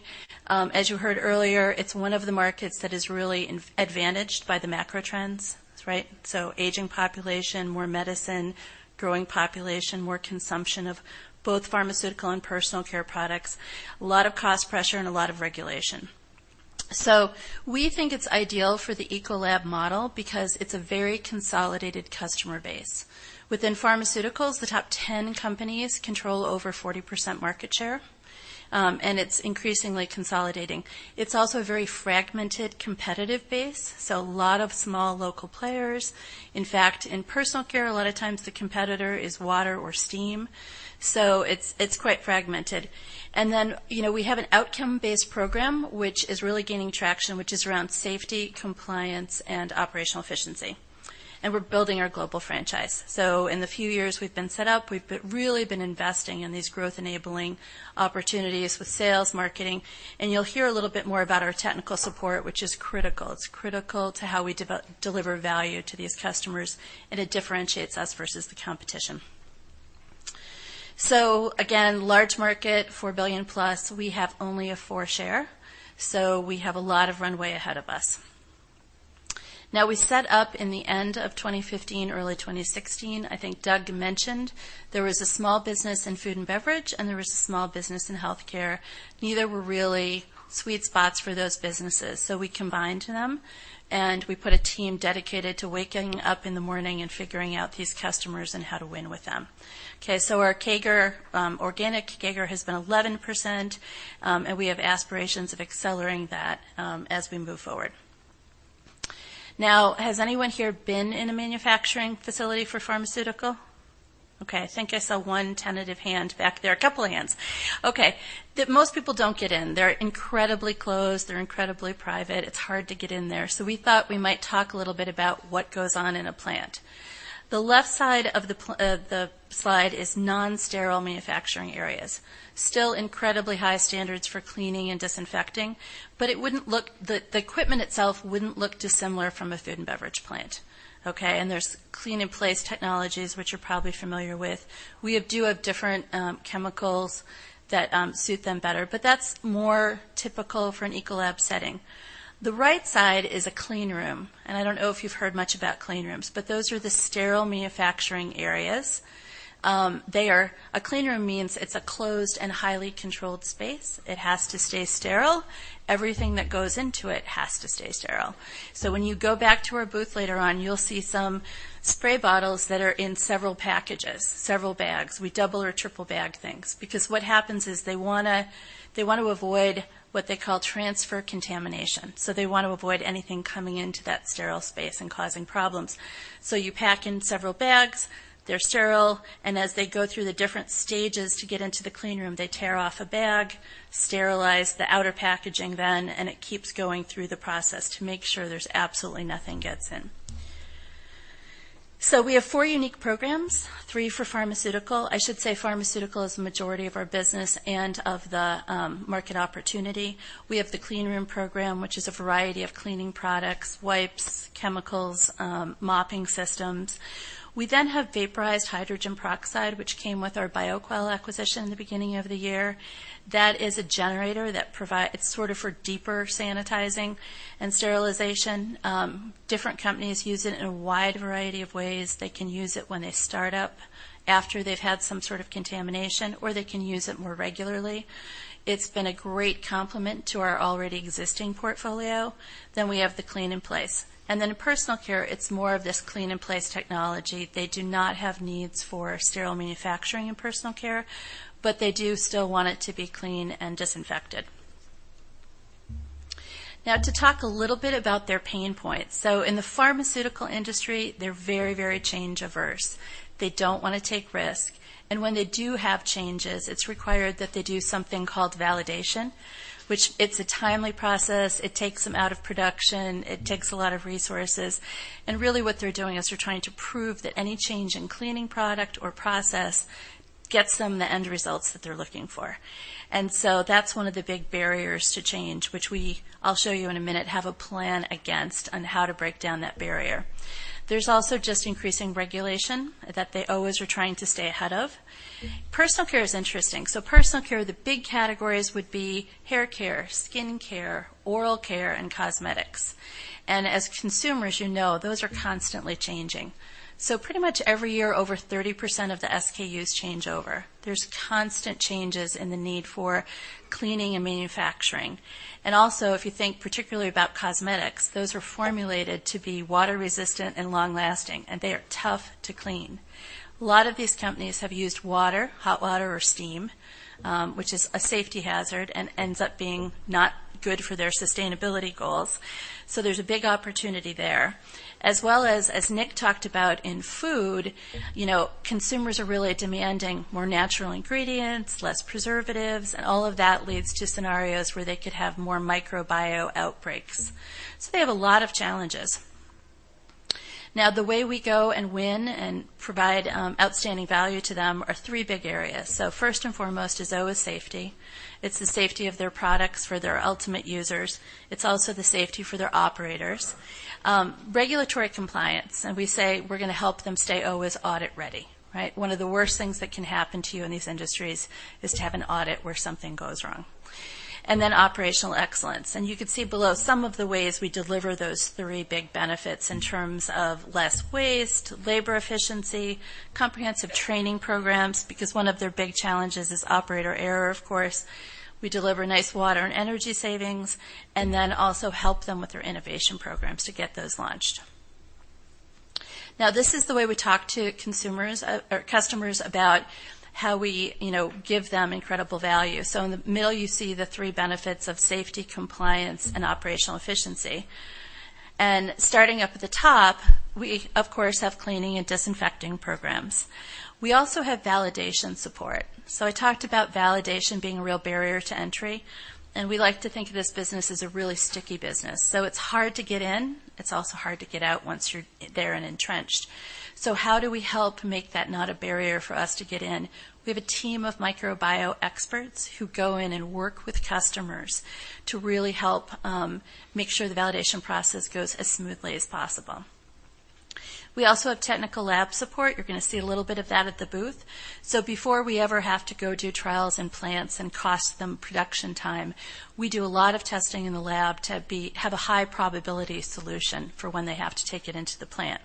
As you heard earlier, it's one of the markets that is really advantaged by the macro trends, right? Aging population, more medicine, growing population, more consumption of both pharmaceutical and personal care products, a lot of cost pressure, and a lot of regulation. We think it's ideal for the Ecolab model because it's a very consolidated customer base. Within pharmaceuticals, the top 10 companies control over 40% market share, and it's increasingly consolidating. It's also a very fragmented competitive base, so a lot of small local players. In fact, in personal care, a lot of times the competitor is water or steam, so it's quite fragmented. We have an outcome-based program, which is really gaining traction, which is around safety, compliance, and operational efficiency, and we're building our global franchise. In the few years we've been set up, we've really been investing in these growth-enabling opportunities with sales, marketing, and you'll hear a little bit more about our technical support, which is critical. It's critical to how we deliver value to these customers, and it differentiates us versus the competition. Again, large market, $4 billion plus, we have only a 4% share. We have a lot of runway ahead of us. We set up in the end of 2015, early 2016. I think Doug mentioned there was a small business in food and beverage, and there was a small business in healthcare. Neither were really sweet spots for those businesses. We combined them, and we put a team dedicated to waking up in the morning and figuring out these customers and how to win with them. Our organic CAGR has been 11%, and we have aspirations of accelerating that as we move forward. Has anyone here been in a manufacturing facility for pharmaceutical? I think I saw one tentative hand back there. A couple of hands. Okay. Most people don't get in. They're incredibly closed. They're incredibly private. It's hard to get in there. We thought we might talk a little bit about what goes on in a plant. The left side of the slide is non-sterile manufacturing areas. Still incredibly high standards for cleaning and disinfecting, but the equipment itself wouldn't look dissimilar from a food and beverage plant. Okay. There's clean-in-place technologies, which you're probably familiar with. We do have different chemicals that suit them better, but that's more typical for an Ecolab setting. The right side is a clean room, and I don't know if you've heard much about clean rooms, but those are the sterile manufacturing areas. A clean room means it's a closed and highly controlled space. It has to stay sterile. Everything that goes into it has to stay sterile. When you go back to our booth later on, you'll see some spray bottles that are in several packages, several bags. We double or triple bag things because what happens is they want to avoid what they call transfer contamination. They want to avoid anything coming into that sterile space and causing problems. You pack in several bags, they're sterile, and as they go through the different stages to get into the clean room, they tear off a bag, sterilize the outer packaging then, and it keeps going through the process to make sure there's absolutely nothing gets in. We have four unique programs, three for pharmaceutical. I should say pharmaceutical is the majority of our business and of the market opportunity. We have the clean room program, which is a variety of cleaning products, wipes, chemicals, mopping systems. We have vaporized hydrogen peroxide, which came with our Bioquell acquisition at the beginning of the year. That is a generator. It's sort of for deeper sanitizing and sterilization. Different companies use it in a wide variety of ways. They can use it when they start up, after they've had some sort of contamination, or they can use it more regularly. It's been a great complement to our already existing portfolio. We have the clean-in-place. In personal care, it's more of this clean-in-place technology. They do not have needs for sterile manufacturing in personal care, but they do still want it to be clean and disinfected. Now to talk a little bit about their pain points. In the pharmaceutical industry, they're very change-averse. They don't want to take risk. When they do have changes, it's required that they do something called validation, which it's a timely process. It takes them out of production. It takes a lot of resources. Really what they're doing is they're trying to prove that any change in cleaning product or process gets them the end results that they're looking for. That's one of the big barriers to change, which I'll show you in a minute, have a plan against on how to break down that barrier. There's also just increasing regulation that they always are trying to stay ahead of. Personal care is interesting. Personal care, the big categories would be haircare, skincare, oral care, and cosmetics. As consumers, you know those are constantly changing. Pretty much every year, over 30% of the SKUs change over. There's constant changes in the need for cleaning and manufacturing. Also, if you think particularly about cosmetics, those are formulated to be water-resistant and long-lasting, and they are tough to clean. A lot of these companies have used water, hot water, or steam, which is a safety hazard and ends up being not good for their sustainability goals. There's a big opportunity there. As well as Nick talked about in food, consumers are really demanding more natural ingredients, less preservatives, and all of that leads to scenarios where they could have more microbio outbreaks. They have a lot of challenges. Now, the way we go and win and provide outstanding value to them are three big areas. First and foremost is always safety. It's the safety of their products for their ultimate users. It's also the safety for their operators. Regulatory compliance, and we say we're going to help them stay always audit ready. Right? One of the worst things that can happen to you in these industries is to have an audit where something goes wrong. Operational excellence. You could see below some of the ways we deliver those three big benefits in terms of less waste, labor efficiency, comprehensive training programs, because one of their big challenges is operator error, of course. We deliver nice water and energy savings, and then also help them with their innovation programs to get those launched. Now, this is the way we talk to customers about how we give them incredible value. In the middle, you see the three benefits of safety, compliance, and operational efficiency. Starting up at the top, we, of course, have cleaning and disinfecting programs. We also have validation support. I talked about validation being a real barrier to entry, and we like to think of this business as a really sticky business. It's hard to get in. It's also hard to get out once you're there and entrenched. How do we help make that not a barrier for us to get in? We have a team of microbio experts who go in and work with customers to really help make sure the validation process goes as smoothly as possible. We also have technical lab support. You're going to see a little bit of that at the booth. Before we ever have to go do trials in plants and cost them production time, we do a lot of testing in the lab to have a high probability solution for when they have to take it into the plant.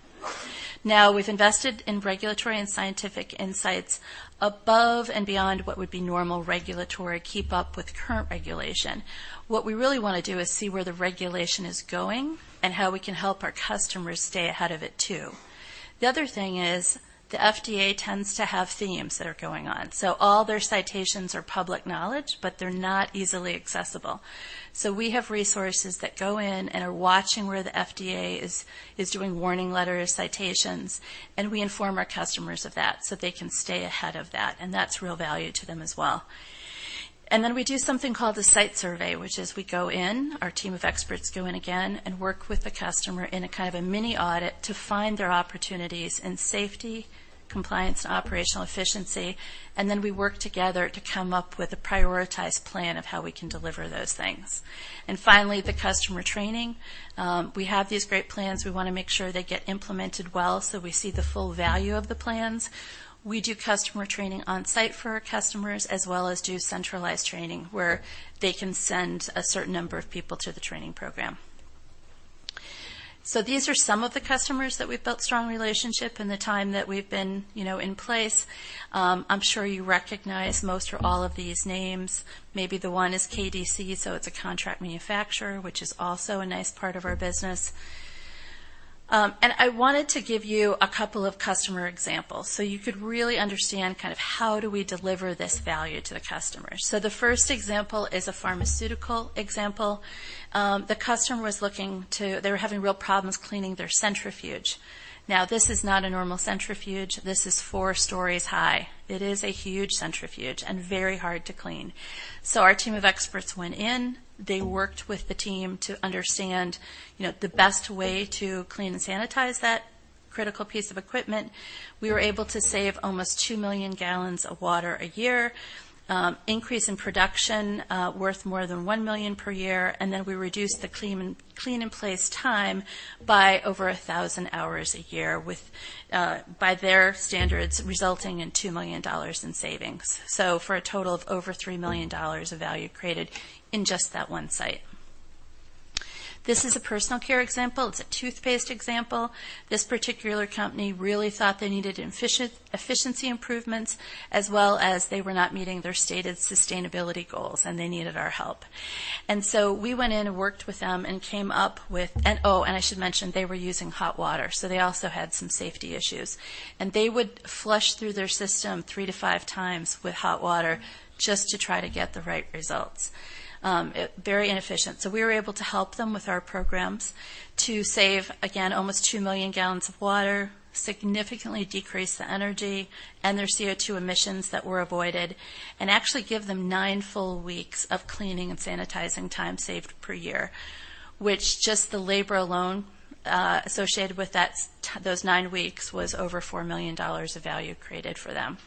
We've invested in regulatory and scientific insights above and beyond what would be normal regulatory keep up with current regulation. What we really want to do is see where the regulation is going and how we can help our customers stay ahead of it, too. The other thing is the FDA tends to have themes that are going on. All their citations are public knowledge, but they're not easily accessible. We have resources that go in and are watching where the FDA is doing warning letters, citations, and we inform our customers of that so they can stay ahead of that, and that's real value to them as well. We do something called the site survey, which is we go in, our team of experts go in again and work with the customer in a kind of a mini audit to find their opportunities in safety, compliance, and operational efficiency. We work together to come up with a prioritized plan of how we can deliver those things. Finally, the customer training. We have these great plans. We want to make sure they get implemented well, so we see the full value of the plans. We do customer training on site for our customers, as well as do centralized training where they can send a certain number of people to the training program. These are some of the customers that we've built strong relationship in the time that we've been in place. I'm sure you recognize most or all of these names. Maybe the one is KDC, it's a contract manufacturer, which is also a nice part of our business. I wanted to give you a couple of customer examples you could really understand, how do we deliver this value to the customers? The first example is a pharmaceutical example. The customer, they were having real problems cleaning their centrifuge. This is not a normal centrifuge. This is four stories high. It is a huge centrifuge and very hard to clean. Our team of experts went in. They worked with the team to understand the best way to clean and sanitize that critical piece of equipment. We were able to save almost 2 million gallons of water a year, increase in production worth more than $1 million per year. We reduced the clean in place time by over 1,000 hours a year, by their standards, resulting in $2 million in savings. For a total of over $3 million of value created in just that one site. This is a personal care example. It's a toothpaste example. This particular company really thought they needed efficiency improvements, as well as they were not meeting their stated sustainability goals. They needed our help. We went in and worked with them. Oh, I should mention, they were using hot water. They also had some safety issues. They would flush through their system three to five times with hot water just to try to get the right results. Very inefficient. We were able to help them with our programs to save, again, almost 2 million gallons of water, significantly decrease the energy, and their CO2 emissions that were avoided, and actually give them nine full weeks of cleaning and sanitizing time saved per year, which just the labor alone, associated with those nine weeks, was over $4 million of value created for them.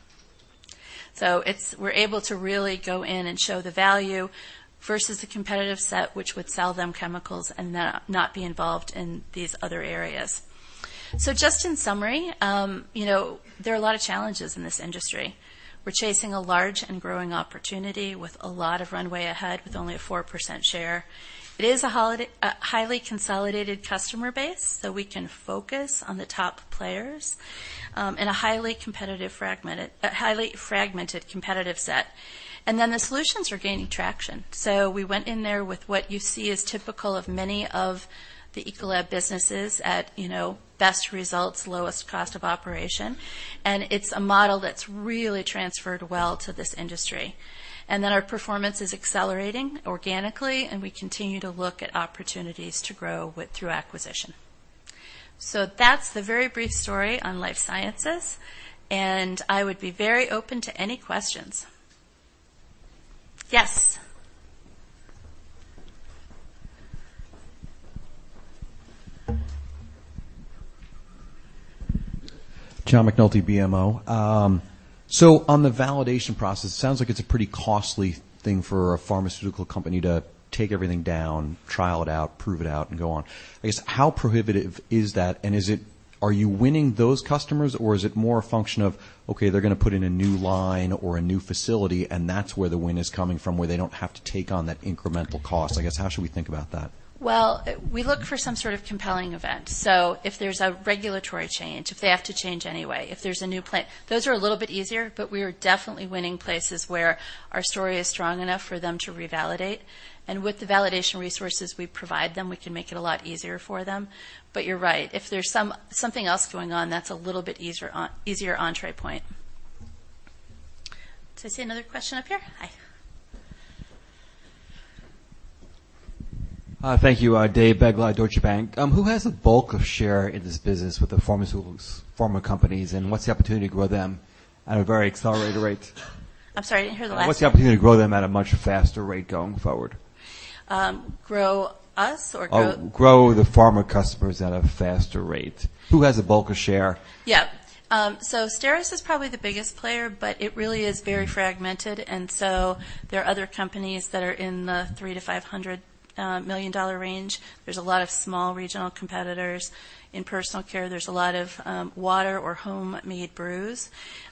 We are able to really go in and show the value versus the competitive set, which would sell them chemicals and not be involved in these other areas. Just in summary, there are a lot of challenges in this industry. We are chasing a large and growing opportunity with a lot of runway ahead with only a 4% share. It is a highly consolidated customer base, so we can focus on the top players in a highly fragmented competitive set. The solutions are gaining traction. We went in there with what you see as typical of many of the Ecolab businesses at best results, lowest cost of operation, and it's a model that's really transferred well to this industry. Our performance is accelerating organically, and we continue to look at opportunities to grow through acquisition. That's the very brief story on Life Sciences, and I would be very open to any questions. Yes. John McNulty, BMO. On the validation process, it sounds like it's a pretty costly thing for a pharmaceutical company to take everything down, trial it out, prove it out, and go on. I guess, how prohibitive is that, and are you winning those customers, or is it more a function of, okay, they're going to put in a new line or a new facility and that's where the win is coming from, where they don't have to take on that incremental cost? I guess, how should we think about that? Well, we look for some sort of compelling event. If there's a regulatory change, if they have to change anyway, if there's a new plan, those are a little bit easier, but we are definitely winning places where our story is strong enough for them to revalidate. With the validation resources we provide them, we can make it a lot easier for them. You're right. If there's something else going on, that's a little bit easier entree point. Do I see another question up here? Hi. Hi, thank you. David Begleiter, Deutsche Bank. Who has the bulk of share in this business with the pharma companies, and what's the opportunity to grow them? At a very accelerated rate. I'm sorry, I didn't hear. What's the opportunity to grow them at a much faster rate going forward? Grow us or grow- Grow the pharma customers at a faster rate. Who has a bulk of share? Yeah. Steris is probably the biggest player, it really is very fragmented, there are other companies that are in the three to $500 million range. There's a lot of small regional competitors. In personal care, there's a lot of water or homemade brews.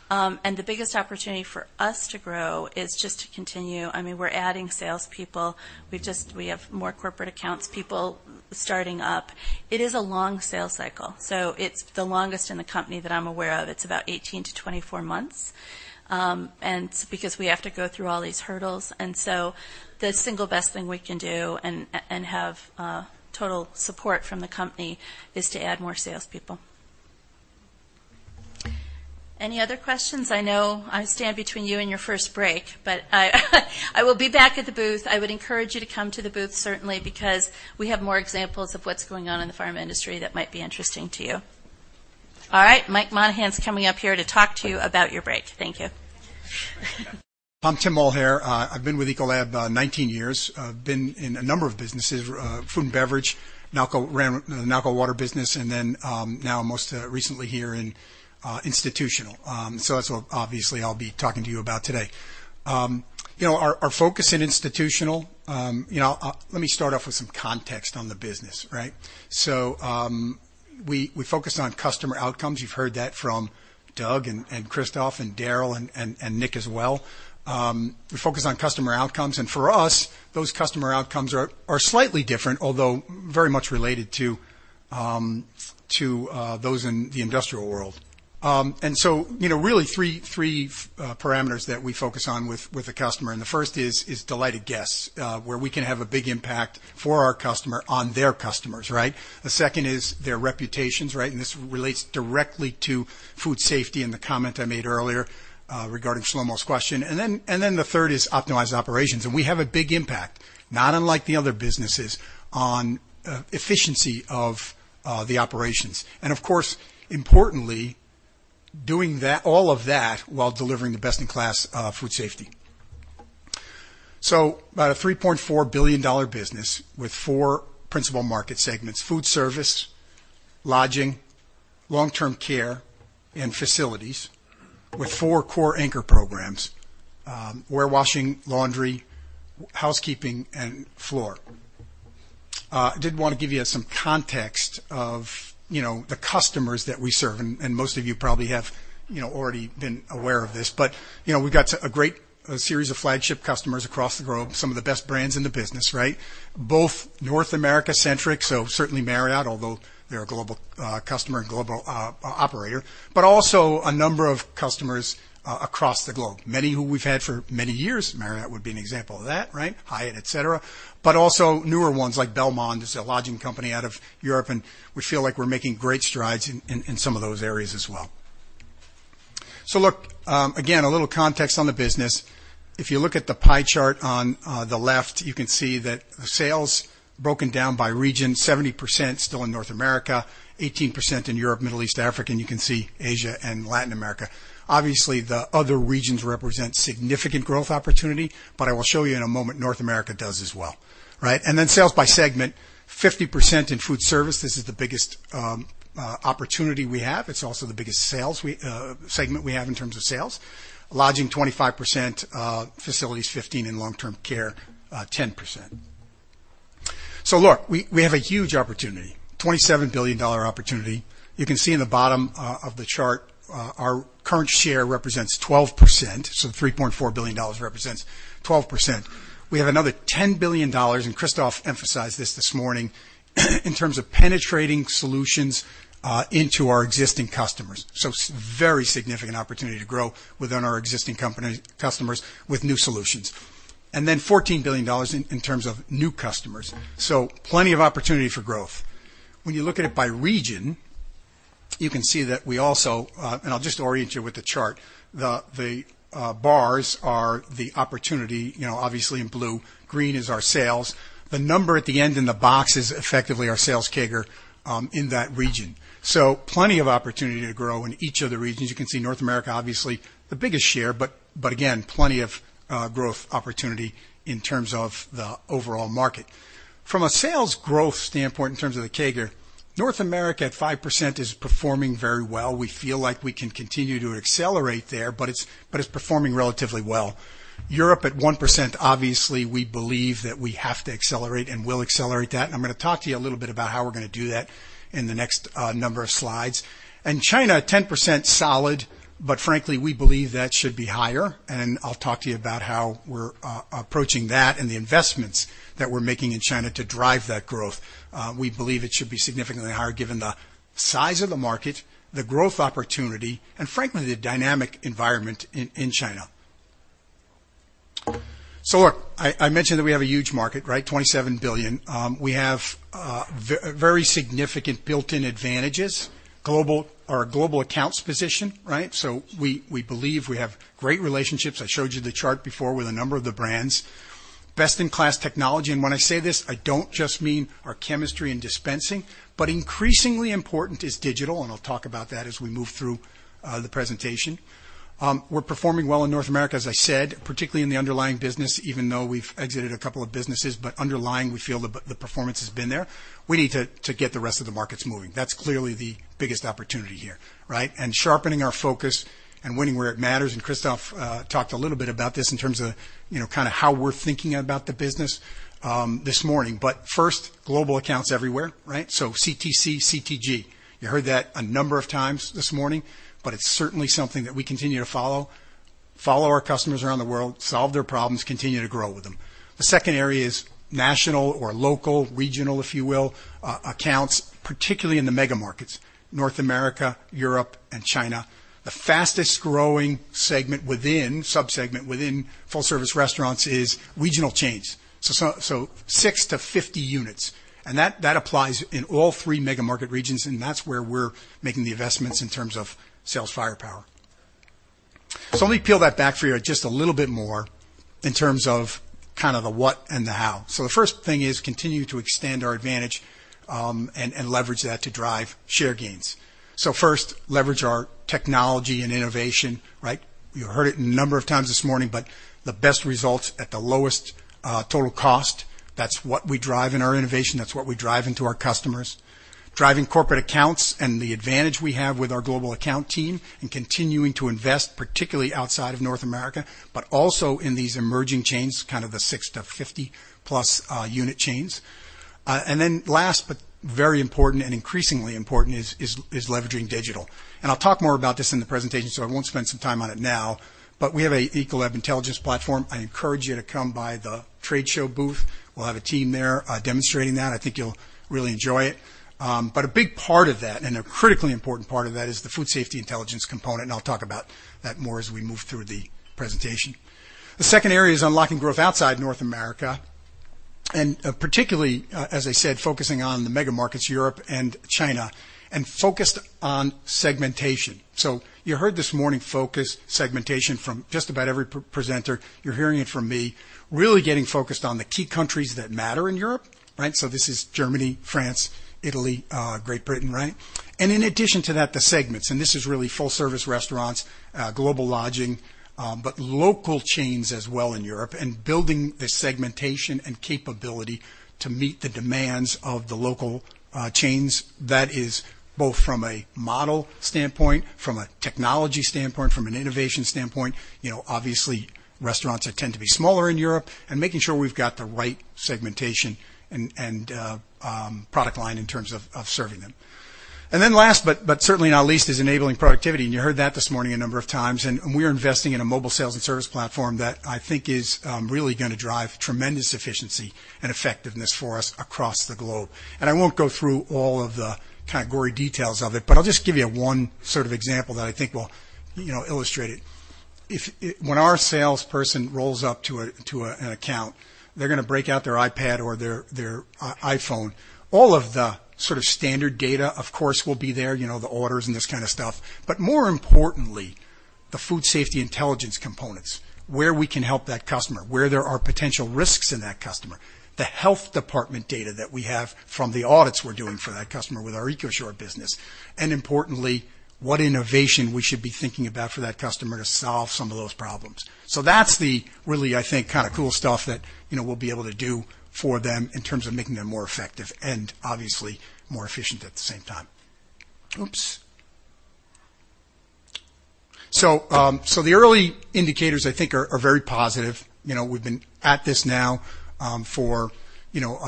The biggest opportunity for us to grow is just to continue. We're adding salespeople. We have more corporate accounts, people starting up. It is a long sales cycle, it's the longest in the company that I'm aware of. It's about 18 to 24 months, because we have to go through all these hurdles, the single best thing we can do, and have total support from the company, is to add more salespeople. Any other questions? I know I stand between you and your first break, I will be back at the booth. I would encourage you to come to the booth certainly, because we have more examples of what's going on in the pharma industry that might be interesting to you. All right, Mike Monahan's coming up here to talk to you about your break. Thank you. I'm Tim Mulhere. I've been with Ecolab 19 years. I've been in a number of businesses, food and beverage, ran the Nalco Water business, now most recently here in institutional. That's what obviously I'll be talking to you about today. Our focus in institutional. Let me start off with some context on the business. Right. We focus on customer outcomes. You've heard that from Doug and Christophe and Darrell and Nick as well. We focus on customer outcomes, and for us, those customer outcomes are slightly different, although very much related to those in the industrial world. Really three parameters that we focus on with a customer, and the first is delighted guests, where we can have a big impact for our customer on their customers, right? The second is their reputations, right? This relates directly to food safety in the comment I made earlier, regarding Shlomo's question. The third is optimized operations. We have a big impact, not unlike the other businesses, on efficiency of the operations. Of course, importantly, doing all of that while delivering the best-in-class food safety. About a $3.4 billion business with four principal market segments, food service, lodging, long-term care, and facilities, with four core anchor programs, warewashing, laundry, housekeeping, and floor. I did want to give you some context of the customers that we serve, and most of you probably have already been aware of this. We've got a great series of flagship customers across the globe, some of the best brands in the business, right? North America-centric, certainly Marriott, although they're a global customer and global operator, but also a number of customers across the globe, many who we've had for many years. Marriott would be an example of that. Right? Hyatt, et cetera. Also newer ones like Belmond is a lodging company out of Europe, and we feel like we're making great strides in some of those areas as well. Look, again, a little context on the business. If you look at the pie chart on the left, you can see that sales broken down by region, 70% still in North America, 18% in Europe, Middle East, Africa, and you can see Asia and Latin America. Obviously, the other regions represent significant growth opportunity, I will show you in a moment, North America does as well. Right? Then sales by segment, 50% in food service. This is the biggest opportunity we have. It's also the biggest segment we have in terms of sales. Lodging, 25%, facilities, 15%, and long-term care, 10%. Look, we have a huge opportunity, $27 billion opportunity. You can see in the bottom of the chart, our current share represents 12%, the $3.4 billion represents 12%. We have another $10 billion, Christophe emphasized this this morning, in terms of penetrating solutions into our existing customers. Very significant opportunity to grow within our existing customers with new solutions. $14 billion in terms of new customers. Plenty of opportunity for growth. When you look at it by region, you can see that we also, I'll just orient you with the chart. The bars are the opportunity, obviously in blue. Green is our sales. The number at the end in the box is effectively our sales CAGR in that region. Plenty of opportunity to grow in each of the regions. You can see North America, obviously the biggest share, but again, plenty of growth opportunity in terms of the overall market. From a sales growth standpoint, in terms of the CAGR, North America at 5% is performing very well. We feel like we can continue to accelerate there, but it's performing relatively well. Europe at 1%, obviously, we believe that we have to accelerate, and we'll accelerate that, and I'm going to talk to you a little bit about how we're going to do that in the next number of slides. China, 10% solid, but frankly, we believe that should be higher, and I'll talk to you about how we're approaching that and the investments that we're making in China to drive that growth. We believe it should be significantly higher given the size of the market, the growth opportunity, and frankly, the dynamic environment in China. Look, I mentioned that we have a huge market, right? $27 billion. We have very significant built-in advantages. Our global accounts position, right? We believe we have great relationships. I showed you the chart before with a number of the brands. Best-in-class technology, and when I say this, I don't just mean our chemistry and dispensing, but increasingly important is digital, and I'll talk about that as we move through the presentation. We're performing well in North America, as I said, particularly in the underlying business, even though we've exited a couple of businesses. Underlying, we feel the performance has been there. We need to get the rest of the markets moving. That's clearly the biggest opportunity here, right? Sharpening our focus and winning where it matters, and Christophe talked a little bit about this in terms of how we're thinking about the business this morning. First, global accounts everywhere. CTC, CTG. You heard that a number of times this morning, but it's certainly something that we continue to follow. Follow our customers around the world, solve their problems, continue to grow with them. The second area is national or local, regional, if you will, accounts, particularly in the mega markets, North America, Europe, and China. The fastest-growing subsegment within full service restaurants is regional chains. 6 to 50 units. That applies in all three mega market regions, and that's where we're making the investments in terms of sales firepower. Let me peel that back for you just a little bit more in terms of the what and the how. The first thing is continue to extend our advantage, and leverage that to drive share gains. First, leverage our technology and innovation. You heard it a number of times this morning, but the best results at the lowest total cost, that's what we drive in our innovation. That's what we drive into our customers. Driving corporate accounts and the advantage we have with our global account team and continuing to invest, particularly outside of North America, but also in these emerging chains, kind of the 6 to 50-plus unit chains. Last but very important and increasingly important is leveraging digital. I'll talk more about this in the presentation, so I won't spend some time on it now, but we have a Ecolab intelligence platform. I encourage you to come by the trade show booth. We'll have a team there demonstrating that. I think you'll really enjoy it. A big part of that, and a critically important part of that is the food safety intelligence component, and I'll talk about that more as we move through the presentation. The second area is unlocking growth outside North America, and particularly, as I said, focusing on the mega markets, Europe and China, and focused on segmentation. You heard this morning, focus segmentation from just about every presenter. You're hearing it from me. Really getting focused on the key countries that matter in Europe. This is Germany, France, Italy, Great Britain. In addition to that, the segments, and this is really full-service restaurants, global lodging, but local chains as well in Europe, and building the segmentation and capability to meet the demands of the local chains. That is both from a model standpoint, from a technology standpoint, from an innovation standpoint. Obviously, restaurants that tend to be smaller in Europe, and making sure we've got the right segmentation and product line in terms of serving them. Then last, but certainly not least, is enabling productivity, and you heard that this morning a number of times. We are investing in a mobile sales and service platform that I think is really going to drive tremendous efficiency and effectiveness for us across the globe. I won't go through all of the gory details of it, but I'll just give you one example that I think will illustrate it. When our salesperson rolls up to an account, they're going to break out their iPad or their iPhone. All of the standard data, of course, will be there, the orders and this kind of stuff. More importantly, the food safety intelligence components. Where we can help that customer, where there are potential risks in that customer. The health department data that we have from the audits we're doing for that customer with our EcoSure business. Importantly, what innovation we should be thinking about for that customer to solve some of those problems. That's the really, I think, cool stuff that we'll be able to do for them in terms of making them more effective and obviously more efficient at the same time. Oops. The early indicators, I think, are very positive. We've been at this now for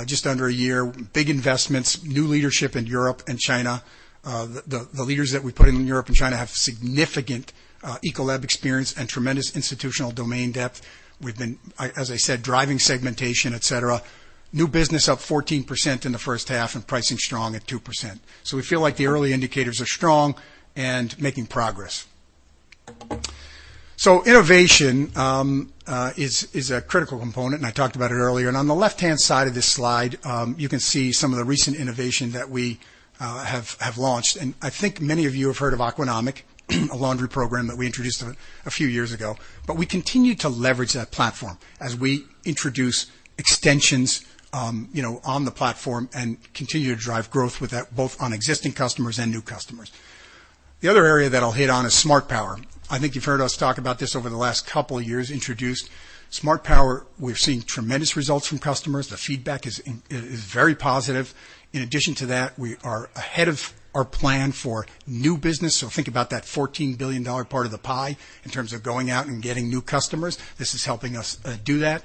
just under a year. Big investments, new leadership in Europe and China. The leaders that we put in Europe and China have significant Ecolab experience and tremendous institutional domain depth. We've been, as I said, driving segmentation, et cetera. New business up 14% in the first half and pricing strong at 2%. We feel like the early indicators are strong and making progress. Innovation is a critical component, and I talked about it earlier. On the left-hand side of this slide, you can see some of the recent innovation that we have launched. I think many of you have heard of Aquanomic, a laundry program that we introduced a few years ago. We continue to leverage that platform as we introduce extensions on the platform and continue to drive growth with that, both on existing customers and new customers. The other area that I'll hit on is SMARTPOWER. I think you've heard us talk about this over the last couple of years, introduced SMARTPOWER. We've seen tremendous results from customers. The feedback is very positive. In addition to that, we are ahead of our plan for new business. Think about that $14 billion part of the pie in terms of going out and getting new customers. This is helping us do that.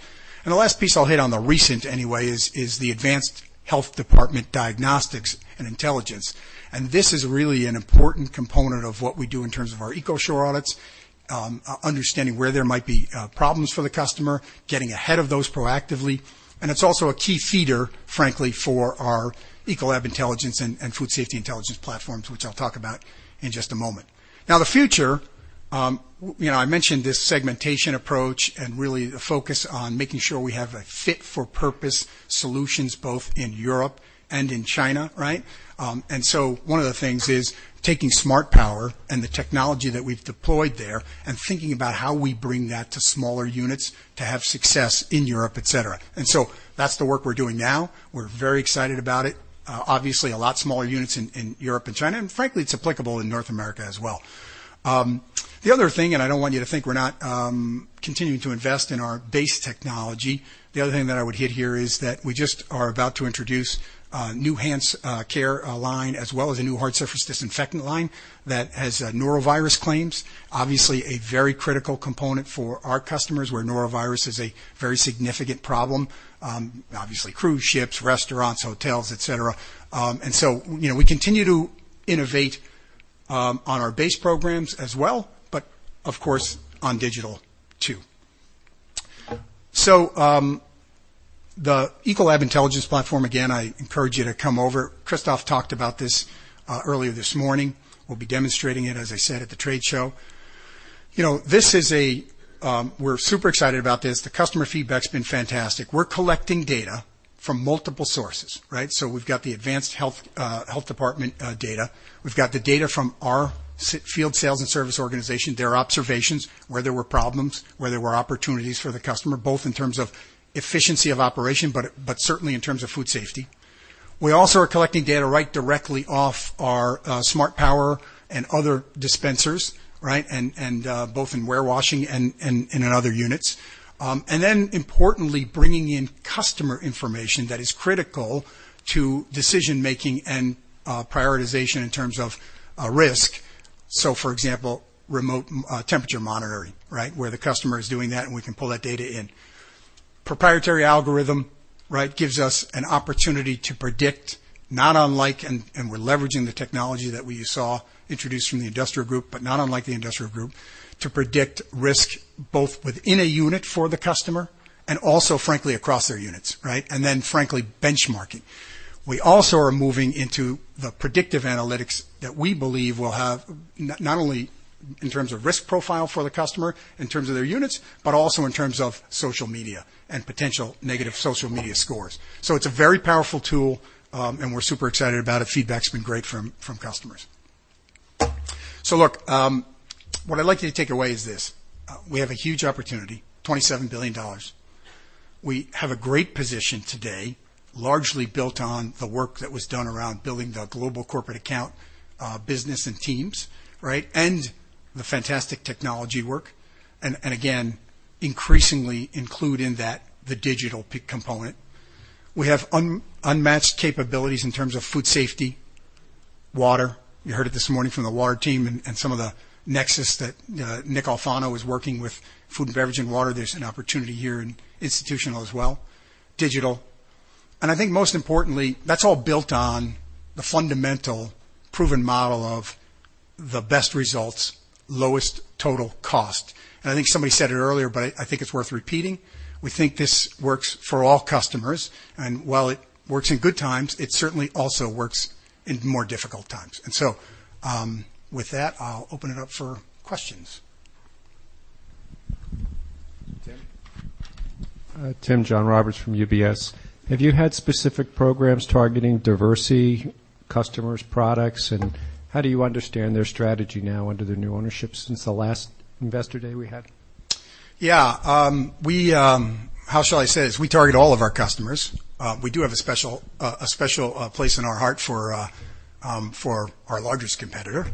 The last piece I'll hit on, the recent anyway, is the advanced health department diagnostics and intelligence. This is really an important component of what we do in terms of our EcoSure audits, understanding where there might be problems for the customer, getting ahead of those proactively. It's also a key feeder, frankly, for our Ecolab Intelligence and Food Safety Intelligence platforms, which I'll talk about in just a moment. Now, the future. I mentioned this segmentation approach and really the focus on making sure we have a fit-for-purpose solutions both in Europe and in China. One of the things is taking SMARTPOWER and the technology that we've deployed there, and thinking about how we bring that to smaller units to have success in Europe, et cetera. That's the work we're doing now. We're very excited about it. Obviously, a lot smaller units in Europe and China, and frankly, it's applicable in North America as well. The other thing, and I don't want you to think we're not continuing to invest in our base technology. The other thing that I would hit here is that we just are about to introduce a new hands care line, as well as a new hard surface disinfectant line that has norovirus claims. Obviously, a very critical component for our customers, where norovirus is a very significant problem. Obviously, cruise ships, restaurants, hotels, et cetera. We continue to innovate on our base programs as well, but of course, on digital too. The Ecolab Intelligence platform, again, I encourage you to come over. Christophe talked about this earlier this morning. We'll be demonstrating it, as I said, at the trade show. We're super excited about this. The customer feedback's been fantastic. We're collecting data from multiple sources. We've got the advanced health department data. We've got the data from our field sales and service organization, their observations, where there were problems, where there were opportunities for the customer, both in terms of efficiency of operation, but certainly in terms of food safety. We also are collecting data right directly off our SMARTPOWER and other dispensers, and both in warewashing and in other units. Importantly, bringing in customer information that is critical to decision-making and prioritization in terms of risk. For example, remote temperature monitoring, where the customer is doing that, and we can pull that data in. Proprietary algorithm gives us an opportunity to predict, not unlike, and we're leveraging the technology that we saw introduced from the industrial group, but not unlike the industrial group, to predict risk both within a unit for the customer, and also frankly across their units, frankly, benchmarking. We also are moving into the predictive analytics that we believe will have, not only in terms of risk profile for the customer, in terms of their units, but also in terms of social media and potential negative social media scores. It's a very powerful tool, and we're super excited about it. Feedback's been great from customers. Look, what I'd like you to take away is this: we have a huge opportunity, $27 billion. We have a great position today, largely built on the work that was done around building the global corporate account, business and teams, and the fantastic technology work. Again, increasingly include in that the digital component. We have unmatched capabilities in terms of food safety, water. You heard it this morning from the water team and some of the nexus that Nick Alfano is working with, food and beverage and water. There's an opportunity here in institutional as well. Digital. I think most importantly, that's all built on the fundamental proven model of the best results, lowest total cost. I think somebody said it earlier, but I think it's worth repeating. We think this works for all customers. While it works in good times, it certainly also works in more difficult times. With that, I'll open it up for questions. Tim? Tim, John Roberts from UBS. Have you had specific programs targeting Diversey customers, products, and how do you understand their strategy now under the new ownership since the last investor day we had? Yeah. How shall I say this? We target all of our customers. We do have a special place in our heart for our largest competitor.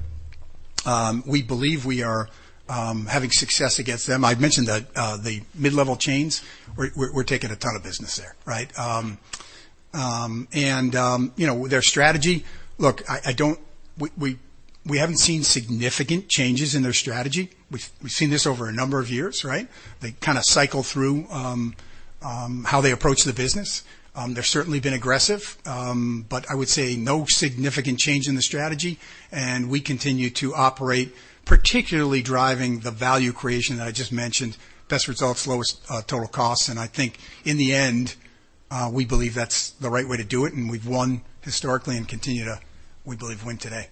We believe we are having success against them. I've mentioned the mid-level chains. We're taking a ton of business there. Their strategy, look, we haven't seen significant changes in their strategy. We've seen this over a number of years. They kind of cycle through how they approach the business. They've certainly been aggressive, but I would say no significant change in the strategy. We continue to operate, particularly driving the value creation that I just mentioned, best results, lowest total cost. I think in the end, we believe that's the right way to do it. We've won historically and continue to, we believe, win today.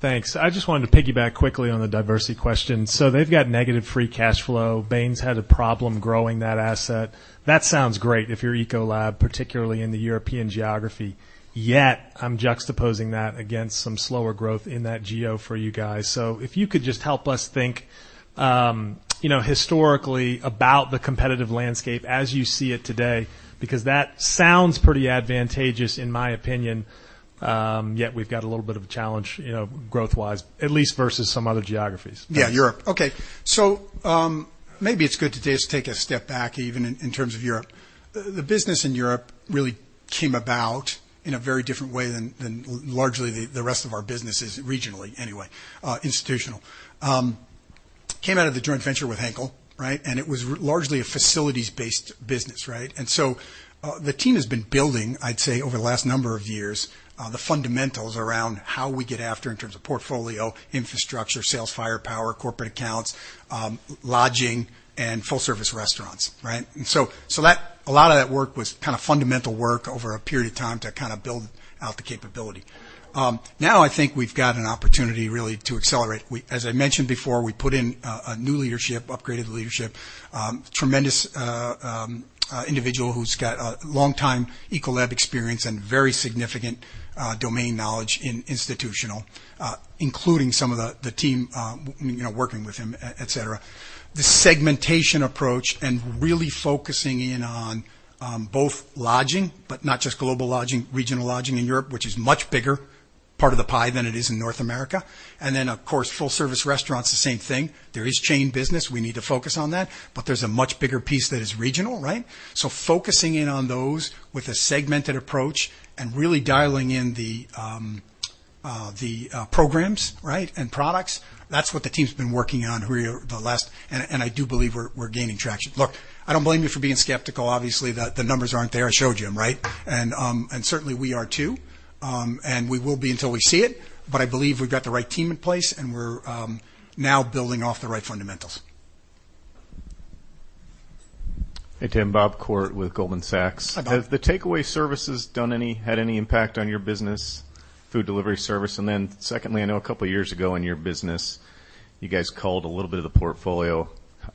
Thanks. I just wanted to piggyback quickly on the Diversey question. They've got negative free cash flow. Bain's had a problem growing that asset. That sounds great if you're Ecolab, particularly in the European geography, yet I'm juxtaposing that against some slower growth in that geo for you guys. If you could just help us think historically about the competitive landscape as you see it today, because that sounds pretty advantageous in my opinion. Yet we've got a little bit of a challenge growth-wise, at least versus some other geographies. Yeah, Europe. Okay. Maybe it's good to just take a step back, even in terms of Europe. The business in Europe really came about in a very different way than largely the rest of our businesses, regionally anyway, institutional. Came out of the joint venture with Henkel, right? It was largely a facilities-based business, right? The team has been building, I'd say, over the last number of years, the fundamentals around how we get after in terms of portfolio, infrastructure, sales firepower, corporate accounts, lodging, and full-service restaurants. Right? A lot of that work was kind of fundamental work over a period of time to kind of build out the capability. Now, I think we've got an opportunity really to accelerate. As I mentioned before, we put in a new leadership, upgraded leadership. Tremendous individual who's got long time Ecolab experience and very significant domain knowledge in institutional, including some of the team working with him, et cetera. The segmentation approach and really focusing in on both lodging, but not just global lodging, regional lodging in Europe, which is much bigger part of the pie than it is in North America. Then, of course, full service restaurants, the same thing. There is chain business. We need to focus on that, but there's a much bigger piece that is regional, right? Focusing in on those with a segmented approach and really dialing in the programs, right, and products, that's what the team's been working on. I do believe we're gaining traction. Look, I don't blame you for being skeptical. Obviously, the numbers aren't there. I showed you them, right? Certainly, we are too. We will be until we see it, but I believe we've got the right team in place, and we're now building off the right fundamentals. Hey, Tim. Bob Koort with Goldman Sachs. Hi, Bob. Has the takeaway services had any impact on your business food delivery service? Secondly, I know a couple of years ago in your business, you guys culled a little bit of the portfolio,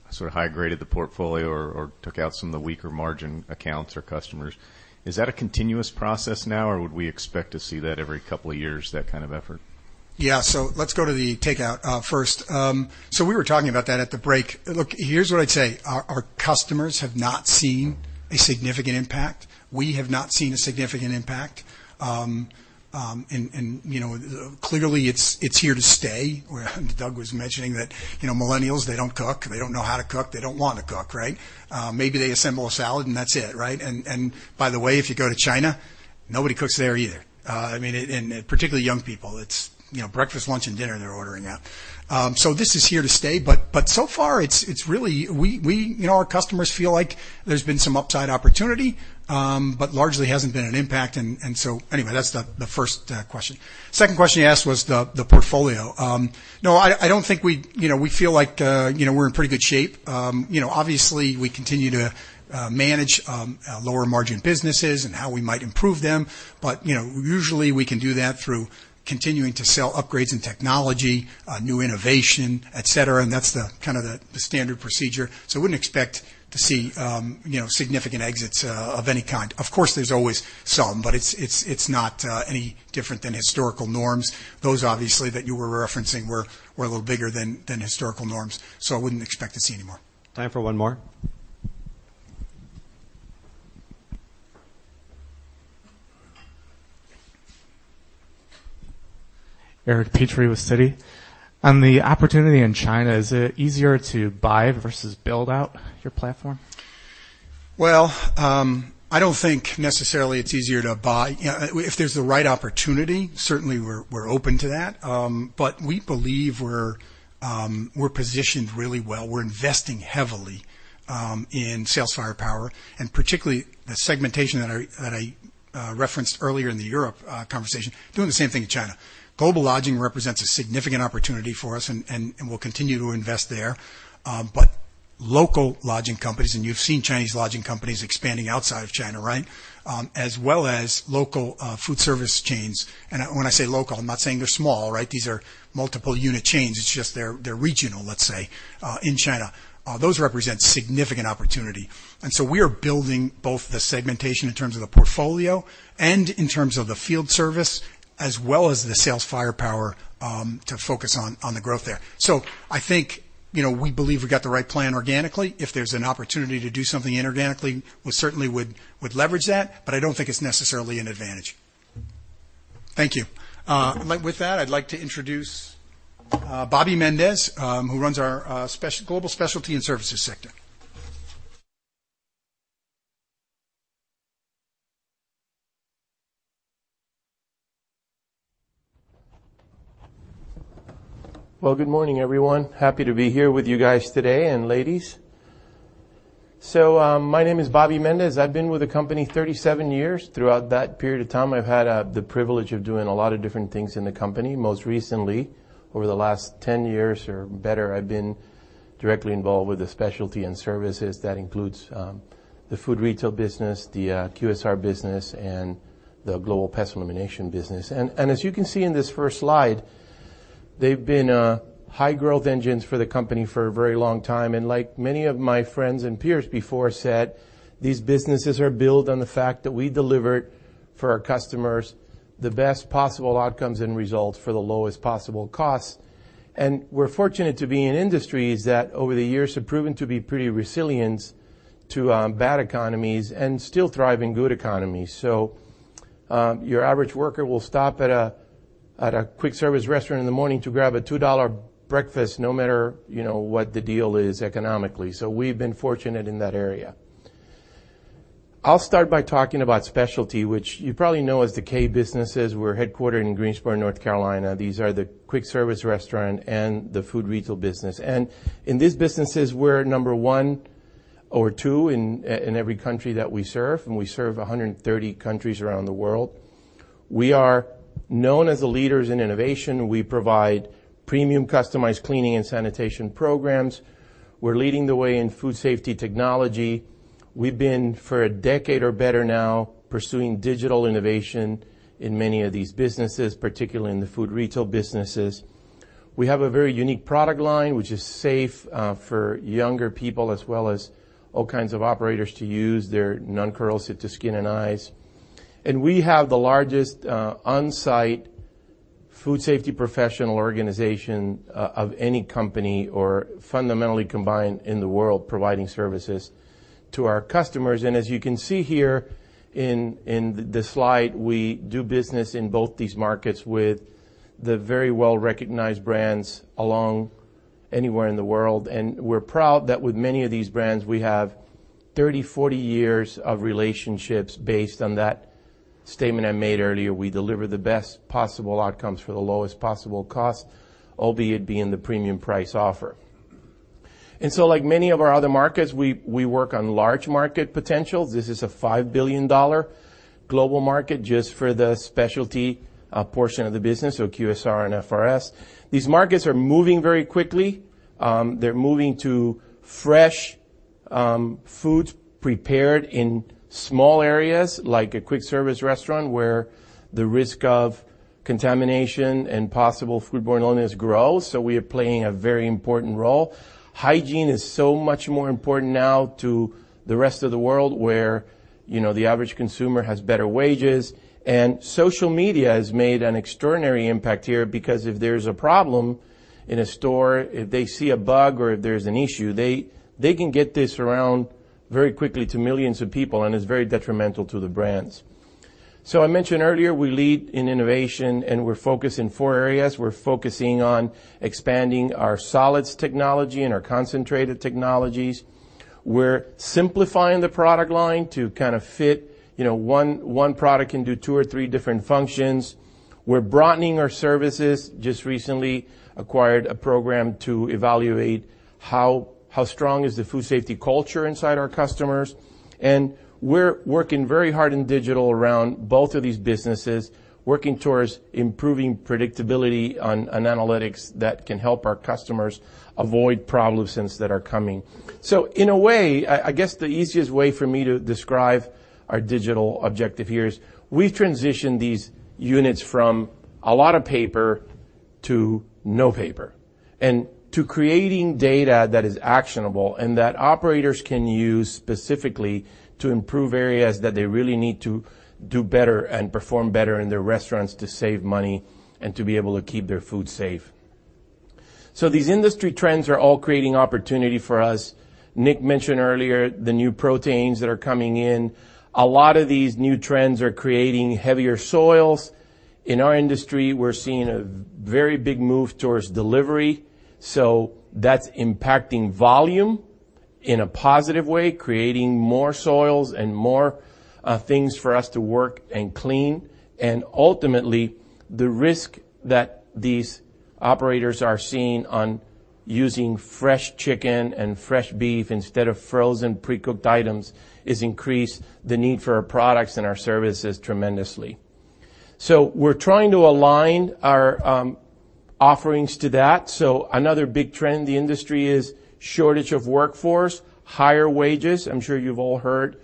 sort of high-graded the portfolio or took out some of the weaker margin accounts or customers. Is that a continuous process now, or would we expect to see that every couple of years, that kind of effort? Yeah. Let's go to the takeout first. We were talking about that at the break. Look, here's what I'd say. Our customers have not seen a significant impact. We have not seen a significant impact. Clearly, it's here to stay. Doug was mentioning that millennials, they don't cook. They don't know how to cook. They don't want to cook, right? Maybe they assemble a salad and that's it, right? By the way, if you go to China, nobody cooks there either. Particularly young people, it's breakfast, lunch, and dinner, they're ordering out. This is here to stay. So far our customers feel like there's been some upside opportunity, but largely hasn't been an impact. Anyway, that's the first question. Second question you asked was the portfolio. No, I don't think we feel like we're in pretty good shape. Obviously, we continue to manage lower-margin businesses and how we might improve them. Usually, we can do that through continuing to sell upgrades in technology, new innovation, et cetera. That's kind of the standard procedure. I wouldn't expect to see significant exits of any kind. Of course, there's always some, but it's not any different than historical norms. Those, obviously, that you were referencing were a little bigger than historical norms. I wouldn't expect to see any more. Time for one more. Eric Petrie with Citi. On the opportunity in China, is it easier to buy versus build out your platform? Well, I don't think necessarily it's easier to buy. If there's the right opportunity, certainly we're open to that. We believe we're positioned really well. We're investing heavily in sales firepower, and particularly the segmentation that I referenced earlier in the Europe conversation, doing the same thing in China. Global lodging represents a significant opportunity for us, and we'll continue to invest there. Local lodging companies, and you've seen Chinese lodging companies expanding outside of China, right? As well as local food service chains. When I say local, I'm not saying they're small, right? These are multiple-unit chains. It's just they're regional, let's say, in China. Those represent significant opportunity. So we are building both the segmentation in terms of the portfolio and in terms of the field service, as well as the sales firepower, to focus on the growth there. I think, we believe we've got the right plan organically. If there's an opportunity to do something inorganically, we certainly would leverage that, but I don't think it's necessarily an advantage. Thank you. With that, I'd like to introduce Bobby Mendez, who runs our Global Services & Specialty sector. Good morning, everyone. Happy to be here with you guys today, and ladies. My name is Bobby Mendez. I've been with the company 37 years. Throughout that period of time, I've had the privilege of doing a lot of different things in the company. Most recently, over the last 10 years or better, I've been directly involved with the specialty and services. That includes the food retail business, the QSR business, and the global pest elimination business. As you can see in this first slide, they've been high growth engines for the company for a very long time. Like many of my friends and peers before said, these businesses are built on the fact that we delivered for our customers the best possible outcomes and results for the lowest possible cost. We're fortunate to be in industries that over the years have proven to be pretty resilient to bad economies and still thrive in good economies. Your average worker will stop at a quick-service restaurant in the morning to grab a $2 breakfast, no matter what the deal is economically. We've been fortunate in that area. I'll start by talking about specialty, which you probably know as the K businesses. We're headquartered in Greensboro, North Carolina. These are the quick-service restaurant and the food retail business. In these businesses, we're number 1 or 2 in every country that we serve, and we serve 130 countries around the world. We are known as the leaders in innovation. We provide premium customized cleaning and sanitation programs. We're leading the way in food safety technology. We've been, for a decade or better now, pursuing digital innovation in many of these businesses, particularly in the food retail businesses. We have a very unique product line, which is safe for younger people as well as all kinds of operators to use. They're non-corrosive to skin and eyes. We have the largest on-site food safety professional organization of any company or fundamentally combined in the world, providing services to our customers. As you can see here in the slide, we do business in both these markets with the very well-recognized brands along anywhere in the world. We're proud that with many of these brands, we have 30, 40 years of relationships based on that statement I made earlier. We deliver the best possible outcomes for the lowest possible cost, albeit being the premium price offer. Like many of our other markets, we work on large market potential. This is a $5 billion global market just for the specialty portion of the business, so QSR and FRS. These markets are moving very quickly. They're moving to fresh foods prepared in small areas like a quick service restaurant where the risk of contamination and possible foodborne illness grows, so we are playing a very important role. Hygiene is so much more important now to the rest of the world where the average consumer has better wages. Social media has made an extraordinary impact here, because if there's a problem in a store, if they see a bug or if there's an issue, they can get this around very quickly to millions of people, and it's very detrimental to the brands. I mentioned earlier, we lead in innovation, and we're focused in four areas. We're focusing on expanding our solids technology and our concentrated technologies. We're simplifying the product line to kind of fit, one product can do two or three different functions. We're broadening our services, just recently acquired a program to evaluate how strong is the food safety culture inside our customers. We're working very hard in digital around both of these businesses, working towards improving predictability on analytics that can help our customers avoid problems that are coming. In a way, I guess the easiest way for me to describe our digital objective here is we've transitioned these units from a lot of paper to no paper, and to creating data that is actionable and that operators can use specifically to improve areas that they really need to do better and perform better in their restaurants to save money and to be able to keep their food safe. These industry trends are all creating opportunity for us. Nick mentioned earlier the new proteins that are coming in. A lot of these new trends are creating heavier soils. In our industry, we're seeing a very big move towards delivery, so that's impacting volume in a positive way, creating more soils and more things for us to work and clean. Ultimately, the risk that these operators are seeing on using fresh chicken and fresh beef instead of frozen precooked items has increased the need for our products and our services tremendously. We're trying to align our offerings to that. Another big trend in the industry is shortage of workforce, higher wages. I'm sure you've all heard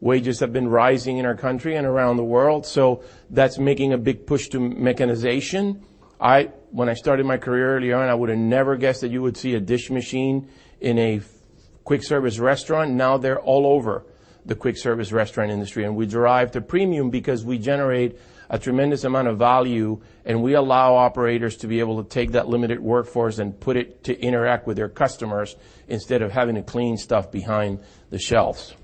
wages have been rising in our country and around the world, so that's making a big push to mechanization. When I started my career early on, I would have never guessed that you would see a dish machine in a quick service restaurant. Now they're all over the quick service restaurant industry, we derive the premium because we generate a tremendous amount of value, and we allow operators to be able to take that limited workforce and put it to interact with their customers instead of having to clean stuff behind the shelves.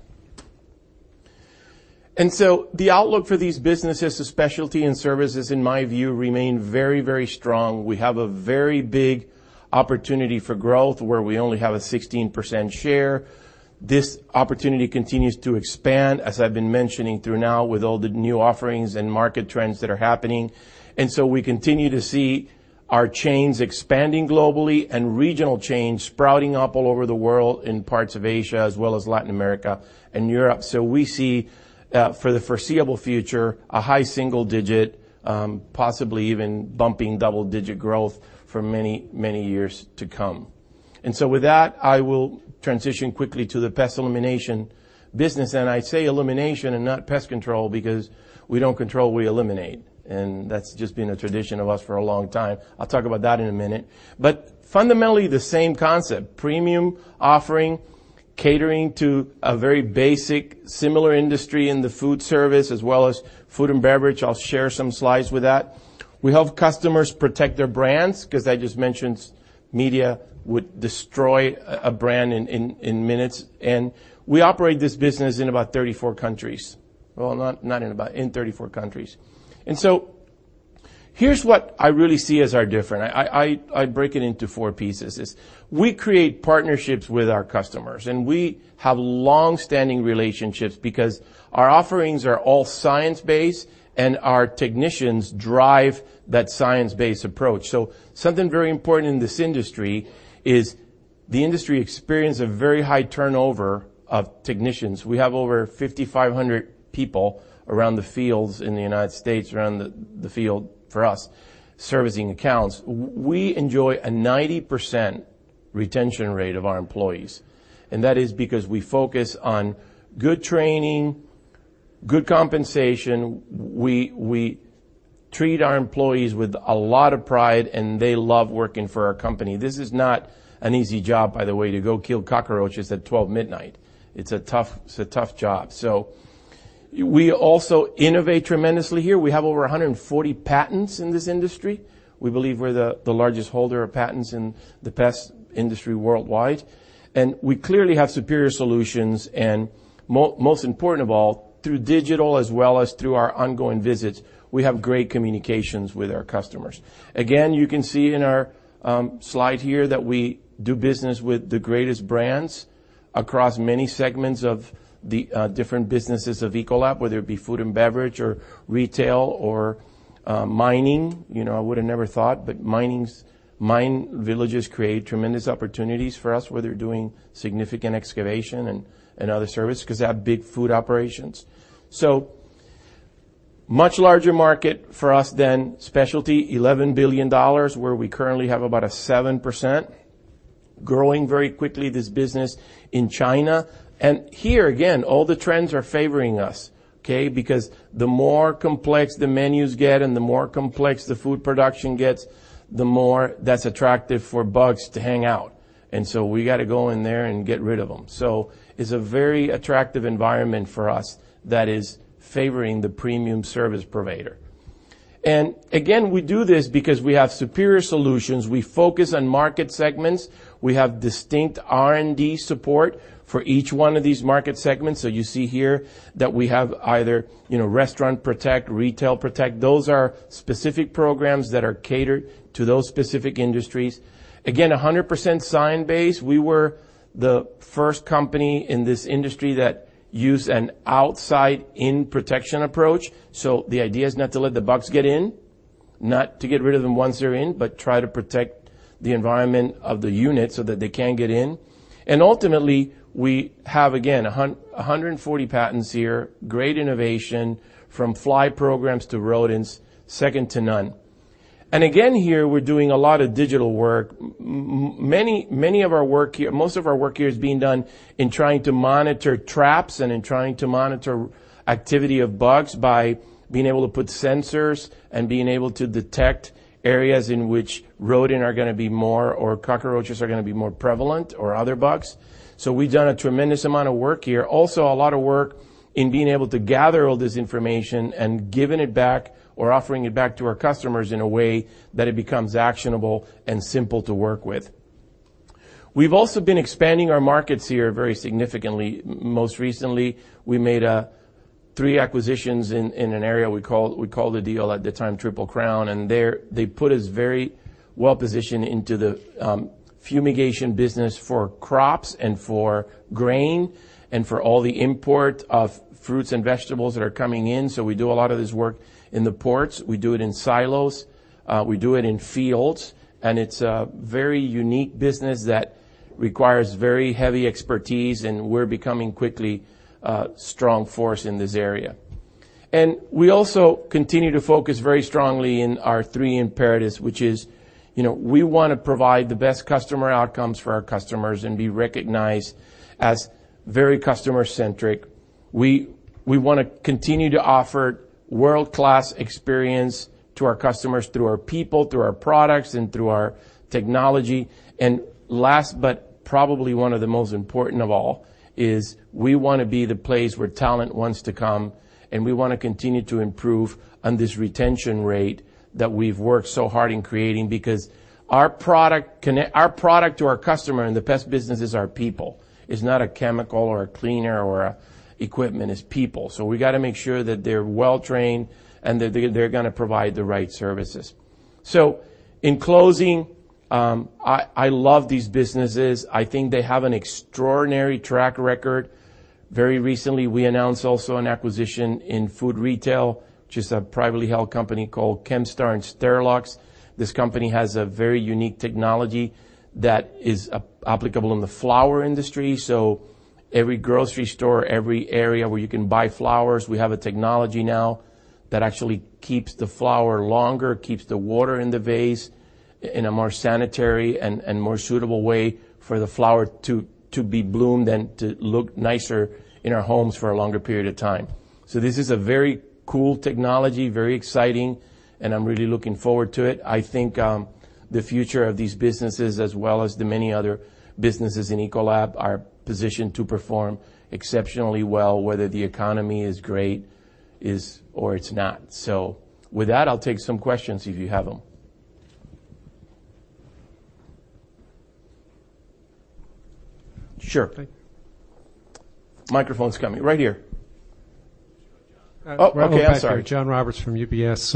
The outlook for these businesses, the specialty and services, in my view, remain very, very strong. We have a very big opportunity for growth where we only have a 16% share. This opportunity continues to expand, as I've been mentioning through now, with all the new offerings and market trends that are happening. We continue to see our chains expanding globally and regional chains sprouting up all over the world in parts of Asia as well as Latin America and Europe. We see, for the foreseeable future, a high single digit, possibly even bumping double-digit growth for many, many years to come. With that, I will transition quickly to the pest elimination business. I say elimination and not pest control because we don't control, we eliminate. That's just been a tradition of us for a long time. I'll talk about that in a minute. Fundamentally, the same concept, premium offering, catering to a very basic, similar industry in the food service as well as food and beverage. I'll share some slides with that. We help customers protect their brands because I just mentioned media would destroy a brand in minutes. We operate this business in about 34 countries. Well, not in about, in 34 countries. Here's what I really see as our different. I break it into four pieces, is we create partnerships with our customers, and we have long-standing relationships because our offerings are all science-based, and our technicians drive that science-based approach. Something very important in this industry is the industry experience of very high turnover of technicians. We have over 5,500 people around the fields in the U.S., around the field for us, servicing accounts. We enjoy a 90% retention rate of our employees, and that is because we focus on good training, good compensation. We treat our employees with a lot of pride, and they love working for our company. This is not an easy job, by the way, to go kill cockroaches at 12:00 midnight. It's a tough job. We also innovate tremendously here. We have over 140 patents in this industry. We believe we're the largest holder of patents in the pest industry worldwide, and we clearly have superior solutions and, most important of all, through digital as well as through our ongoing visits, we have great communications with our customers. Again, you can see in our slide here that we do business with the greatest brands across many segments of the different businesses of Ecolab, whether it be food and beverage or retail or mining. I would've never thought, but mine villages create tremendous opportunities for us where they're doing significant excavation and other service because they have big food operations. Much larger market for us than specialty, $11 billion, where we currently have about a 7%. Growing very quickly, this business in China. Here, again, all the trends are favoring us, okay? Because the more complex the menus get and the more complex the food production gets, the more that's attractive for bugs to hang out. We got to go in there and get rid of them. It's a very attractive environment for us that is favoring the premium service provider. Again, we do this because we have superior solutions. We focus on market segments. We have distinct R&D support for each one of these market segments. You see here that we have either Restaurant Protect, Retail Protect. Those are specific programs that are catered to those specific industries. Again, 100% science-based. We were the first company in this industry that used an outside-in protection approach. The idea is not to let the bugs get in, not to get rid of them once they're in, but try to protect the environment of the unit so that they can't get in. Ultimately, we have, again, 140 patents here, great innovation from fly programs to rodents, second to none. Again, here, we're doing a lot of digital work. Most of our work here is being done in trying to monitor traps and in trying to monitor activity of bugs by being able to put sensors and being able to detect areas in which rodents are going to be more, or cockroaches are going to be more prevalent, or other bugs. We've done a tremendous amount of work here. Also a lot of work in being able to gather all this information and giving it back or offering it back to our customers in a way that it becomes actionable and simple to work with. We've also been expanding our markets here very significantly. Most recently, we made three acquisitions in an area, we called the deal at the time Triple Crown, and they put us very well-positioned into the fumigation business for crops and for grain and for all the import of fruits and vegetables that are coming in. We do a lot of this work in the ports. We do it in silos. We do it in fields, and it's a very unique business that requires very heavy expertise, and we're becoming quickly a strong force in this area. We also continue to focus very strongly in our three imperatives, which is we want to provide the best customer outcomes for our customers and be recognized as very customer-centric. We want to continue to offer world-class experience to our customers through our people, through our products, and through our technology. Last, but probably one of the most important of all is we want to be the place where talent wants to come, and we want to continue to improve on this retention rate that we've worked so hard in creating because our product to our customer in the pest business is our people. It's not a chemical or a cleaner or equipment. It's people. We got to make sure that they're well-trained and that they're going to provide the right services. In closing, I love these businesses. I think they have an extraordinary track record. Very recently, we announced also an acquisition in food retail, which is a privately held company called Chemstar and Sterilox. This company has a very unique technology that is applicable in the flower industry. Every grocery store, every area where you can buy flowers, we have a technology now that actually keeps the flower longer, keeps the water in the vase in a more sanitary and more suitable way for the flower to be bloomed and to look nicer in our homes for a longer period of time. This is a very cool technology, very exciting, and I'm really looking forward to it. I think the future of these businesses, as well as the many other businesses in Ecolab, are positioned to perform exceptionally well, whether the economy is great or it's not. With that, I'll take some questions if you have them. Sure. Microphone's coming. Right here. John Roberts from UBS.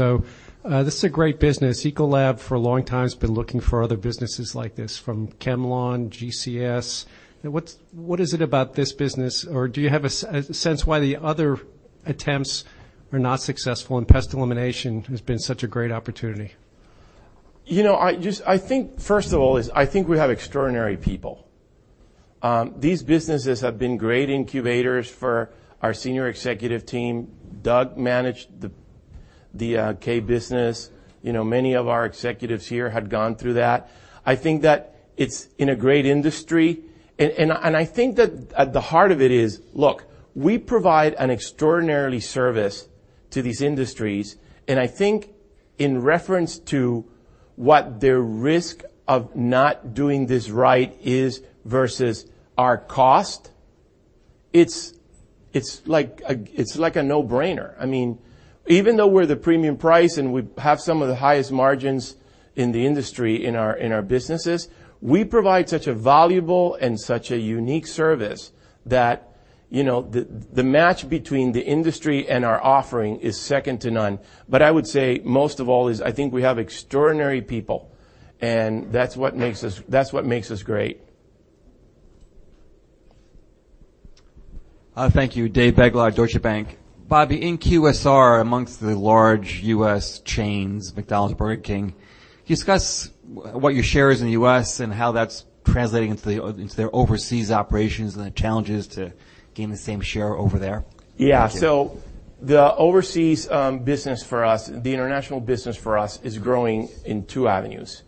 This is a great business. Ecolab for a long time has been looking for other businesses like this from ChemLawn, GCS. What is it about this business or do you have a sense why the other attempts were not successful, and pest elimination has been such a great opportunity? First of all is, I think we have extraordinary people. These businesses have been great incubators for our senior executive team. Doug managed the K business. Many of our executives here had gone through that. I think that it's in a great industry, and I think that at the heart of it is, look, we provide an extraordinary service to these industries, and I think in reference to what their risk of not doing this right is versus our cost, it's like a no-brainer. Even though we're the premium price and we have some of the highest margins in the industry in our businesses, we provide such a valuable and such a unique service that the match between the industry and our offering is second to none. I would say, most of all is I think we have extraordinary people, and that's what makes us great. Thank you. Dave Begleiter, Deutsche Bank. Bobby, in QSR, amongst the large U.S. chains, McDonald's, Burger King, can you discuss what your share is in the U.S. and how that's translating into their overseas operations and the challenges to gain the same share over there? Yeah. The overseas business for us, the international business for us, is growing in two avenues.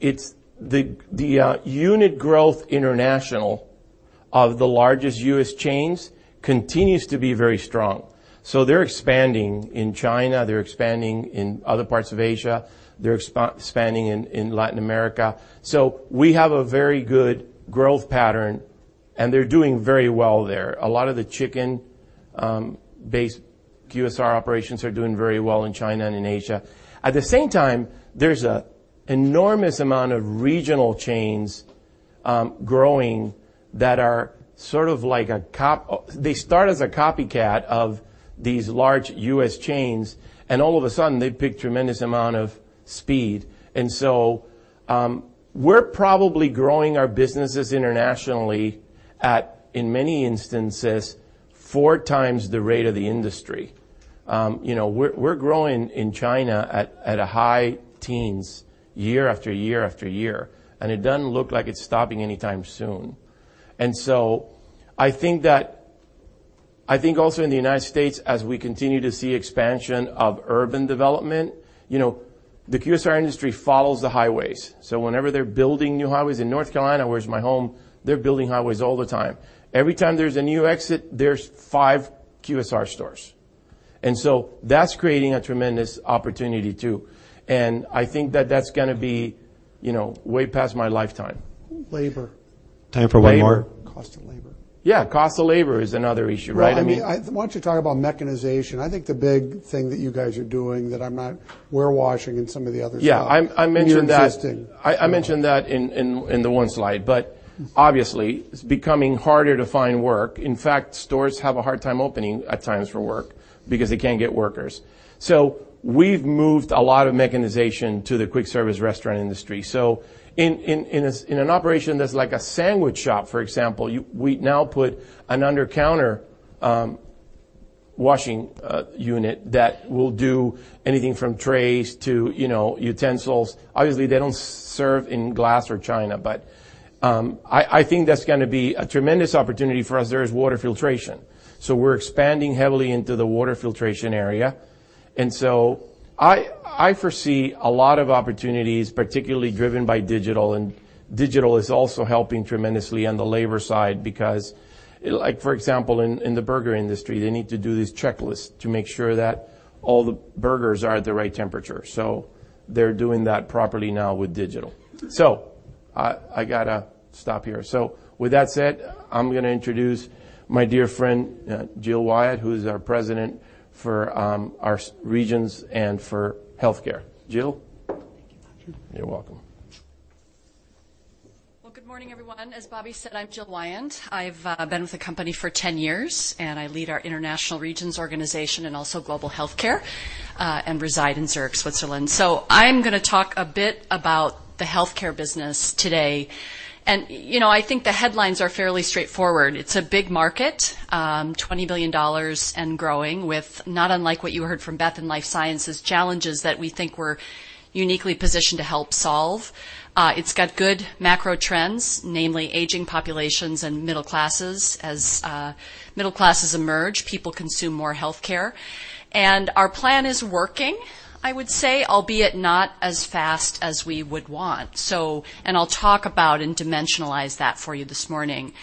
It's the unit growth international of the largest U.S. chains continues to be very strong. They're expanding in China, they're expanding in other parts of Asia, they're expanding in Latin America. We have a very good growth pattern, and they're doing very well there. A lot of the chicken-based QSR operations are doing very well in China and in Asia. At the same time, there's an enormous amount of regional chains growing that are sort of like they start as a copycat of these large U.S. chains, and all of a sudden, they pick tremendous amount of speed. We're probably growing our businesses internationally at, in many instances, four times the rate of the industry. We're growing in China at a high teens year after year after year. It doesn't look like it's stopping anytime soon. I think also in the United States, as we continue to see expansion of urban development, the QSR industry follows the highways. Whenever they're building new highways in North Carolina, where's my home, they're building highways all the time. Every time there's a new exit, there's five QSR stores. That's creating a tremendous opportunity, too. I think that that's going to be way past my lifetime. Labor. Time for one more. Labor. Cost of labor. Yeah, cost of labor is another issue, right? Well, why don't you talk about mechanization? I think the big thing that you guys are doing that I'm not, warewashing and some of the other stuff. Yeah, I mentioned that. You're investing. I mentioned that in the one slide. Obviously, it's becoming harder to find work. In fact, stores have a hard time opening at times for work because they can't get workers. We've moved a lot of mechanization to the quick service restaurant industry. In an operation that's like a sandwich shop, for example, we now put an under-counter washing unit that will do anything from trays to utensils. Obviously, they don't serve in glass or china, but I think that's going to be a tremendous opportunity for us. There is water filtration. We're expanding heavily into the water filtration area. I foresee a lot of opportunities, particularly driven by digital, and digital is also helping tremendously on the labor side because, like for example, in the burger industry, they need to do these checklists to make sure that all the burgers are at the right temperature. They're doing that properly now with digital. I got to stop here. With that said, I'm going to introduce my dear friend, Jill Wyant, who is our president for our regions and for healthcare. Jill? Thank you, Bobby. You're welcome. Well, good morning, everyone. As Bobby said, I'm Jill Wyant. I've been with the company for 10 years. I lead our international regions organization and also global healthcare, and reside in Zurich, Switzerland. I'm going to talk a bit about the healthcare business today. I think the headlines are fairly straightforward. It's a big market, $20 billion and growing with not unlike what you heard from Beth in life sciences, challenges that we think we're uniquely positioned to help solve. It's got good macro trends, namely aging populations and middle classes. As middle classes emerge, people consume more healthcare. Our plan is working, I would say, albeit not as fast as we would want. I'll talk about and dimensionalize that for you this morning.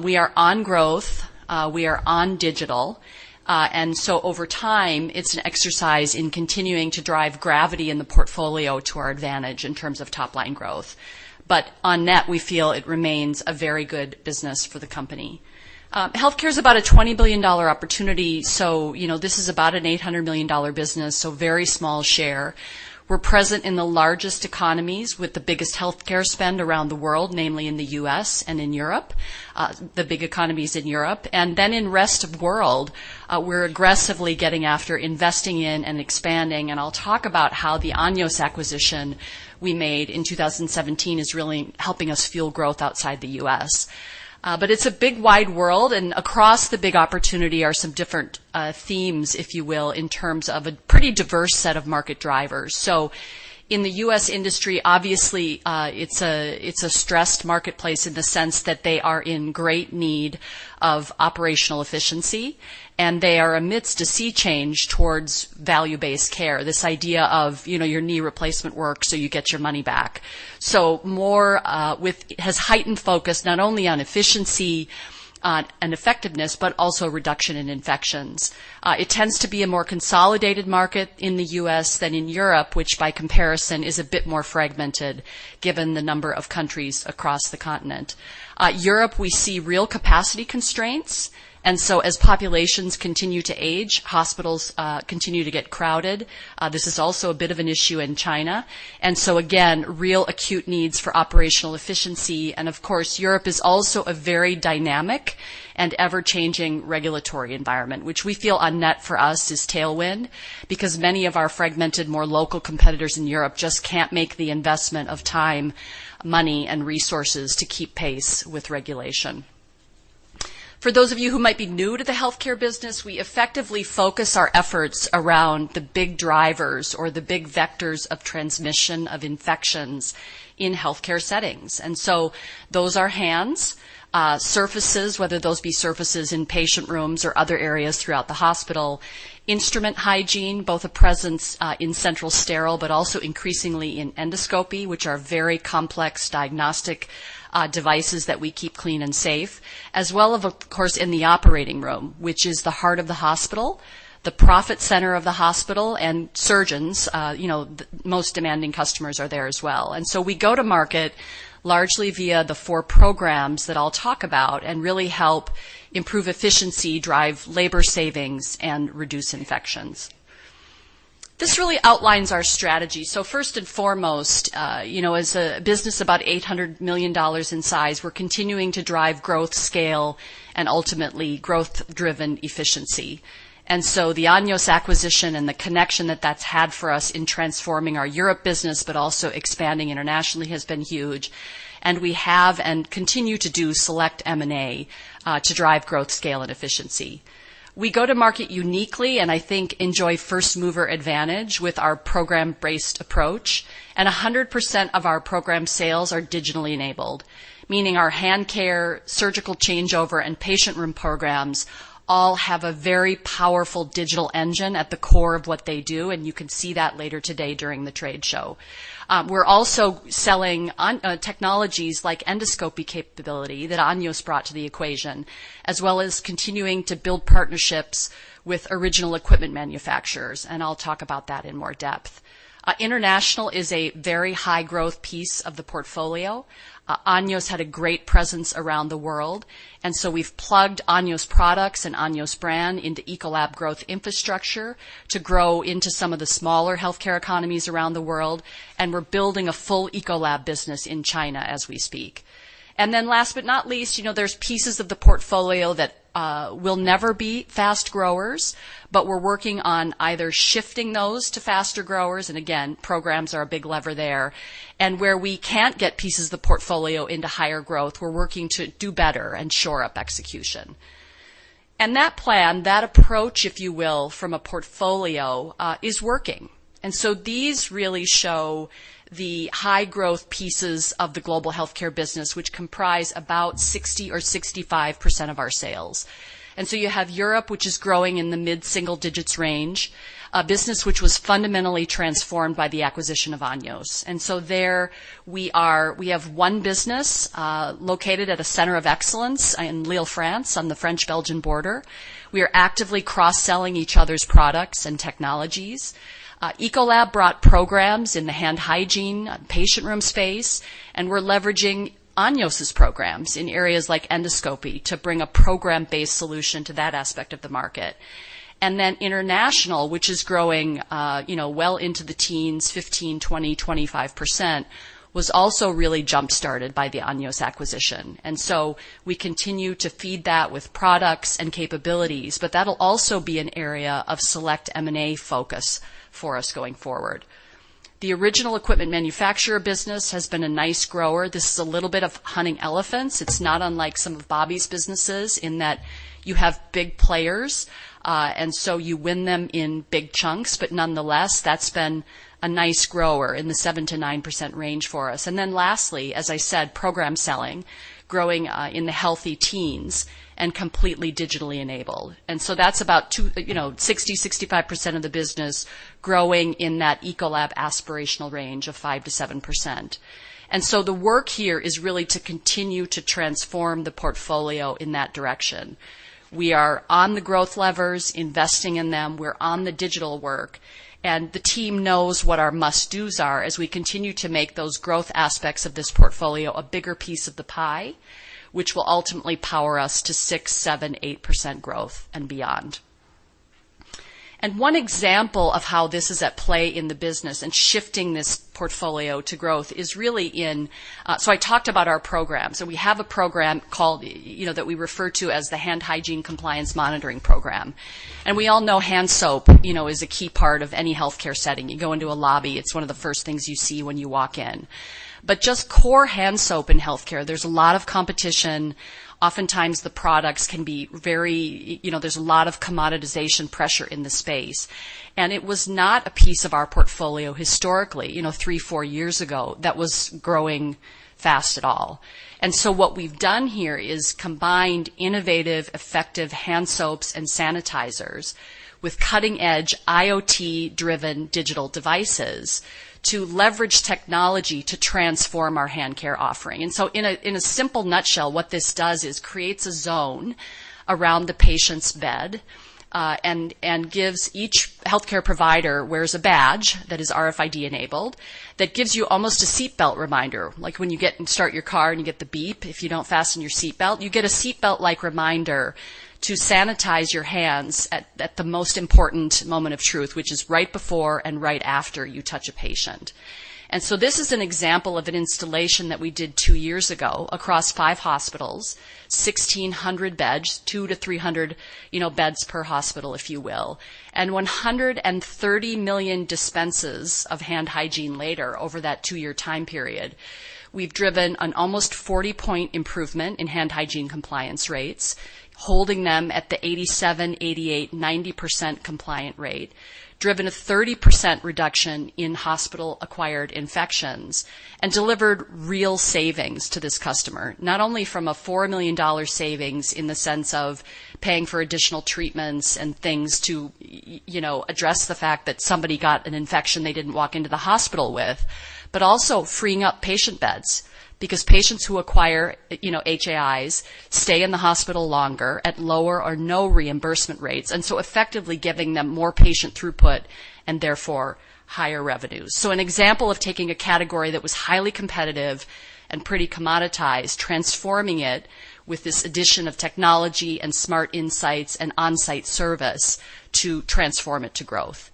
We are on growth. We are on digital. Over time, it's an exercise in continuing to drive gravity in the portfolio to our advantage in terms of top-line growth. On net, we feel it remains a very good business for the company. Healthcare is about a $20 billion opportunity, so this is about an $800 million business, so very small share. We're present in the largest economies with the biggest healthcare spend around the world, namely in the U.S. and in Europe, the big economies in Europe. In rest of world, we're aggressively getting after investing in and expanding, and I'll talk about how the Anios acquisition we made in 2017 is really helping us fuel growth outside the U.S. It's a big wide world, and across the big opportunity are some different themes, if you will, in terms of a pretty diverse set of market drivers. In the U.S. industry, obviously, it's a stressed marketplace in the sense that they are in great need of operational efficiency, and they are amidst a sea change towards value-based care. This idea of your knee replacement work, so you get your money back. More has heightened focus not only on efficiency and effectiveness, but also reduction in infections. It tends to be a more consolidated market in the U.S. than in Europe, which by comparison is a bit more fragmented given the number of countries across the continent. Europe, we see real capacity constraints. As populations continue to age, hospitals continue to get crowded. This is also a bit of an issue in China. Again, real acute needs for operational efficiency. Of course, Europe is also a very dynamic and ever-changing regulatory environment, which we feel on net for us is tailwind because many of our fragmented, more local competitors in Europe just can't make the investment of time, money, and resources to keep pace with regulation. For those of you who might be new to the healthcare business, we effectively focus our efforts around the big drivers or the big vectors of transmission of infections in healthcare settings. Those are hands, surfaces, whether those be surfaces in patient rooms or other areas throughout the hospital, instrument hygiene, both a presence in central sterile, but also increasingly in endoscopy, which are very complex diagnostic devices that we keep clean and safe, as well as, of course, in the operating room, which is the heart of the hospital, the profit center of the hospital, and surgeons, the most demanding customers are there as well. We go to market largely via the four programs that I'll talk about and really help improve efficiency, drive labor savings, and reduce infections. This really outlines our strategy. First and foremost, as a business about $800 million in size, we're continuing to drive growth scale and ultimately growth-driven efficiency. The Anios acquisition and the connection that that's had for us in transforming our Europe business but also expanding internationally has been huge, and we have and continue to do select M&A to drive growth scale and efficiency. We go to market uniquely and I think enjoy first-mover advantage with our program-based approach. 100% of our program sales are digitally enabled, meaning our hand care, surgical changeover, and patient room programs all have a very powerful digital engine at the core of what they do, and you can see that later today during the trade show. We're also selling technologies like endoscopy capability that Anios brought to the equation, as well as continuing to build partnerships with original equipment manufacturers, and I'll talk about that in more depth. International is a very high-growth piece of the portfolio. Anios had a great presence around the world. We've plugged Anios products and Anios brand into Ecolab growth infrastructure to grow into some of the smaller healthcare economies around the world. We're building a full Ecolab business in China as we speak. Last but not least, there's pieces of the portfolio that will never be fast growers. We're working on either shifting those to faster growers. Again, programs are a big lever there. Where we can't get pieces of the portfolio into higher growth, we're working to do better and shore up execution. That plan, that approach, if you will, from a portfolio, is working. These really show the high-growth pieces of the global healthcare business, which comprise about 60% or 65% of our sales. You have Europe, which is growing in the mid-single digits range, a business which was fundamentally transformed by the acquisition of Anios. There we have one business located at a center of excellence in Lille, France, on the French-Belgian border. We are actively cross-selling each other's products and technologies. Ecolab brought programs in the hand hygiene, patient room space, and we're leveraging Anios's programs in areas like endoscopy to bring a program-based solution to that aspect of the market. International, which is growing well into the teens, 15%, 20%, 25%, was also really jump-started by the Anios acquisition. We continue to feed that with products and capabilities, but that'll also be an area of select M&A focus for us going forward. The original equipment manufacturer business has been a nice grower. This is a little bit of hunting elephants. It's not unlike some of Bobby's businesses in that you have big players, and so you win them in big chunks, but nonetheless, that's been a nice grower in the 7%-9% range for us. Lastly, as I said, program selling, growing in the healthy teens and completely digitally enabled. That's about 60%-65% of the business growing in that Ecolab aspirational range of 5%-7%. The work here is really to continue to transform the portfolio in that direction. We are on the growth levers, investing in them. We're on the digital work, and the team knows what our must-dos are as we continue to make those growth aspects of this portfolio a bigger piece of the pie, which will ultimately power us to 6%, 7%, 8% growth and beyond. One example of how this is at play in the business and shifting this portfolio to growth. I talked about our programs, and we have a program that we refer to as the Hand Hygiene Compliance Monitoring Program. We all know hand soap is a key part of any healthcare setting. You go into a lobby, it's one of the first things you see when you walk in. Just core hand soap in healthcare, there's a lot of competition. Oftentimes, the products can be very. There's a lot of commoditization pressure in the space. It was not a piece of our portfolio historically, three, four years ago, that was growing fast at all. What we've done here is combined innovative, effective hand soaps and sanitizers with cutting-edge IoT-driven digital devices to leverage technology to transform our hand care offering. In a simple nutshell, what this does is creates a zone around the patient's bed, and gives each healthcare provider wears a badge that is RFID-enabled, that gives you almost a seatbelt reminder. Like when you get and start your car and you get the beep if you don't fasten your seatbelt, you get a seatbelt-like reminder to sanitize your hands at the most important moment of truth, which is right before and right after you touch a patient. This is an example of an installation that we did two years ago across five hospitals, 1,600 beds, two to 300 beds per hospital, if you will, and 130 million dispenses of hand hygiene later over that two-year time period. We've driven an almost 40-point improvement in hand hygiene compliance rates, holding them at the 87%, 88%, 90% compliant rate, driven a 30% reduction in hospital-acquired infections, and delivered real savings to this customer, not only from a $4 million savings in the sense of paying for additional treatments and things to address the fact that somebody got an infection they didn't walk into the hospital with, but also freeing up patient beds. Because patients who acquire HAIs stay in the hospital longer at lower or no reimbursement rates, effectively giving them more patient throughput and therefore higher revenues. An example of taking a category that was highly competitive and pretty commoditized, transforming it with this addition of technology and smart insights and onsite service to transform it to growth.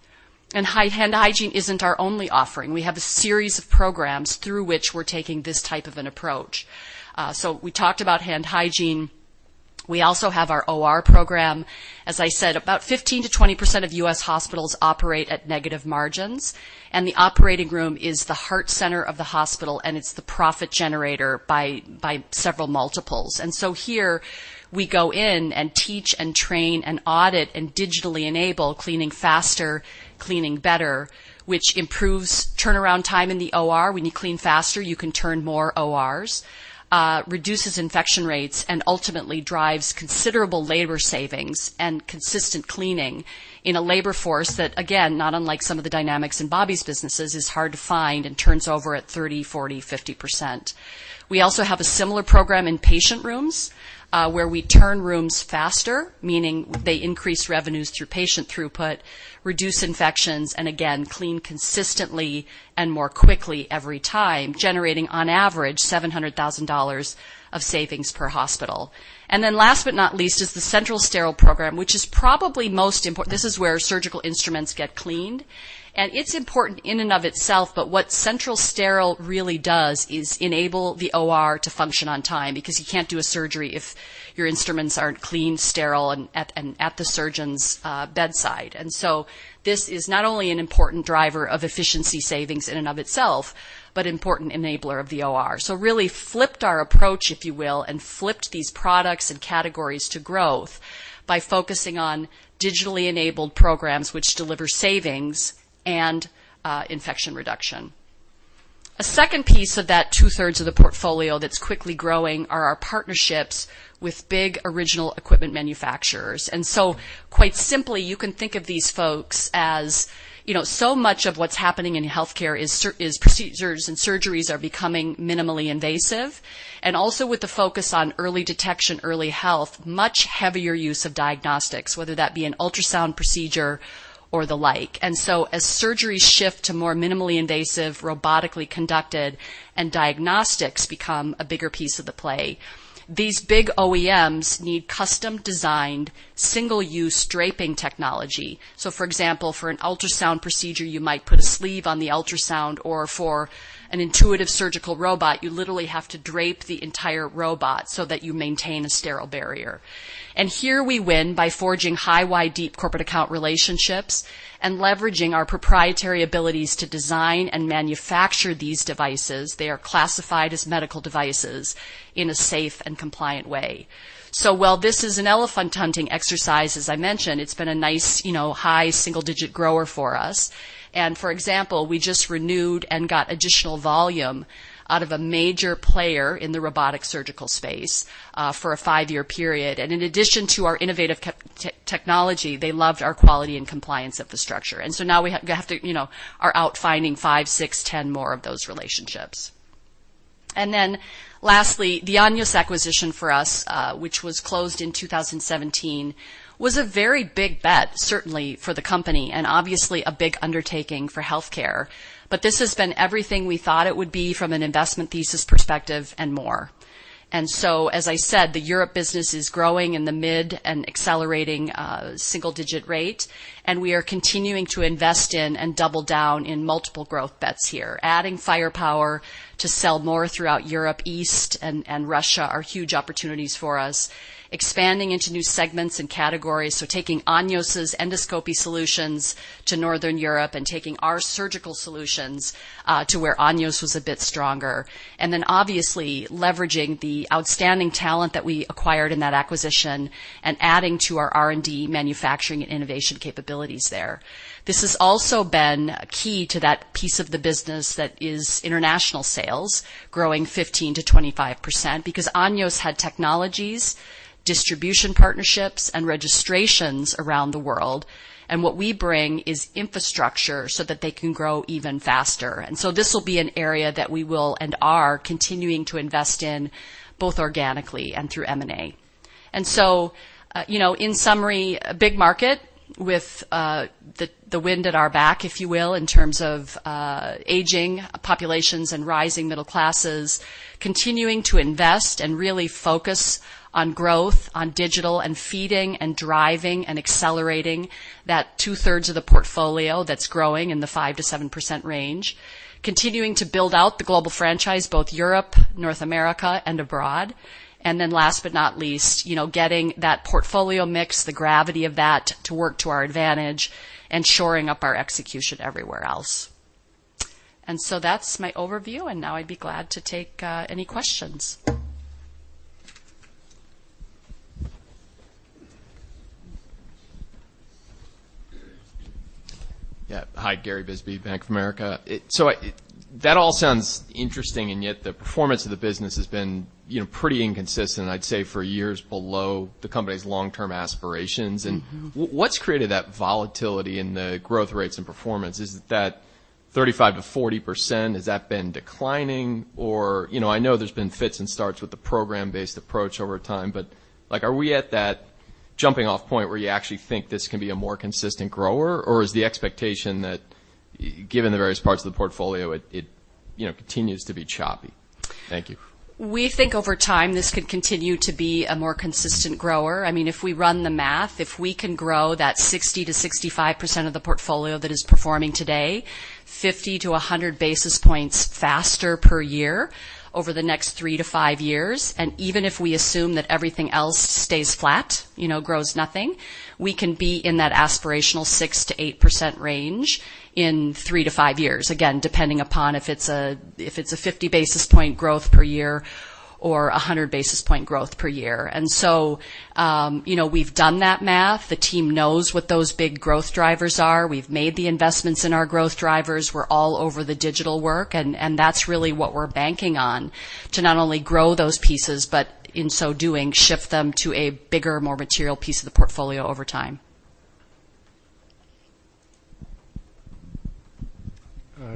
Hand hygiene isn't our only offering. We have a series of programs through which we're taking this type of an approach. We talked about hand hygiene. We also have our OR program. As I said, about 15%-20% of U.S. hospitals operate at negative margins, and the operating room is the heart center of the hospital, and it's the profit generator by several multiples. Here, we go in and teach and train and audit and digitally enable cleaning faster, cleaning better, which improves turnaround time in the OR. When you clean faster, you can turn more ORs. Reduces infection rates, and ultimately drives considerable labor savings and consistent cleaning in a labor force that, again, not unlike some of the dynamics in Bobby's businesses, is hard to find and turns over at 30%, 40%, 50%. We also have a similar program in patient rooms, where we turn rooms faster, meaning they increase revenues through patient throughput, reduce infections, and again, clean consistently and more quickly every time, generating, on average, $700,000 of savings per hospital. Then last but not least is the Central Sterile program, which is probably most important. This is where surgical instruments get cleaned. It's important in and of itself, but what Central Sterile really does is enable the OR to function on time because you can't do a surgery if your instruments aren't clean, sterile, and at the surgeon's bedside. This is not only an important driver of efficiency savings in and of itself, but important enabler of the OR. Really flipped our approach, if you will, and flipped these products and categories to growth by focusing on digitally enabled programs which deliver savings and infection reduction. A second piece of that two-thirds of the portfolio that's quickly growing are our partnerships with big Original Equipment Manufacturers. Quite simply, you can think of these folks as, so much of what's happening in healthcare is procedures and surgeries are becoming minimally invasive. Also with the focus on early detection, early health, much heavier use of diagnostics, whether that be an ultrasound procedure or the like. As surgeries shift to more minimally invasive, robotically conducted, and diagnostics become a bigger piece of the play, these big OEMs need custom-designed, single-use draping technology. For example, for an ultrasound procedure, you might put a sleeve on the ultrasound or for an Intuitive Surgical robot, you literally have to drape the entire robot so that you maintain a sterile barrier. Here we win by forging high-wide-deep corporate account relationships and leveraging our proprietary abilities to design and manufacture these devices, they are classified as medical devices, in a safe and compliant way. While this is an elephant hunting exercise, as I mentioned, it's been a nice high single-digit grower for us. For example, we just renewed and got additional volume out of a major player in the robotic surgical space for a five-year period. In addition to our innovative technology, they loved our quality and compliance infrastructure. Now we have to are out finding five, six, 10 more of those relationships. Lastly, the Anios acquisition for us, which was closed in 2017, was a very big bet, certainly for the company, and obviously a big undertaking for healthcare. This has been everything we thought it would be from an investment thesis perspective and more. As I said, the Europe business is growing in the mid and accelerating single-digit rate, and we are continuing to invest in and double down in multiple growth bets here. Adding firepower to sell more throughout Europe, East, and Russia are huge opportunities for us. Expanding into new segments and categories, so taking Anios' endoscopy solutions to Northern Europe and taking our surgical solutions to where Anios was a bit stronger. Obviously leveraging the outstanding talent that we acquired in that acquisition and adding to our R&D manufacturing and innovation capabilities there. This has also been key to that piece of the business that is international sales growing 15%-25%, because Anios had technologies, distribution partnerships, and registrations around the world, and what we bring is infrastructure so that they can grow even faster. This will be an area that we will, and are, continuing to invest in, both organically and through M&A. In summary, a big market with the wind at our back, if you will, in terms of aging populations and rising middle classes, continuing to invest and really focus on growth, on digital, and feeding and driving and accelerating that two-thirds of the portfolio that's growing in the 5%-7% range. Continuing to build out the global franchise, both Europe, North America, and abroad. Last but not least, getting that portfolio mix, the gravity of that to work to our advantage, and shoring up our execution everywhere else. That's my overview, and now I'd be glad to take any questions. Yeah. Hi, Gary Bisbee, Bank of America. That all sounds interesting, and yet the performance of the business has been pretty inconsistent, I'd say for years below the company's long-term aspirations. What's created that volatility in the growth rates and performance? Is that 35%-40%, has that been declining or I know there's been fits and starts with the program-based approach over time, but are we at that jumping-off point where you actually think this can be a more consistent grower? Is the expectation that given the various parts of the portfolio, it continues to be choppy? Thank you. We think over time this could continue to be a more consistent grower. If we run the math, if we can grow that 60% to 65% of the portfolio that is performing today 50 to 100 basis points faster per year over the next three to five years, and even if we assume that everything else stays flat, grows nothing, we can be in that aspirational 6% to 8% range in three to five years, again, depending upon if it's a 50-basis point growth per year or 100-basis point growth per year. We've done that math. The team knows what those big growth drivers are. We've made the investments in our growth drivers. We're all over the digital work, and that's really what we're banking on to not only grow those pieces, but in so doing, shift them to a bigger, more material piece of the portfolio over time.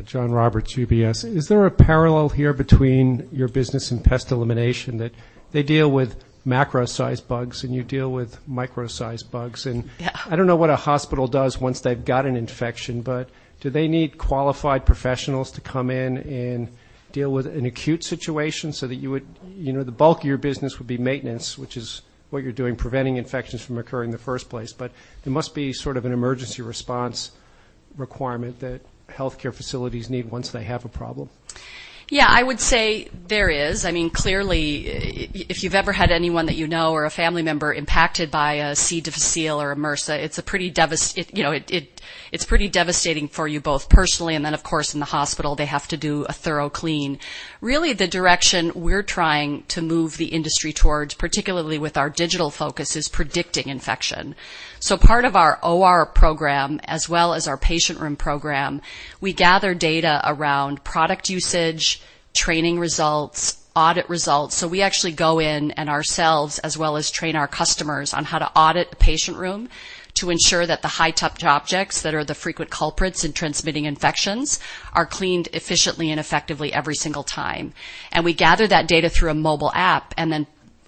John Roberts, UBS. Is there a parallel here between your business and pest elimination, that they deal with macro-sized bugs and you deal with micro-sized bugs? Yeah. I don't know what a hospital does once they've got an infection. Do they need qualified professionals to come in and deal with an acute situation? The bulk of your business would be maintenance, which is what you're doing, preventing infections from occurring in the first place. There must be sort of an emergency response requirement that healthcare facilities need once they have a problem. Yeah, I would say there is. Clearly, if you've ever had anyone that you know or a family member impacted by a C. difficile or a MRSA, it's pretty devastating for you both personally and then, of course, in the hospital, they have to do a thorough clean. Really the direction we're trying to move the industry towards, particularly with our digital focus, is predicting infection. Part of our OR program as well as our patient room program, we gather data around product usage, training results, audit results. We actually go in and ourselves as well as train our customers on how to audit the patient room to ensure that the high-touch objects that are the frequent culprits in transmitting infections are cleaned efficiently and effectively every single time. We gather that data through a mobile app and then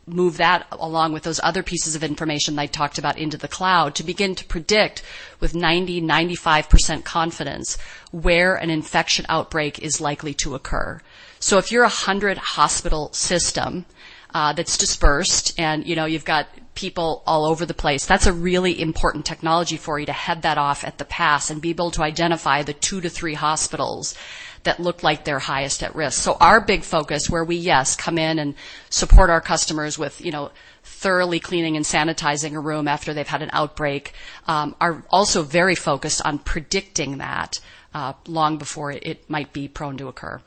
move that along with those other pieces of information that I talked about into the cloud to begin to predict with 90%, 95% confidence where an infection outbreak is likely to occur. If you're a 100-hospital system that's dispersed and you've got people all over the place, that's a really important technology for you to head that off at the pass and be able to identify the two to three hospitals that look like they're highest at risk. Our big focus where we, yes, come in and support our customers with thoroughly cleaning and sanitizing a room after they've had an outbreak, are also very focused on predicting that long before it might be prone to occur.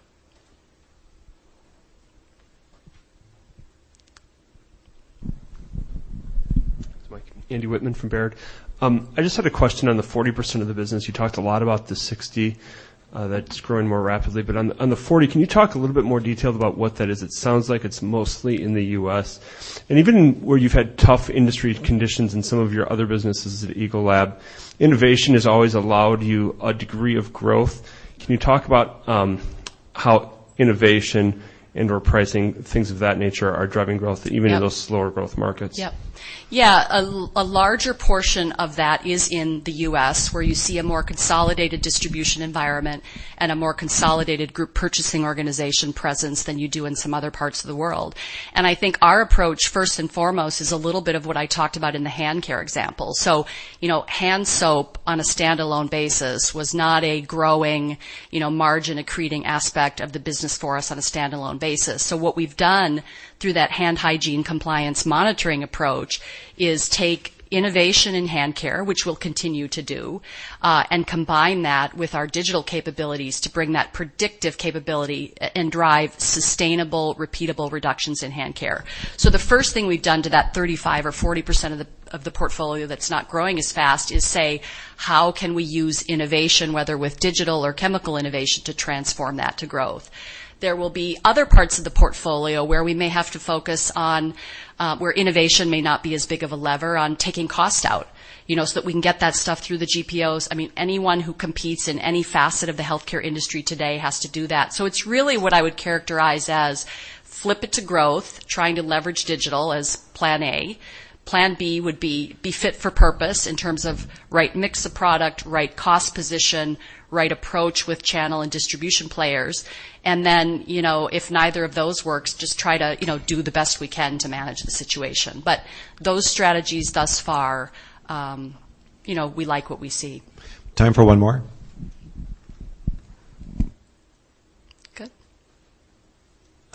That's fine. Andy Wittmann from Baird. I just had a question on the 40% of the business. You talked a lot about the 60% that's growing more rapidly. On the 40%, can you talk a little bit more detail about what that is? It sounds like it's mostly in the U.S. Even where you've had tough industry conditions in some of your other businesses at Ecolab, innovation has always allowed you a degree of growth. Can you talk about how innovation and our pricing, things of that nature, are driving growth even in those slower growth markets? Yep. Yeah, a larger portion of that is in the U.S., where you see a more consolidated distribution environment and a more consolidated group purchasing organization presence than you do in some other parts of the world. I think our approach, first and foremost, is a little bit of what I talked about in the hand care example. Hand soap on a standalone basis was not a growing, margin-accreting aspect of the business for us on a standalone basis. What we've done through that hand hygiene compliance monitoring approach is take innovation in hand care, which we'll continue to do, and combine that with our digital capabilities to bring that predictive capability and drive sustainable, repeatable reductions in hand care. The first thing we've done to that 35% or 40% of the portfolio that's not growing as fast is say, how can we use innovation, whether with digital or chemical innovation, to transform that to growth? There will be other parts of the portfolio where we may have to focus on, where innovation may not be as big of a lever on taking cost out, so that we can get that stuff through the GPOs. Anyone who competes in any facet of the healthcare industry today has to do that. It's really what I would characterize as flip it to growth, trying to leverage digital as plan A. Plan B would be fit for purpose in terms of right mix of product, right cost position, right approach with channel and distribution players. If neither of those works, just try to do the best we can to manage the situation. Those strategies thus far, we like what we see. Time for one more. Good.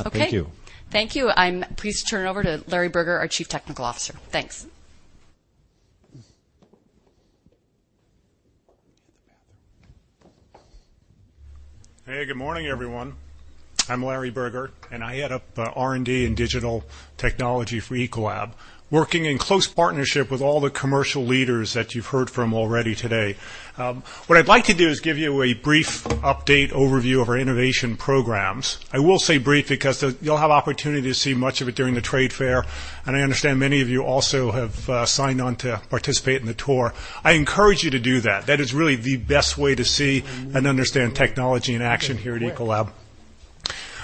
Okay. Thank you. Thank you. I am pleased to turn it over to Larry Berger, our Chief Technical Officer. Thanks. Hey, good morning, everyone. I'm Larry Berger, and I head up R&D and digital technology for Ecolab, working in close partnership with all the commercial leaders that you've heard from already today. What I'd like to do is give you a brief update overview of our innovation programs. I will say brief because you'll have opportunity to see much of it during the trade fair, and I understand many of you also have signed on to participate in the tour. I encourage you to do that. That is really the best way to see and understand technology in action here at Ecolab.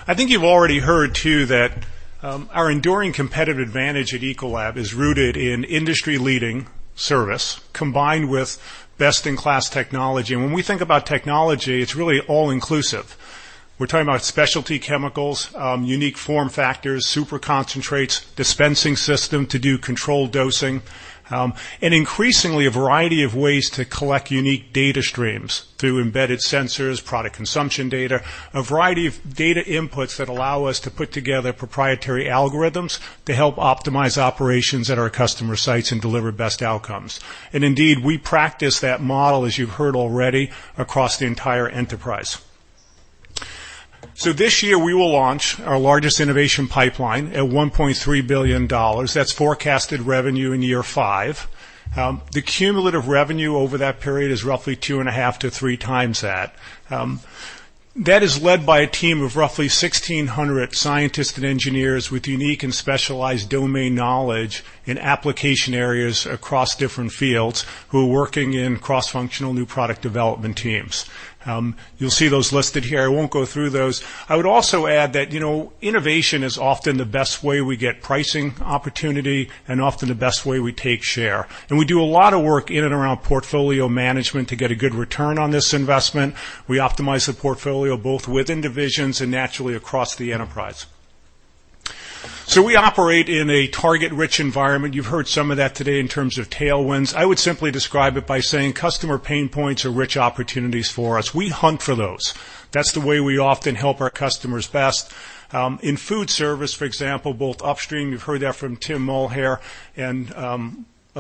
I think you've already heard too, that our enduring competitive advantage at Ecolab is rooted in industry-leading service, combined with best-in-class technology. When we think about technology, it's really all-inclusive. We're talking about specialty chemicals, unique form factors, super concentrates, dispensing system to do controlled dosing. Increasingly, a variety of ways to collect unique data streams through embedded sensors, product consumption data, a variety of data inputs that allow us to put together proprietary algorithms to help optimize operations at our customer sites and deliver best outcomes. Indeed, we practice that model, as you've heard already, across the entire enterprise. This year, we will launch our largest innovation pipeline at $1.3 billion. That's forecasted revenue in year five. The cumulative revenue over that period is roughly two and a half to three times that. That is led by a team of roughly 1,600 scientists and engineers with unique and specialized domain knowledge in application areas across different fields, who are working in cross-functional new product development teams. You'll see those listed here. I won't go through those. I would also add that, innovation is often the best way we get pricing opportunity and often the best way we take share. We do a lot of work in and around portfolio management to get a good return on this investment. We optimize the portfolio both within divisions and naturally across the enterprise. We operate in a target-rich environment. You've heard some of that today in terms of tailwinds. I would simply describe it by saying customer pain points are rich opportunities for us. We hunt for those. That's the way we often help our customers best. In food service, for example, both upstream, you've heard that from Tim Mulhere and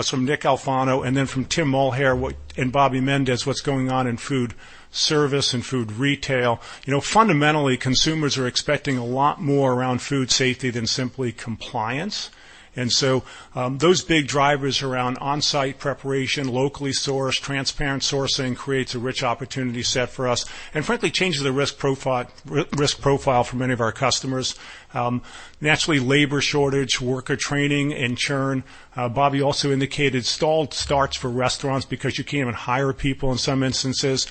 from Nick Alfano, and then from Tim Mulhere and Bobby Mendez, what's going on in food service and food retail. Fundamentally, consumers are expecting a lot more around food safety than simply compliance. Those big drivers around on-site preparation, locally sourced, transparent sourcing, creates a rich opportunity set for us, and frankly, changes the risk profile for many of our customers. Naturally, labor shortage, worker training, and churn. Bobby also indicated stalled starts for restaurants because you can't even hire people in some instances.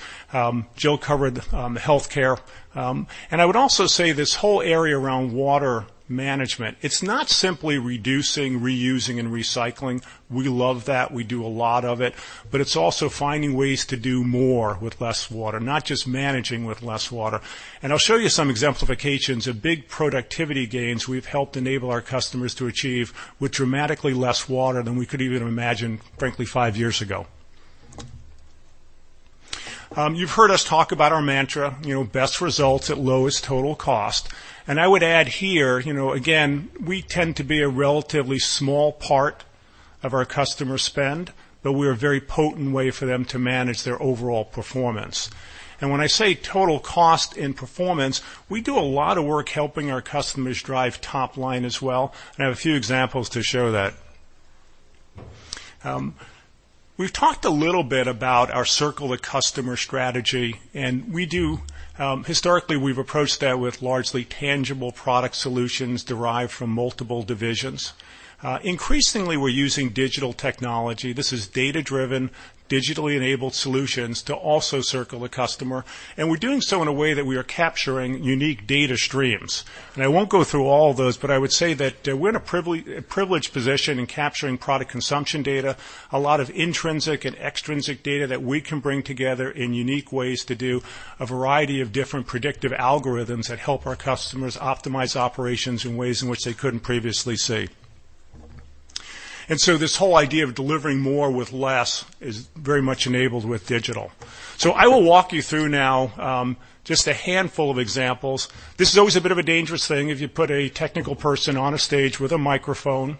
Jill covered healthcare. I would also say this whole area around water management, it's not simply reducing, reusing, and recycling. We love that. We do a lot of it. It's also finding ways to do more with less water, not just managing with less water. I'll show you some exemplifications of big productivity gains we've helped enable our customers to achieve with dramatically less water than we could even imagine, frankly, five years ago. You've heard us talk about our mantra, best results at lowest total cost. I would add here, again, we tend to be a relatively small part of our customers' spend, but we're a very potent way for them to manage their overall performance. When I say total cost in performance, we do a lot of work helping our customers drive top line as well, and I have a few examples to show that. We've talked a little bit about our circle-the-customer strategy, and historically, we've approached that with largely tangible product solutions derived from multiple divisions. Increasingly, we're using digital technology. This is data-driven, digitally enabled solutions to also circle the customer, and we're doing so in a way that we are capturing unique data streams. I won't go through all of those, but I would say that we're in a privileged position in capturing product consumption data, a lot of intrinsic and extrinsic data that we can bring together in unique ways to do a variety of different predictive algorithms that help our customers optimize operations in ways in which they couldn't previously see. This whole idea of delivering more with less is very much enabled with digital. I will walk you through now just a handful of examples. This is always a bit of a dangerous thing if you put a technical person on a stage with a microphone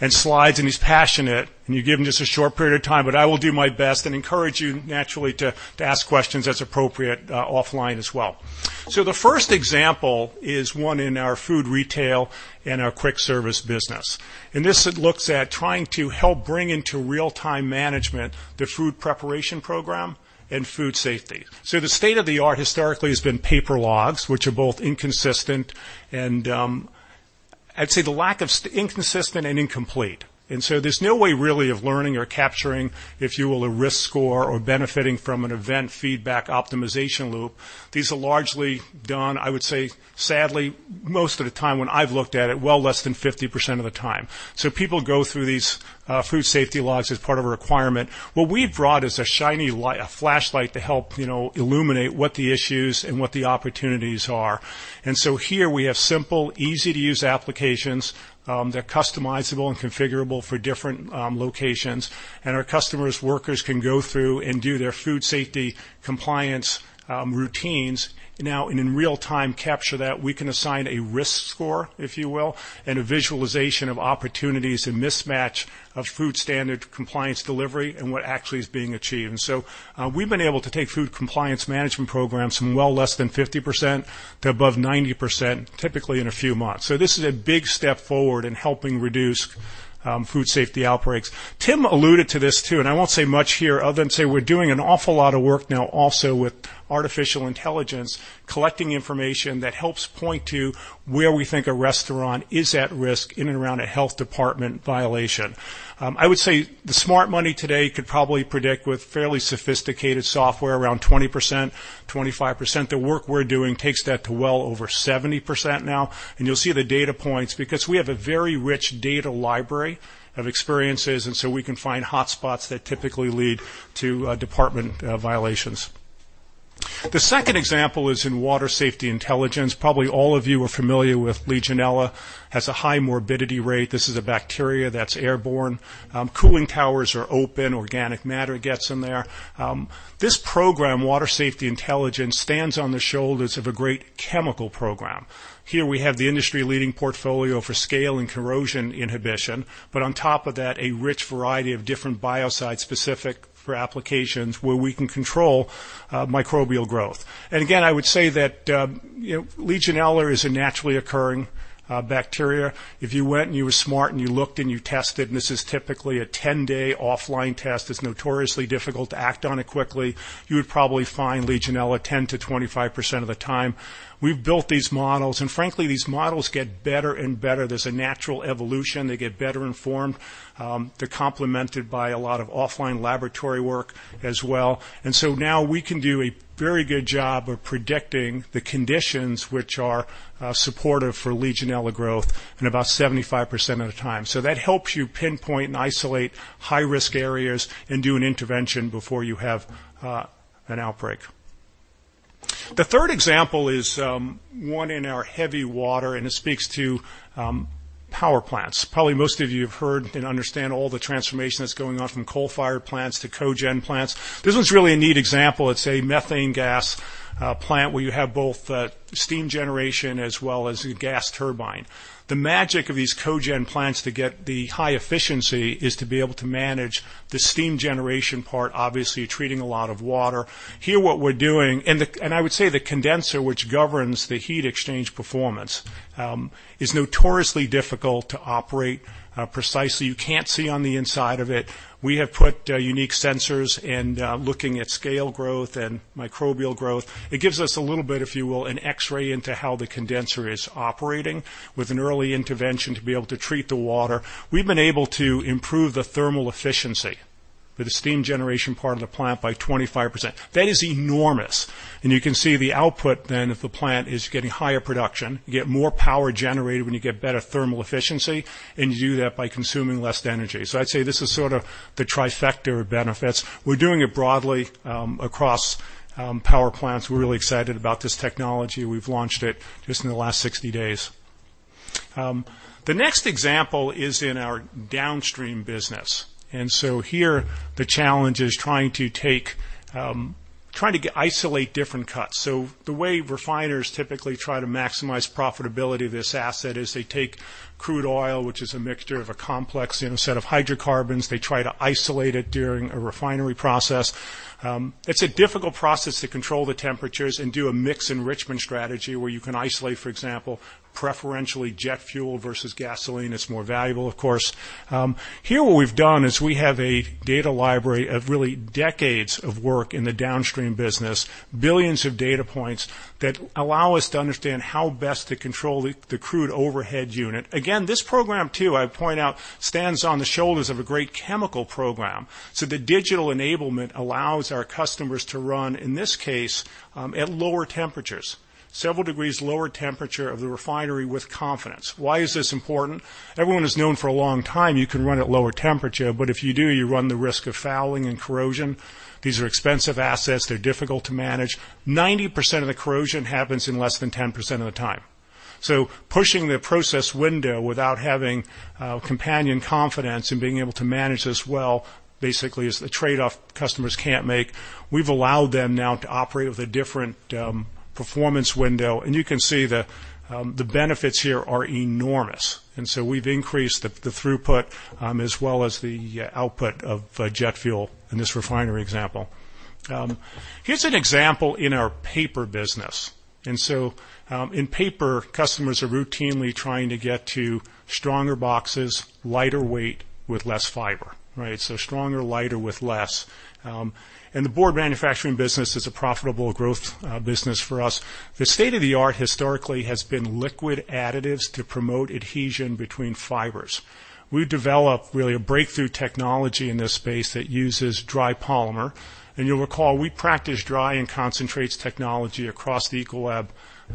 and slides, and he's passionate, and you give him just a short period of time. I will do my best and encourage you naturally to ask questions as appropriate offline as well. The first example is one in our food retail and our quick service business. This looks at trying to help bring into real-time management the food preparation program and food safety. The state-of-the-art historically has been paper logs, which are both inconsistent and incomplete. There's no way really of learning or capturing, if you will, a risk score or benefiting from an event feedback optimization loop. These are largely done, I would say, sadly, most of the time when I've looked at it, well less than 50% of the time. People go through these food safety logs as part of a requirement. What we've brought is a shiny flashlight to help illuminate what the issues and what the opportunities are. Here we have simple, easy-to-use applications that are customizable and configurable for different locations. Our customers' workers can go through and do their food safety compliance routines now, and in real-time capture that. We can assign a risk score, if you will, and a visualization of opportunities and mismatch of food standard compliance delivery and what actually is being achieved. We've been able to take food compliance management programs from well less than 50% to above 90%, typically in a few months. This is a big step forward in helping reduce food safety outbreaks. Tim alluded to this, too, and I won't say much here other than say we're doing an awful lot of work now also with artificial intelligence, collecting information that helps point to where we think a restaurant is at risk in and around a health department violation. I would say the smart money today could probably predict with fairly sophisticated software around 20%, 25%. The work we're doing takes that to well over 70% now. You'll see the data points because we have a very rich data library of experiences, and so we can find hotspots that typically lead to department violations. The second example is in Water Safety Intelligence. Probably all of you are familiar with Legionella. Has a high morbidity rate. This is a bacteria that's airborne. Cooling towers are open. Organic matter gets in there. This program, Water Safety Intelligence, stands on the shoulders of a great chemical program. Here we have the industry-leading portfolio for scale and corrosion inhibition, but on top of that, a rich variety of different biocides specific for applications where we can control microbial growth. Again, I would say that Legionella is a naturally occurring bacteria. If you went, and you were smart, and you looked, and you tested, and this is typically a 10-day offline test. It's notoriously difficult to act on it quickly. You would probably find Legionella 10%-25% of the time. Frankly, these models get better and better. There's a natural evolution. They get better informed. They're complemented by a lot of offline laboratory work as well. Now we can do a very good job of predicting the conditions which are supportive for Legionella growth in about 75% of the time. That helps you pinpoint and isolate high-risk areas and do an intervention before you have an outbreak. The third example is one in our heavy water, and it speaks to power plants. Probably most of you have heard and understand all the transformation that's going on from coal-fired plants to cogen plants. This one's really a neat example. It's a methane gas plant where you have both steam generation as well as a gas turbine. The magic of these cogen plants to get the high efficiency is to be able to manage the steam generation part, obviously treating a lot of water. I would say the condenser, which governs the heat exchange performance, is notoriously difficult to operate precisely. You can't see on the inside of it. We have put unique sensors and looking at scale growth and microbial growth. It gives us a little bit, if you will, an X-ray into how the condenser is operating with an early intervention to be able to treat the water. We've been able to improve the thermal efficiency for the steam generation part of the plant by 25%. That is enormous. You can see the output then of the plant is getting higher production. You get more power generated when you get better thermal efficiency, and you do that by consuming less energy. I'd say this is sort of the trifecta of benefits. We're doing it broadly across power plants. We're really excited about this technology. We've launched it just in the last 60 days. The next example is in our downstream business. Here, the challenge is trying to isolate different cuts. The way refiners typically try to maximize profitability of this asset is they take crude oil, which is a mixture of a complex set of hydrocarbons. They try to isolate it during a refinery process. It's a difficult process to control the temperatures and do a mix enrichment strategy where you can isolate, for example, preferentially jet fuel versus gasoline. It's more valuable, of course. Here, what we've done is we have a data library of really decades of work in the downstream business, billions of data points that allow us to understand how best to control the crude overhead unit. Again, this program, too, I point out, stands on the shoulders of a great chemical program. The digital enablement allows our customers to run, in this case, at lower temperatures, several degrees lower temperature of the refinery with confidence. Why is this important? Everyone has known for a long time, you can run at lower temperature, but if you do, you run the risk of fouling and corrosion. These are expensive assets. They're difficult to manage. 90% of the corrosion happens in less than 10% of the time. Pushing the process window without having companion confidence and being able to manage this well, basically, is the trade-off customers can't make. We've allowed them now to operate with a different performance window, and you can see the benefits here are enormous. We've increased the throughput as well as the output of jet fuel in this refinery example. Here's an example in our paper business. In paper, customers are routinely trying to get to stronger boxes, lighter weight, with less fiber. Right. Stronger, lighter with less. The board manufacturing business is a profitable growth business for us. The state-of-the-art historically has been liquid additives to promote adhesion between fibers. We developed really a breakthrough technology in this space that uses dry polymer. You'll recall, we practice dry end concentrates technology across the Ecolab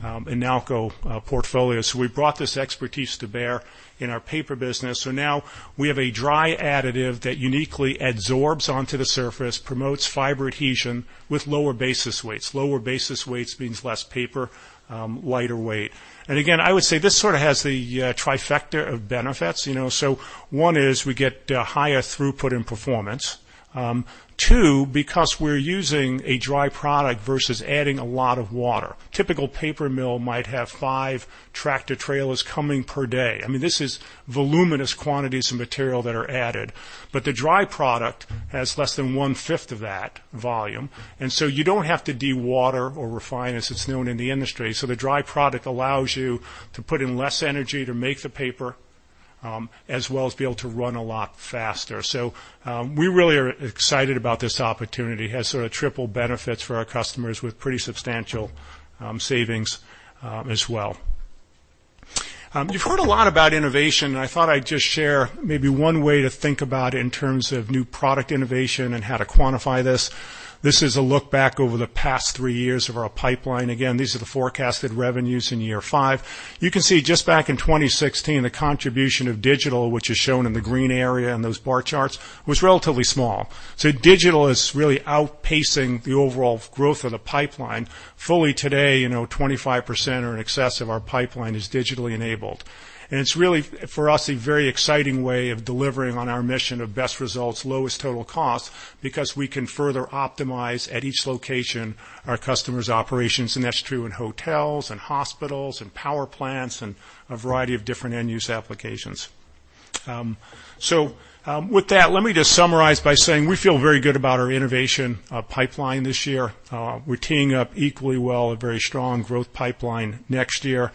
and Nalco portfolio. We brought this expertise to bear in our paper business, so now we have a dry additive that uniquely adsorbs onto the surface, promotes fiber adhesion with lower basis weights. Lower basis weights means less paper, lighter weight. Again, I would say this sort of has the trifecta of benefits. 1 is we get higher throughput and performance. 2, because we're using a dry product versus adding a lot of water. Typical paper mill might have 5 tractor trailers coming per day. I mean, this is voluminous quantities of material that are added. The dry product has less than one-fifth of that volume, and so you don't have to de-water or refine, as it's known in the industry. The dry product allows you to put in less energy to make the paper, as well as be able to run a lot faster. We really are excited about this opportunity. It has sort of triple benefits for our customers with pretty substantial savings as well. You've heard a lot about innovation, and I thought I'd just share maybe one way to think about in terms of new product innovation and how to quantify this. This is a look back over the past three years of our pipeline. Again, these are the forecasted revenues in year five. You can see, just back in 2016, the contribution of digital, which is shown in the green area in those bar charts, was relatively small. Digital is really outpacing the overall growth of the pipeline. Fully today, 25% or in excess of our pipeline is digitally enabled. It's really, for us, a very exciting way of delivering on our mission of best results, lowest total cost, because we can further optimize at each location our customers' operations, and that's true in hotels and hospitals and power plants, and a variety of different end-use applications. With that, let me just summarize by saying we feel very good about our innovation pipeline this year. We're teeing up equally well a very strong growth pipeline next year.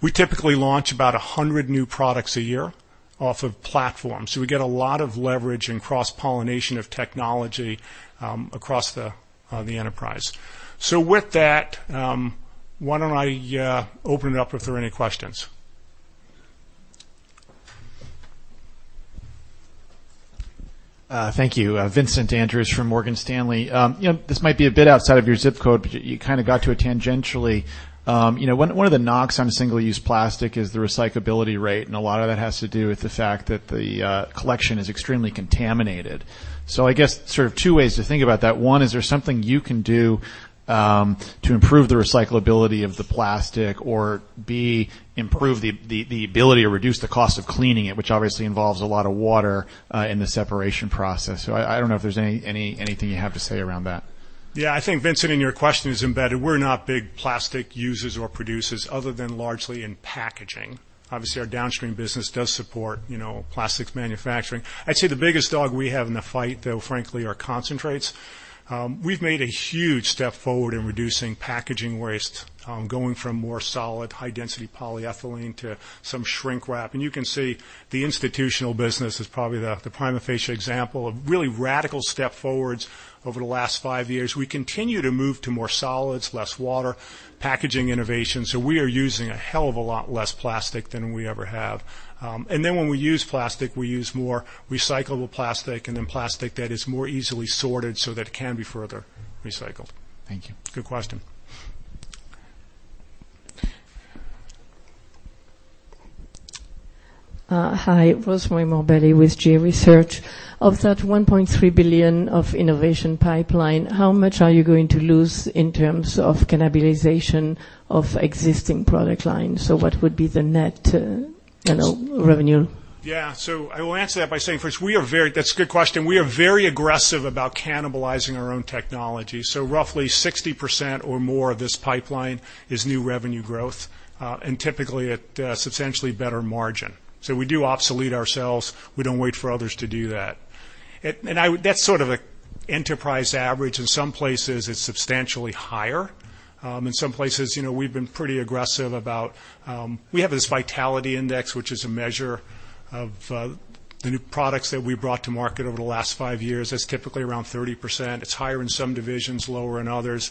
We typically launch about 100 new products a year off of platforms, so we get a lot of leverage and cross-pollination of technology across the enterprise. With that, why don't I open it up if there are any questions? Thank you. Vincent Andrews from Morgan Stanley. This might be a bit outside of your zip code, but you kind of got to it tangentially. One of the knocks on single-use plastic is the recyclability rate, and a lot of that has to do with the fact that the collection is extremely contaminated. I guess sort of two ways to think about that. One, is there something you can do to improve the recyclability of the plastic, or B, improve the ability or reduce the cost of cleaning it, which obviously involves a lot of water in the separation process? I don't know if there's anything you have to say around that. Yeah. I think, Vincent, in your question is embedded, we're not big plastic users or producers other than largely in packaging. Obviously, our downstream business does support plastics manufacturing. I'd say the biggest dog we have in the fight, though, frankly, are concentrates. We've made a huge step forward in reducing packaging waste, going from more solid high-density polyethylene to some shrink wrap. You can see the institutional business is probably the prima facie example of really radical step forwards over the last five years. We continue to move to more solids, less water, packaging innovation. We are using a hell of a lot less plastic than we ever have. When we use plastic, we use more recyclable plastic and then plastic that is more easily sorted so that it can be further recycled. Thank you. Good question. Hi. Rosemary Morbelli with G.A. Research. Of that $1.3 billion of innovation pipeline, how much are you going to lose in terms of cannibalization of existing product lines? What would be the net revenue? Yeah. I will answer that by saying, first, that's a good question. We are very aggressive about cannibalizing our own technology. Roughly 60% or more of this pipeline is new revenue growth, and typically at a substantially better margin. We do obsolete ourselves. We don't wait for others to do that. That's sort of an enterprise average. In some places, it's substantially higher. In some places, we've been pretty aggressive. We have this Vitality Index, which is a measure of the new products that we've brought to market over the last five years. That's typically around 30%. It's higher in some divisions, lower in others.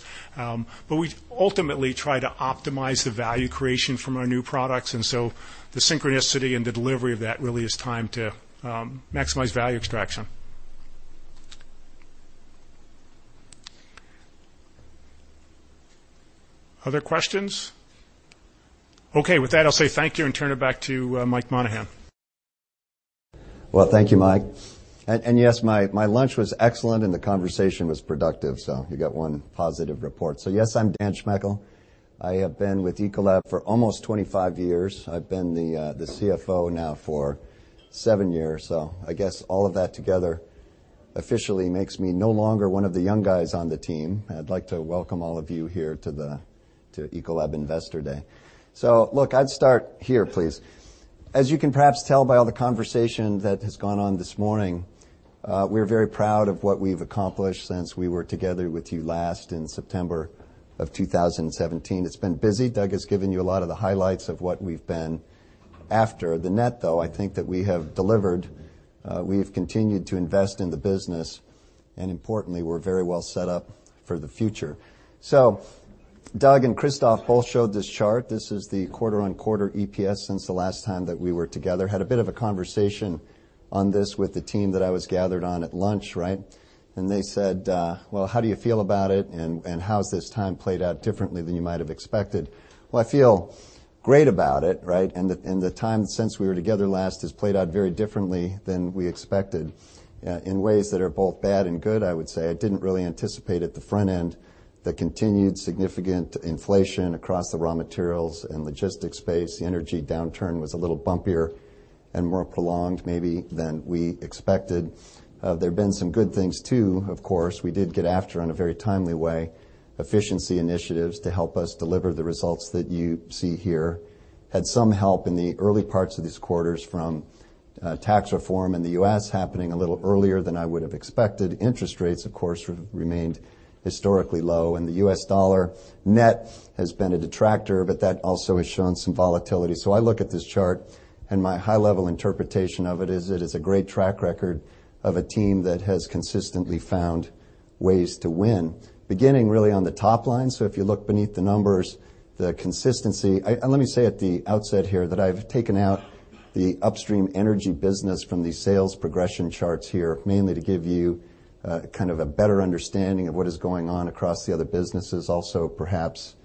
We ultimately try to optimize the value creation from our new products, the synchronicity and the delivery of that really is timed to maximize value extraction. Other questions? Okay. With that, I'll say thank you and turn it back to Michael Monahan. Well, thank you, Mike. Yes, my lunch was excellent and the conversation was productive, so you get one positive report. Yes, I'm Dan Schmechel. I have been with Ecolab for almost 25 years. I've been the CFO now for seven years. I guess all of that together officially makes me no longer one of the young guys on the team. I'd like to welcome all of you here to the Ecolab Investor Day. Look, I'd start here, please. As you can perhaps tell by all the conversation that has gone on this morning, we're very proud of what we've accomplished since we were together with you last in September of 2017. It's been busy. Doug has given you a lot of the highlights of what we've been after. The net, though, I think that we have delivered, we've continued to invest in the business, and importantly, we're very well set up for the future. Doug and Christophe both showed this chart. This is the quarter-on-quarter EPS since the last time that we were together. Had a bit of a conversation on this with the team that I was gathered on at lunch, right? They said, "Well, how do you feel about it, and how's this time played out differently than you might have expected?" Well, I feel great about it, right? The time since we were together last has played out very differently than we expected, in ways that are both bad and good, I would say. I didn't really anticipate at the front end the continued significant inflation across the raw materials and logistics space. The energy downturn was a little bumpier and more prolonged, maybe, than we expected. There've been some good things, too, of course. We did get after, in a very timely way, efficiency initiatives to help us deliver the results that you see here. Had some help in the early parts of these quarters from tax reform in the U.S. happening a little earlier than I would have expected. Interest rates, of course, remained historically low, and the U.S. dollar net has been a detractor, but that also has shown some volatility. I look at this chart, and my high-level interpretation of it is that it's a great track record of a team that has consistently found ways to win, beginning really on the top line. If you look beneath the numbers, the consistency. Let me say at the outset here that I've taken out the upstream energy business from the sales progression charts here, mainly to give you a better understanding of what is going on across the other businesses. Perhaps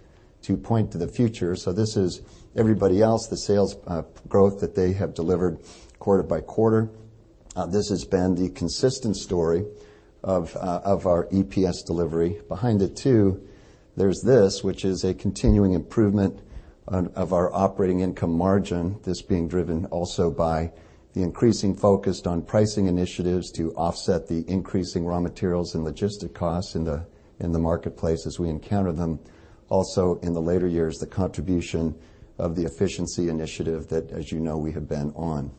to point to the future. This is everybody else, the sales growth that they have delivered quarter by quarter. This has been the consistent story of our EPS delivery. Behind it, too, there's this, which is a continuing improvement of our operating income margin. This being driven also by the increasing focus on pricing initiatives to offset the increasing raw materials and logistic costs in the marketplace as we encounter them. In the later years, the contribution of the efficiency initiative that, as you know, we have been on.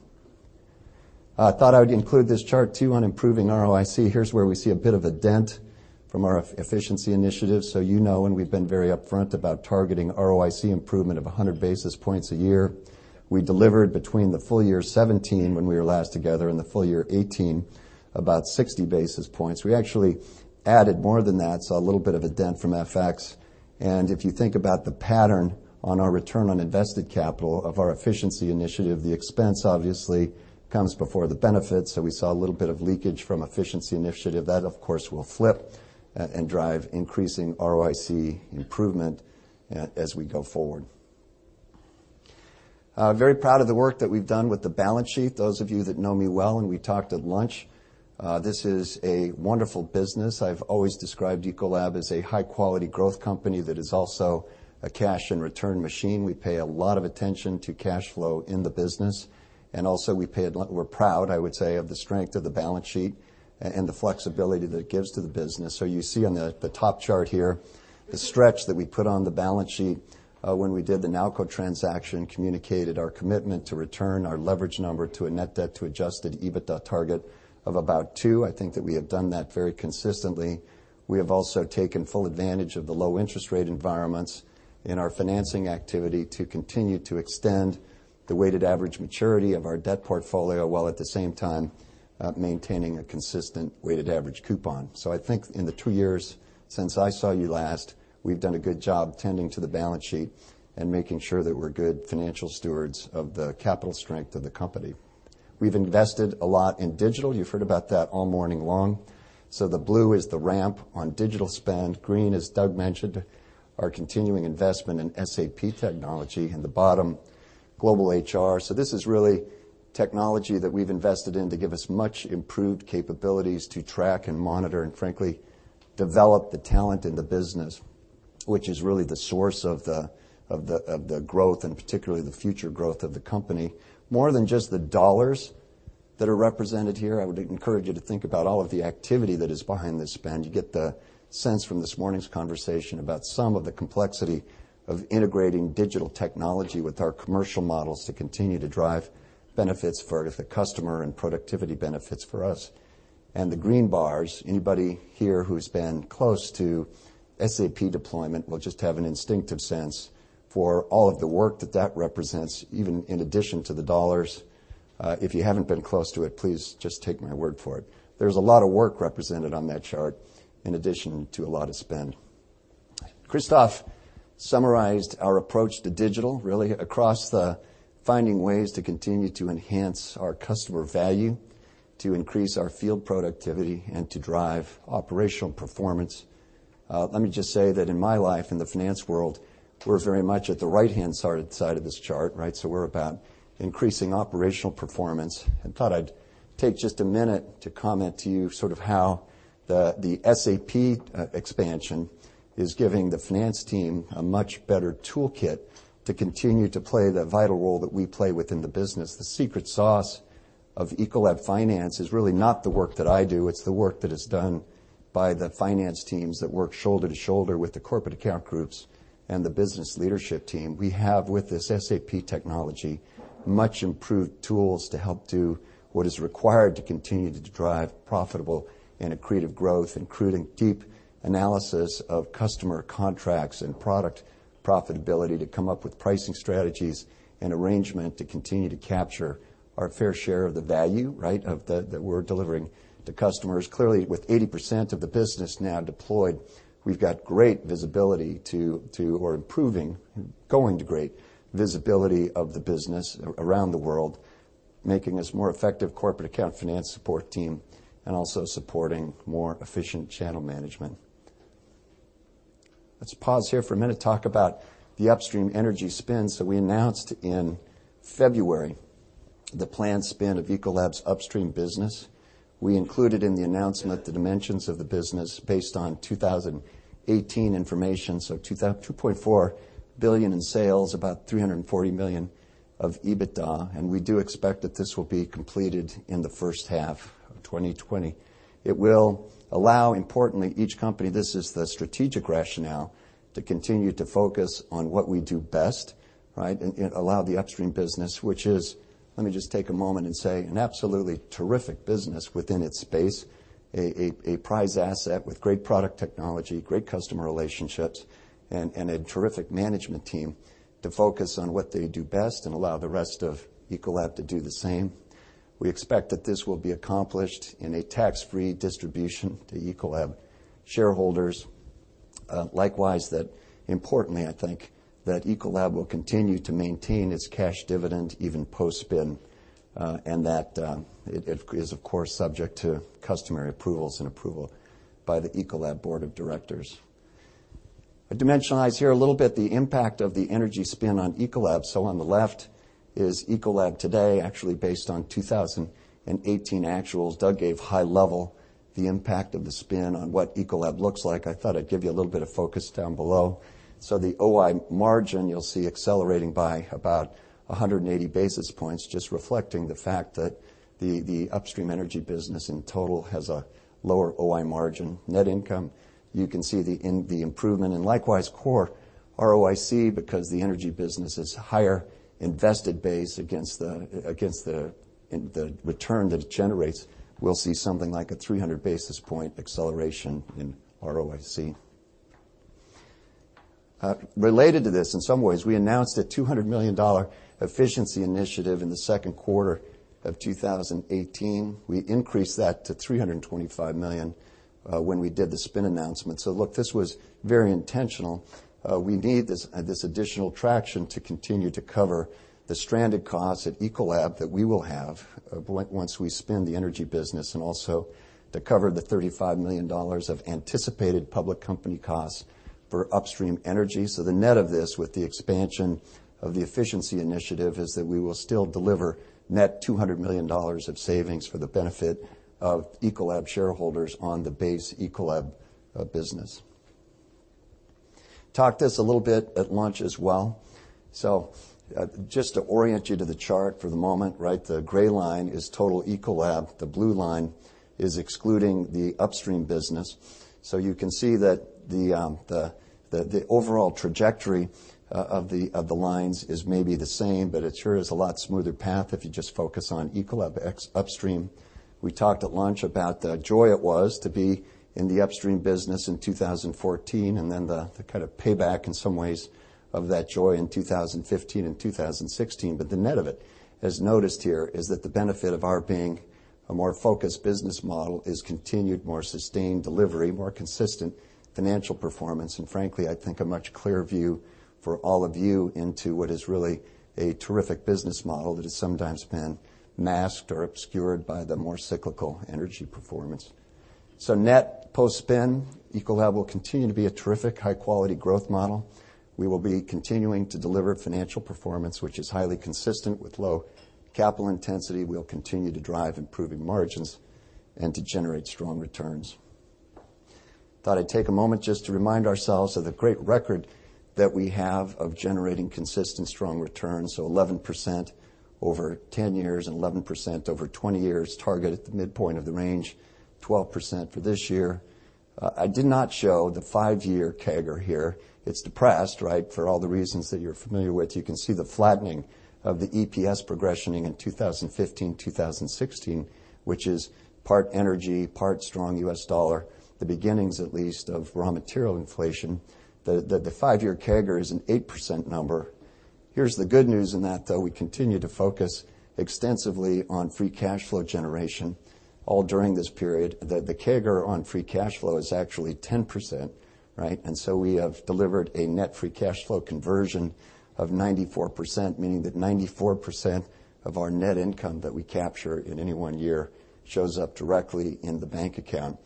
I thought I would include this chart, too, on improving ROIC. Here's where we see a bit of a dent from our efficiency initiative. You know, we've been very upfront about targeting ROIC improvement of 100 basis points a year. We delivered between the full year 2017, when we were last together, and the full year 2018, about 60 basis points. We actually added more than that, saw a little bit of a dent from FX. If you think about the pattern on our return on invested capital of our efficiency initiative, the expense obviously comes before the benefits. We saw a little bit of leakage from efficiency initiative. That, of course, will flip and drive increasing ROIC improvement as we go forward. Very proud of the work that we've done with the balance sheet. Those of you that know me well, and we talked at lunch, this is a wonderful business. I've always described Ecolab as a high-quality growth company that is also a cash and return machine. We pay a lot of attention to cash flow in the business, and also, we're proud, I would say, of the strength of the balance sheet and the flexibility that it gives to the business. You see on the top chart here, the stretch that we put on the balance sheet when we did the Nalco transaction communicated our commitment to return our leverage number to a net debt to adjusted EBITDA target of about two. I think that we have done that very consistently. We have also taken full advantage of the low interest rate environments in our financing activity to continue to extend the weighted average maturity of our debt portfolio, while at the same time, maintaining a consistent weighted average coupon. I think in the two years since I saw you last, we've done a good job tending to the balance sheet and making sure that we're good financial stewards of the capital strength of the company. We've invested a lot in digital. You've heard about that all morning long. The blue is the ramp on digital spend. Green, as Doug mentioned, our continuing investment in SAP technology. In the bottom, global HR. This is really technology that we've invested in to give us much improved capabilities to track and monitor, and frankly, develop the talent in the business, which is really the source of the growth and particularly the future growth of the company. More than just the dollars that are represented here, I would encourage you to think about all of the activity that is behind this spend. You get the sense from this morning's conversation about some of the complexity of integrating digital technology with our commercial models to continue to drive benefits for the customer and productivity benefits for us. The green bars, anybody here who's been close to SAP deployment will just have an instinctive sense for all of the work that that represents, even in addition to the dollars. If you haven't been close to it, please just take my word for it. There's a lot of work represented on that chart, in addition to a lot of spend. Christophe summarized our approach to digital, really across the finding ways to continue to enhance our customer value, to increase our field productivity, and to drive operational performance. Let me just say that in my life, in the finance world, we're very much at the right-hand side of this chart, right? We're about increasing operational performance. I thought I'd take just a minute to comment to you how the SAP expansion is giving the finance team a much better toolkit to continue to play the vital role that we play within the business. The secret sauce of Ecolab finance is really not the work that I do, it's the work that is done by the finance teams that work shoulder to shoulder with the corporate account groups and the business leadership team. We have, with this SAP technology, much improved tools to help do what is required to continue to drive profitable and accretive growth, including deep analysis of customer contracts and product profitability to come up with pricing strategies and arrangement to continue to capture our fair share of the value, right, that we're delivering to customers. Clearly, with 80% of the business now deployed, we've got great visibility to or improving, going to great visibility of the business around the world, making us more effective corporate account finance support team, and also supporting more efficient channel management. Let's pause here for a minute, talk about the upstream energy spin. We announced in February the planned spin of Ecolab's upstream business. We included in the announcement the dimensions of the business based on 2018 information, so $2.4 billion in sales, about $340 million of EBITDA, and we do expect that this will be completed in the first half of 2020. It will allow, importantly, each company, this is the strategic rationale, to continue to focus on what we do best, right? Allow the upstream business, which is, let me just take a moment and say, an absolutely terrific business within its space, a prize asset with great product technology, great customer relationships, and a terrific management team to focus on what they do best and allow the rest of Ecolab to do the same. We expect that this will be accomplished in a tax-free distribution to Ecolab shareholders. Likewise, that importantly, I think, that Ecolab will continue to maintain its cash dividend even post-spin, and that it is, of course, subject to customary approvals and approval by the Ecolab board of directors. I dimensionalize here a little bit the impact of the energy spin on Ecolab. On the left is Ecolab today, actually based on 2018 actuals. Doug gave high level the impact of the spin on what Ecolab looks like. I thought I'd give you a little bit of focus down below. The OI margin you'll see accelerating by about 180 basis points, just reflecting the fact that the upstream energy business in total has a lower OI margin. Net income, you can see the improvement, and likewise core ROIC because the energy business is higher invested base against the return that it generates, we'll see something like a 300 basis point acceleration in ROIC. Related to this in some ways, we announced a $200 million Efficiency Initiative in the second quarter of 2018. We increased that to $325 million when we did the spin announcement. Look, this was very intentional. We need this additional traction to continue to cover the stranded costs at Ecolab that we will have once we spin the energy business, and also to cover the $35 million of anticipated public company costs for Upstream Energy. The net of this, with the expansion of the Efficiency Initiative, is that we will still deliver net $200 million of savings for the benefit of Ecolab shareholders on the base Ecolab business. Talked this a little bit at lunch as well. Just to orient you to the chart for the moment, right, the gray line is total Ecolab. The blue line is excluding the Upstream business. You can see that the overall trajectory of the lines is maybe the same, but it sure is a lot smoother path if you just focus on Ecolab upstream. We talked at lunch about the joy it was to be in the upstream business in 2014, and then the kind of payback in some ways of that joy in 2015 and 2016. The net of it, as noticed here, is that the benefit of our being a more focused business model is continued more sustained delivery, more consistent financial performance, and frankly, I think a much clearer view for all of you into what is really a terrific business model that has sometimes been masked or obscured by the more cyclical energy performance. Net post spin, Ecolab will continue to be a terrific high-quality growth model. We will be continuing to deliver financial performance, which is highly consistent with low capital intensity. We'll continue to drive improving margins and to generate strong returns. Thought I'd take a moment just to remind ourselves of the great record that we have of generating consistent strong returns. 11% over 10 years and 11% over 20 years, target at the midpoint of the range, 12% for this year. I did not show the five-year CAGR here. It's depressed, right, for all the reasons that you're familiar with. You can see the flattening of the EPS progressioning in 2015, 2016, which is part energy, part strong U.S. dollar, the beginnings, at least, of raw material inflation, that the five-year CAGR is an 8% number. Here's the good news in that, though, we continue to focus extensively on free cash flow generation all during this period. The CAGR on free cash flow is actually 10%, right? We have delivered a net free cash flow conversion of 94%, meaning that 94% of our net income that we capture in any one year shows up directly in the bank account.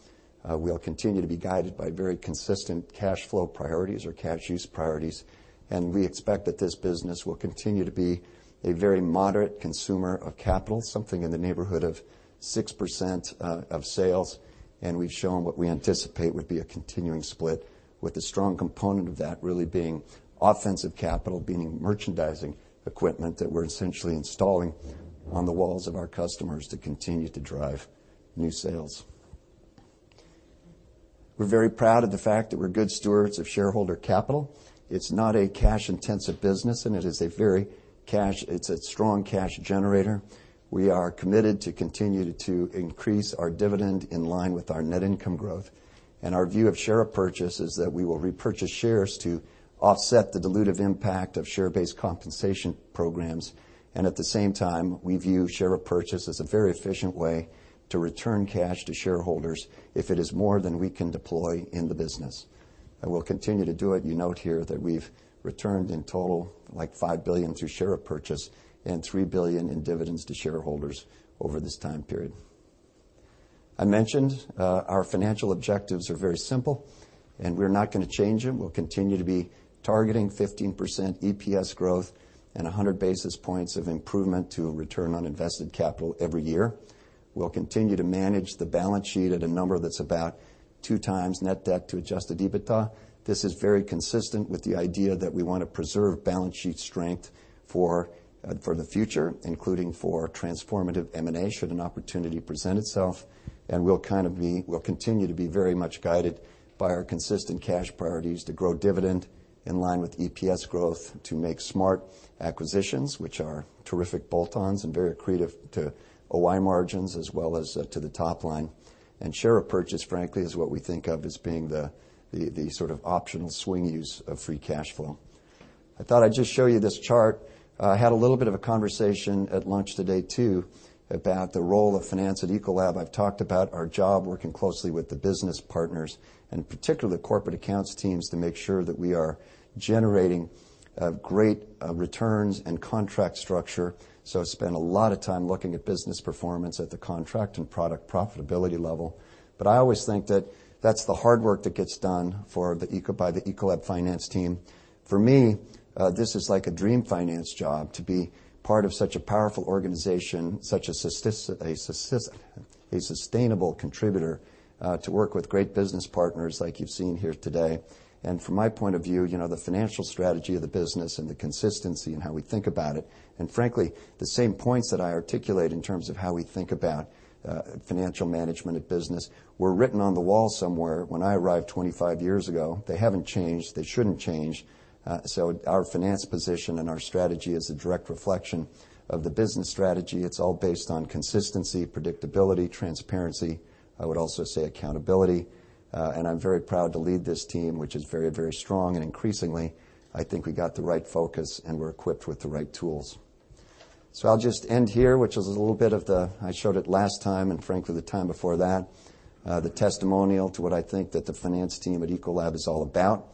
We'll continue to be guided by very consistent cash flow priorities or cash use priorities, and we expect that this business will continue to be a very moderate consumer of capital, something in the neighborhood of 6% of sales. We've shown what we anticipate would be a continuing split with the strong component of that really being offensive capital, being merchandising equipment that we're essentially installing on the walls of our customers to continue to drive new sales. We're very proud of the fact that we're good stewards of shareholder capital. It's not a cash-intensive business, and it is a very strong cash generator. We are committed to continue to increase our dividend in line with our net income growth. Our view of share repurchase is that we will repurchase shares to offset the dilutive impact of share-based compensation programs. At the same time, we view share repurchase as a very efficient way to return cash to shareholders if it is more than we can deploy in the business. We'll continue to do it. You note here that we've returned in total, like $5 billion through share repurchase and $3 billion in dividends to shareholders over this time period. I mentioned our financial objectives are very simple, and we're not going to change them. We'll continue to be targeting 15% EPS growth and 100 basis points of improvement to return on invested capital every year. We'll continue to manage the balance sheet at a number that's about 2 times net debt to adjusted EBITDA. This is very consistent with the idea that we want to preserve balance sheet strength for the future, including for transformative M&A, should an opportunity present itself. We'll continue to be very much guided by our consistent cash priorities to grow dividend in line with EPS growth to make smart acquisitions, which are terrific bolt-ons and very accretive to OI margins as well as to the top line. Share repurchase, frankly, is what we think of as being the sort of optional swing use of free cash flow. I thought I'd just show you this chart. I had a little bit of a conversation at lunch today, too, about the role of finance at Ecolab. I've talked about our job working closely with the business partners, and particularly corporate accounts teams, to make sure that we are generating great returns and contract structure. I spent a lot of time looking at business performance at the contract and product profitability level. I always think that that's the hard work that gets done by the Ecolab finance team. For me, this is like a dream finance job, to be part of such a powerful organization, such a sustainable contributor, to work with great business partners like you've seen here today. From my point of view, the financial strategy of the business and the consistency in how we think about it, and frankly, the same points that I articulate in terms of how we think about financial management of business were written on the wall somewhere when I arrived 25 years ago. They haven't changed. They shouldn't change. Our finance position and our strategy is a direct reflection of the business strategy. It's all based on consistency, predictability, transparency, I would also say accountability. I'm very proud to lead this team, which is very strong, and increasingly, I think we got the right focus and we're equipped with the right tools. I'll just end here, which is a little bit of I showed it last time and frankly, the time before that, the testimonial to what I think that the finance team at Ecolab is all about.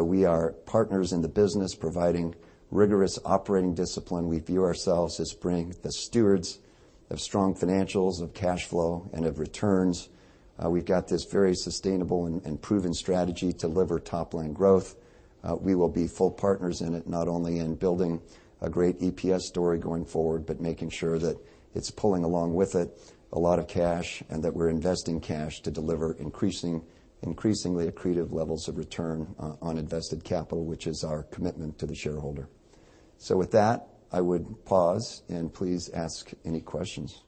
We are partners in the business providing rigorous operating discipline. We view ourselves as stewards of strong financials, of cash flow, and of returns. We've got this very sustainable and proven strategy to deliver top-line growth. We will be full partners in it, not only in building a great EPS story going forward, but making sure that it's pulling along with it a lot of cash and that we're investing cash to deliver increasingly accretive levels of return on invested capital, which is our commitment to the shareholder. With that, I would pause and please ask any questions.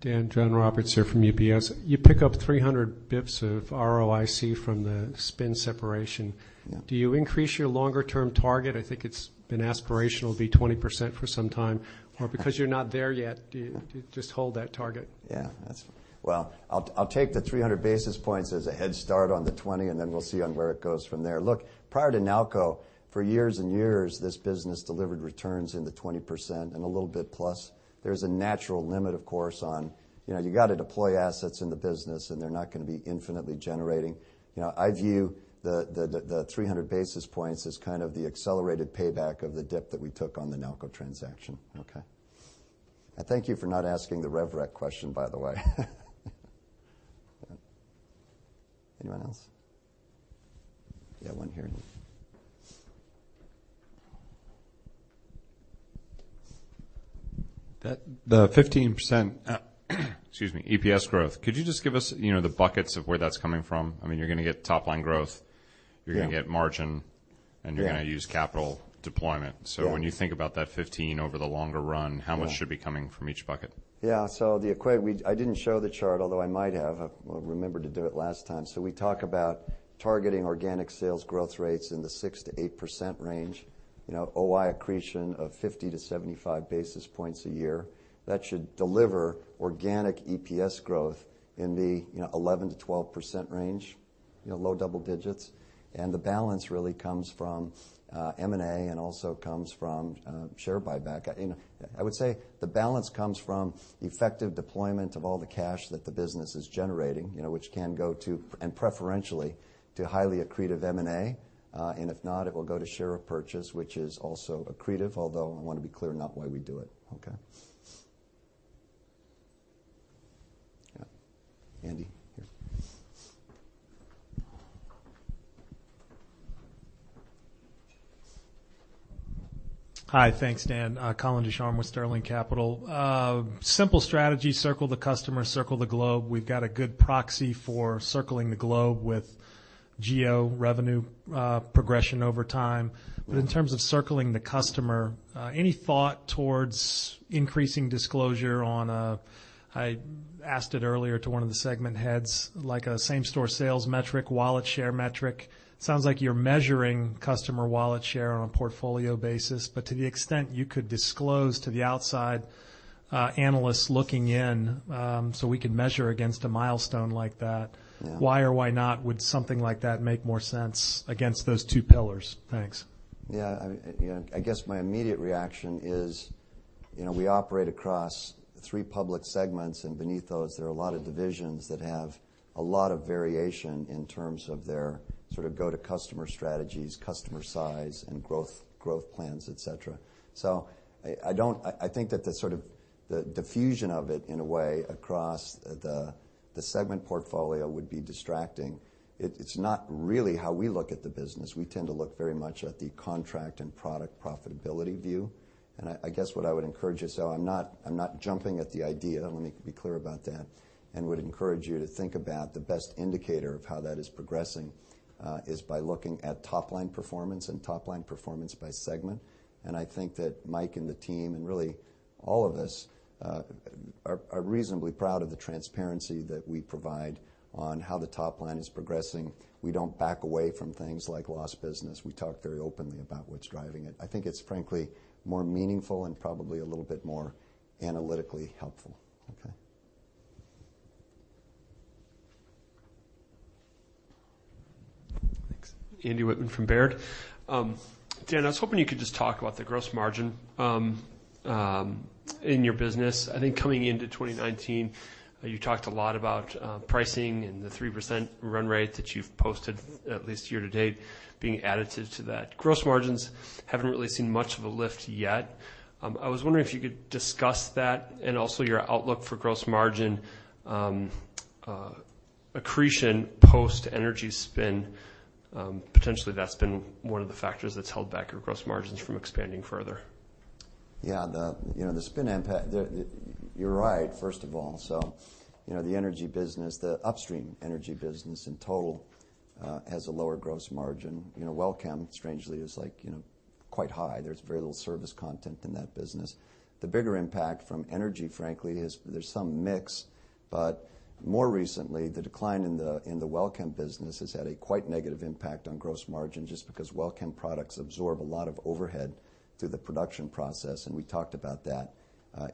Dan, John Roberts here from UBS. You pick up 300 basis points of ROIC from the spin separation. Yeah. Do you increase your longer-term target? I think it's been aspirational to be 20% for some time, or because you're not there yet, do you just hold that target? Well, I'll take the 300 basis points as a head start on the 20, then we'll see on where it goes from there. Look, prior to Nalco, for years and years, this business delivered returns in the 20% and a little bit plus. There's a natural limit, of course, you've got to deploy assets in the business, they're not going to be infinitely generating. I view the 300 basis points as kind of the accelerated payback of the dip that we took on the Nalco transaction. Okay. I thank you for not asking the RevRec question, by the way. Anyone else? One here. The 15% excuse me, EPS growth. Could you just give us the buckets of where that's coming from? You're going to get top-line growth- Yeah you're going to get margin. Yeah You're going to use capital deployment. Yeah. When you think about that 15 over the longer run, how much should be coming from each bucket? Yeah. The equate, I didn't show the chart, although I might have. Well, I remembered to do it last time. We talk about targeting organic sales growth rates in the 6%-8% range, OI accretion of 50 to 75 basis points a year. That should deliver organic EPS growth in the 11%-12% range, low double digits. The balance really comes from M&A and also comes from share buyback. I would say the balance comes from the effective deployment of all the cash that the business is generating, which can go to, and preferentially, to highly accretive M&A. If not, it will go to share purchase, which is also accretive, although I want to be clear, not why we do it. Okay. Yeah. Andy, here. Hi. Thanks, Dan. Colin Deschamps with Sterling Capital. Simple strategy, circle the customer, circle the globe. We've got a good proxy for circling the globe with geo-revenue progression over time. In terms of circling the customer, any thought towards increasing disclosure on, I asked it earlier to one of the segment heads, like a same-store sales metric, wallet share metric. It sounds like you're measuring customer wallet share on a portfolio basis. To the extent you could disclose to the outside analysts looking in, so we could measure against a milestone like that. Yeah. Why or why not would something like that make more sense against those two pillars? Thanks. Yeah. I guess my immediate reaction is, we operate across three public segments, and beneath those, there are a lot of divisions that have a lot of variation in terms of their go-to customer strategies, customer size, and growth plans, et cetera. I think that the diffusion of it, in a way, across the segment portfolio would be distracting. It's not really how we look at the business. We tend to look very much at the contract and product profitability view. I guess what I would encourage you, so I'm not jumping at the idea. Let me be clear about that, and would encourage you to think about the best indicator of how that is progressing, is by looking at top-line performance and top-line performance by segment. I think that Mike and the team, and really all of us, are reasonably proud of the transparency that we provide on how the top line is progressing. We don't back away from things like lost business. We talk very openly about what's driving it. I think it's frankly more meaningful and probably a little bit more analytically helpful. Thanks. Andy Wittmann from Baird. Dan, I was hoping you could just talk about the gross margin in your business. I think coming into 2019, you talked a lot about pricing and the 3% run rate that you've posted, at least year to date, being additive to that. Gross margins haven't really seen much of a lift yet. I was wondering if you could discuss that and also your outlook for gross margin accretion, post energy spin. Potentially, that's been one of the factors that's held back your gross margins from expanding further. The spin impact, you're right, first of all. The energy business, the upstream energy business in total, has a lower gross margin. WellChem, strangely, is quite high. There's very little service content in that business. The bigger impact from energy, frankly, is there's some mix. More recently, the decline in the WellChem business has had a quite negative impact on gross margin, just because WellChem products absorb a lot of overhead through the production process, and we talked about that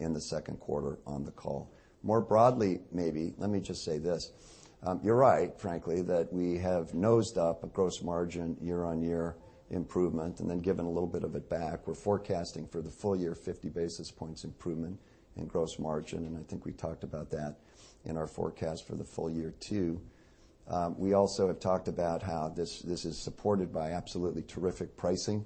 in the second quarter on the call. More broadly, maybe, let me just say this. You're right, frankly, that we have nosed up a gross margin year-on-year improvement and then given a little bit of it back. We're forecasting for the full year 50 basis points improvement in gross margin, and I think we talked about that in our forecast for the full year, too. We also have talked about how this is supported by absolutely terrific pricing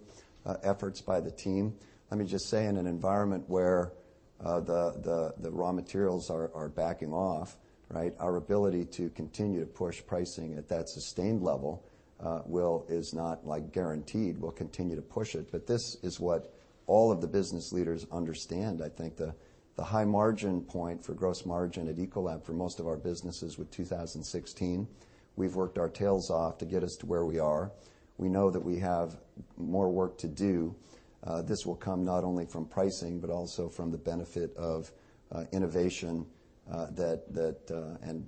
efforts by the team. Let me just say, in an environment where the raw materials are backing off, right, our ability to continue to push pricing at that sustained level is not guaranteed. We'll continue to push it. This is what all of the business leaders understand, I think, the high margin point for gross margin at Ecolab for most of our businesses with 2016. We've worked our tails off to get us to where we are. We know that we have more work to do. This will come not only from pricing, but also from the benefit of innovation and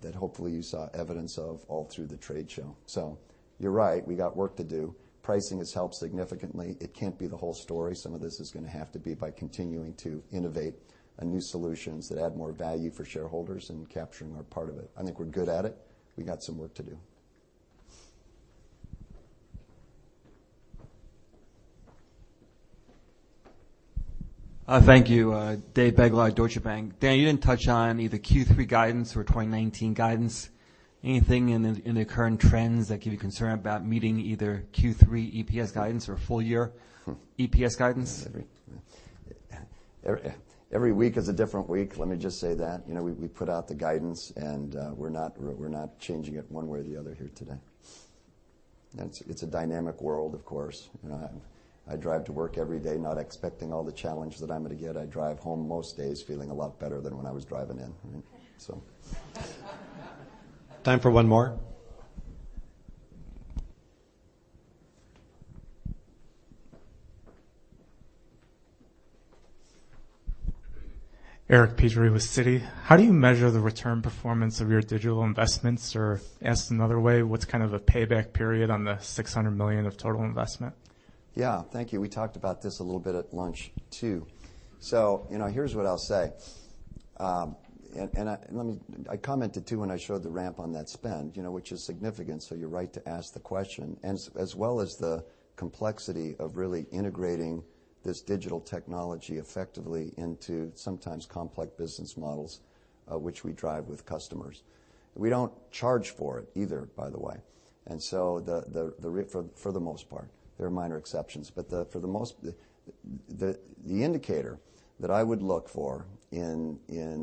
that hopefully you saw evidence of all through the trade show. You're right, we got work to do. Pricing has helped significantly. It can't be the whole story. Some of this is going to have to be by continuing to innovate new solutions that add more value for shareholders and capturing our part of it. I think we're good at it. We got some work to do. Thank you. Dave Begleiter, Deutsche Bank. Dan, you didn't touch on either Q3 guidance or 2019 guidance. Anything in the current trends that give you concern about meeting either Q3 EPS guidance or full year EPS guidance? Every week is a different week, let me just say that. We put out the guidance, and we're not changing it one way or the other here today. It's a dynamic world, of course. I drive to work every day not expecting all the challenge that I'm going to get. I drive home most days feeling a lot better than when I was driving in. So. Time for one more. Eric Petrie with Citi. How do you measure the return performance of your digital investments, or asked another way, what's kind of a payback period on the $600 million of total investment? Yeah. Thank you. We talked about this a little bit at lunch, too. Here's what I'll say. I commented, too, when I showed the ramp on that spend, which is significant, so you're right to ask the question. As well as the complexity of really integrating this digital technology effectively into sometimes complex business models, which we drive with customers. We don't charge for it either, by the way. For the most part. There are minor exceptions. The indicator that I would look for in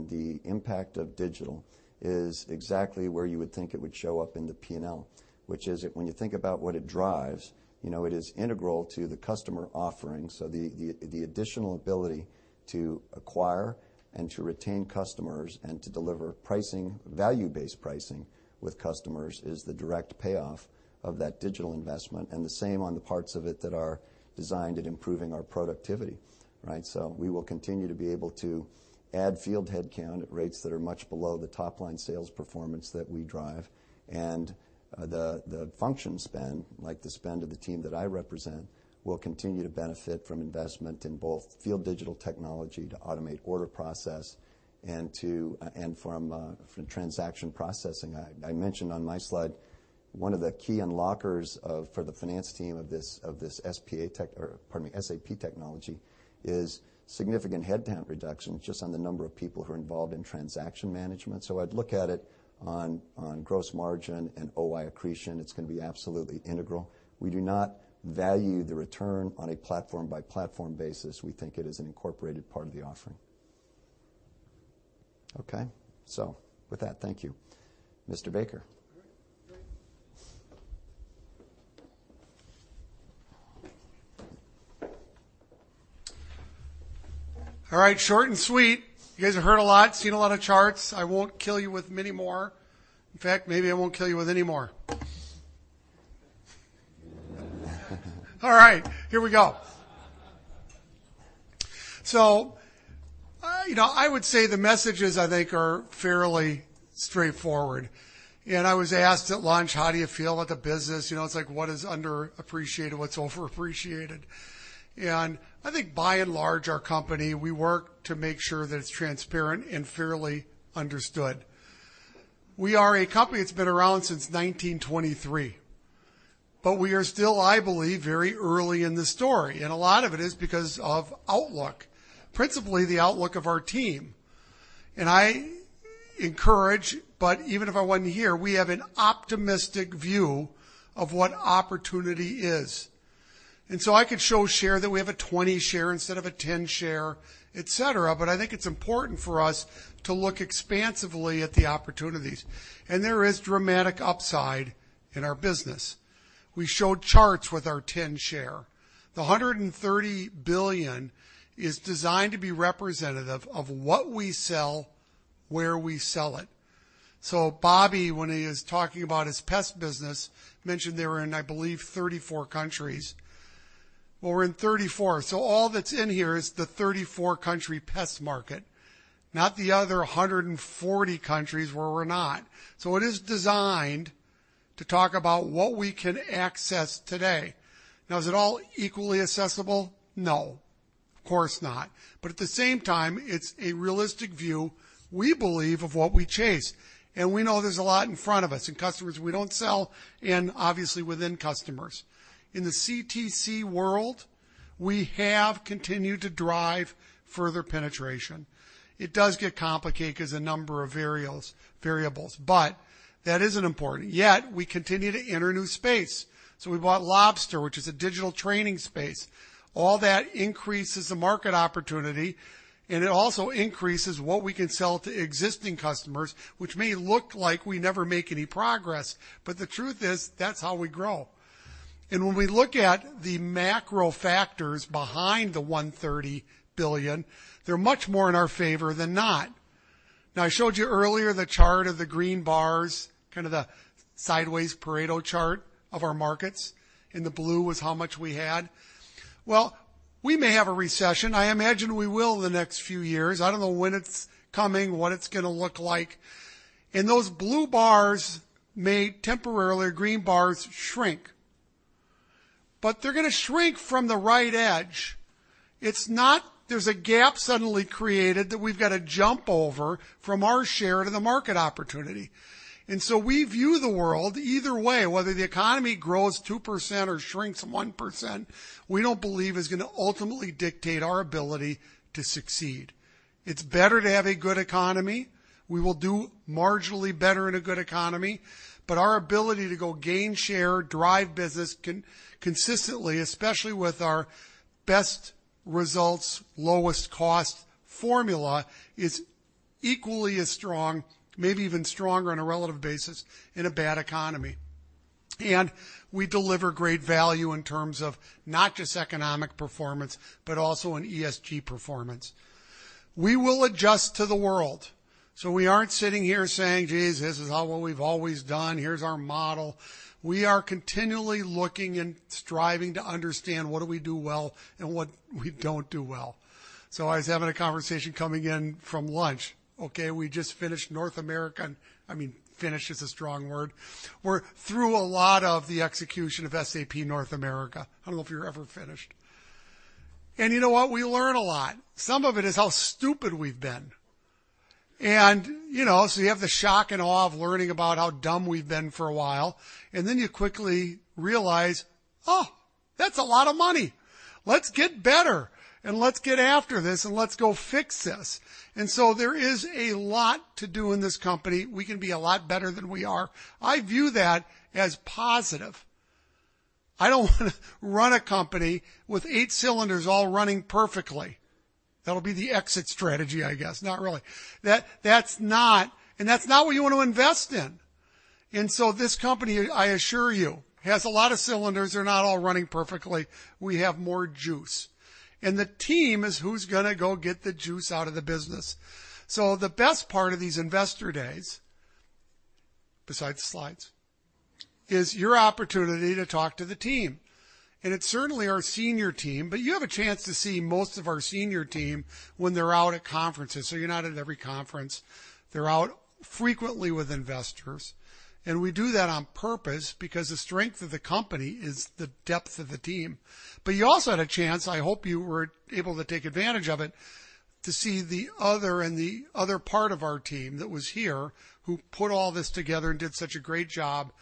the impact of digital is exactly where you would think it would show up in the P&L. Which is when you think about what it drives, it is integral to the customer offering, so the additional ability to acquire and to retain customers and to deliver pricing, value-based pricing with customers is the direct payoff of that digital investment, and the same on the parts of it that are designed at improving our productivity. Right? We will continue to be able to add field headcount at rates that are much below the top-line sales performance that we drive. The function spend, like the spend of the team that I represent, will continue to benefit from investment in both field digital technology to automate order process and from transaction processing. I mentioned on my slide one of the key unlockers for the finance team of this SPA tech or, pardon me, SAP technology is significant headcount reduction just on the number of people who are involved in transaction management. I'd look at it on gross margin and OI accretion. It's going to be absolutely integral. We do not value the return on a platform-by-platform basis. We think it is an incorporated part of the offering. Okay? With that, thank you. Mr. Baker. Great. All right. Short and sweet. You guys have heard a lot, seen a lot of charts. I won't kill you with many more. In fact, maybe I won't kill you with any more. All right, here we go. I would say the messages, I think, are fairly straightforward. I was asked at lunch, how do you feel about the business? It's like, what is underappreciated, what's overappreciated? I think by and large, our company, we work to make sure that it's transparent and fairly understood. We are a company that's been around since 1923, but we are still, I believe, very early in the story, and a lot of it is because of outlook. Principally, the outlook of our team. I encourage, but even if I wasn't here, we have an optimistic view of what opportunity is. I could show share that we have a 20 share instead of a 10 share, et cetera, but I think it's important for us to look expansively at the opportunities. There is dramatic upside in our business. We showed charts with our 10 share. The $130 billion is designed to be representative of what we sell, where we sell it. Bobby, when he was talking about his pest business, mentioned they were in, I believe, 34 countries. Well, we're in 34. All that's in here is the 34 country pest market, not the other 140 countries where we're not. It is designed to talk about what we can access today. Now, is it all equally accessible? No. Of course not. At the same time, it's a realistic view, we believe, of what we chase. We know there's a lot in front of us, in customers we don't sell in, obviously within customers. In the CTC world, we have continued to drive further penetration. It does get complicated because a number of variables. That isn't important. Yet, we continue to enter new space. We bought Lobster, which is a digital training space. All that increases the market opportunity, and it also increases what we can sell to existing customers, which may look like we never make any progress, but the truth is, that's how we grow. When we look at the macro factors behind the $130 billion, they're much more in our favor than not. Now, I showed you earlier the chart of the green bars, kind of the sideways Pareto chart of our markets, and the blue was how much we had. We may have a recession. I imagine we will in the next few years. I don't know when it's coming, what it's going to look like. Those blue bars may temporarily, or green bars, shrink. They're going to shrink from the right edge. It's not there's a gap suddenly created that we've got to jump over from our share to the market opportunity. We view the world either way, whether the economy grows 2% or shrinks 1%, we don't believe is going to ultimately dictate our ability to succeed. It's better to have a good economy. We will do marginally better in a good economy, but our ability to go gain share, drive business consistently, especially with our best results, lowest cost formula, is equally as strong, maybe even stronger on a relative basis in a bad economy. We deliver great value in terms of not just economic performance, but also in ESG performance. We will adjust to the world. We aren't sitting here saying, "Geez, this is how what we've always done. Here's our model." We are continually looking and striving to understand what do we do well and what we don't do well. I was having a conversation coming in from lunch. Okay, we just finished North America. Finish is a strong word. We're through a lot of the execution of SAP North America. I don't know if you're ever finished. You know what? We learn a lot. Some of it is how stupid we've been. You have the shock and awe of learning about how dumb we've been for a while, and then you quickly realize, "Oh, that's a lot of money. Let's get better, and let's get after this, and let's go fix this. There is a lot to do in this company. We can be a lot better than we are. I view that as positive. I don't want to run a company with eight cylinders all running perfectly. That'll be the exit strategy, I guess. Not really. That's not what you want to invest in. This company, I assure you, has a lot of cylinders. They're not all running perfectly. We have more juice, and the team is who's going to go get the juice out of the business. The best part of these investor days, besides the slides, is your opportunity to talk to the team. It's certainly our senior team, but you have a chance to see most of our senior team when they're out at conferences, so you're not at every conference. They're out frequently with investors, and we do that on purpose because the strength of the company is the depth of the team. You also had a chance, I hope you were able to take advantage of it, to see the other and the other part of our team that was here who put all this together and did such a great job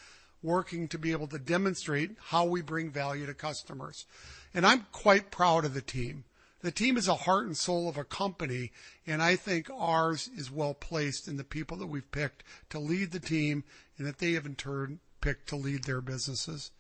working to be able to demonstrate how we bring value to customers. I'm quite proud of the team. The team is a heart and soul of a company, and I think ours is well-placed in the people that we've picked to lead the team and that they have in turn picked to lead their businesses.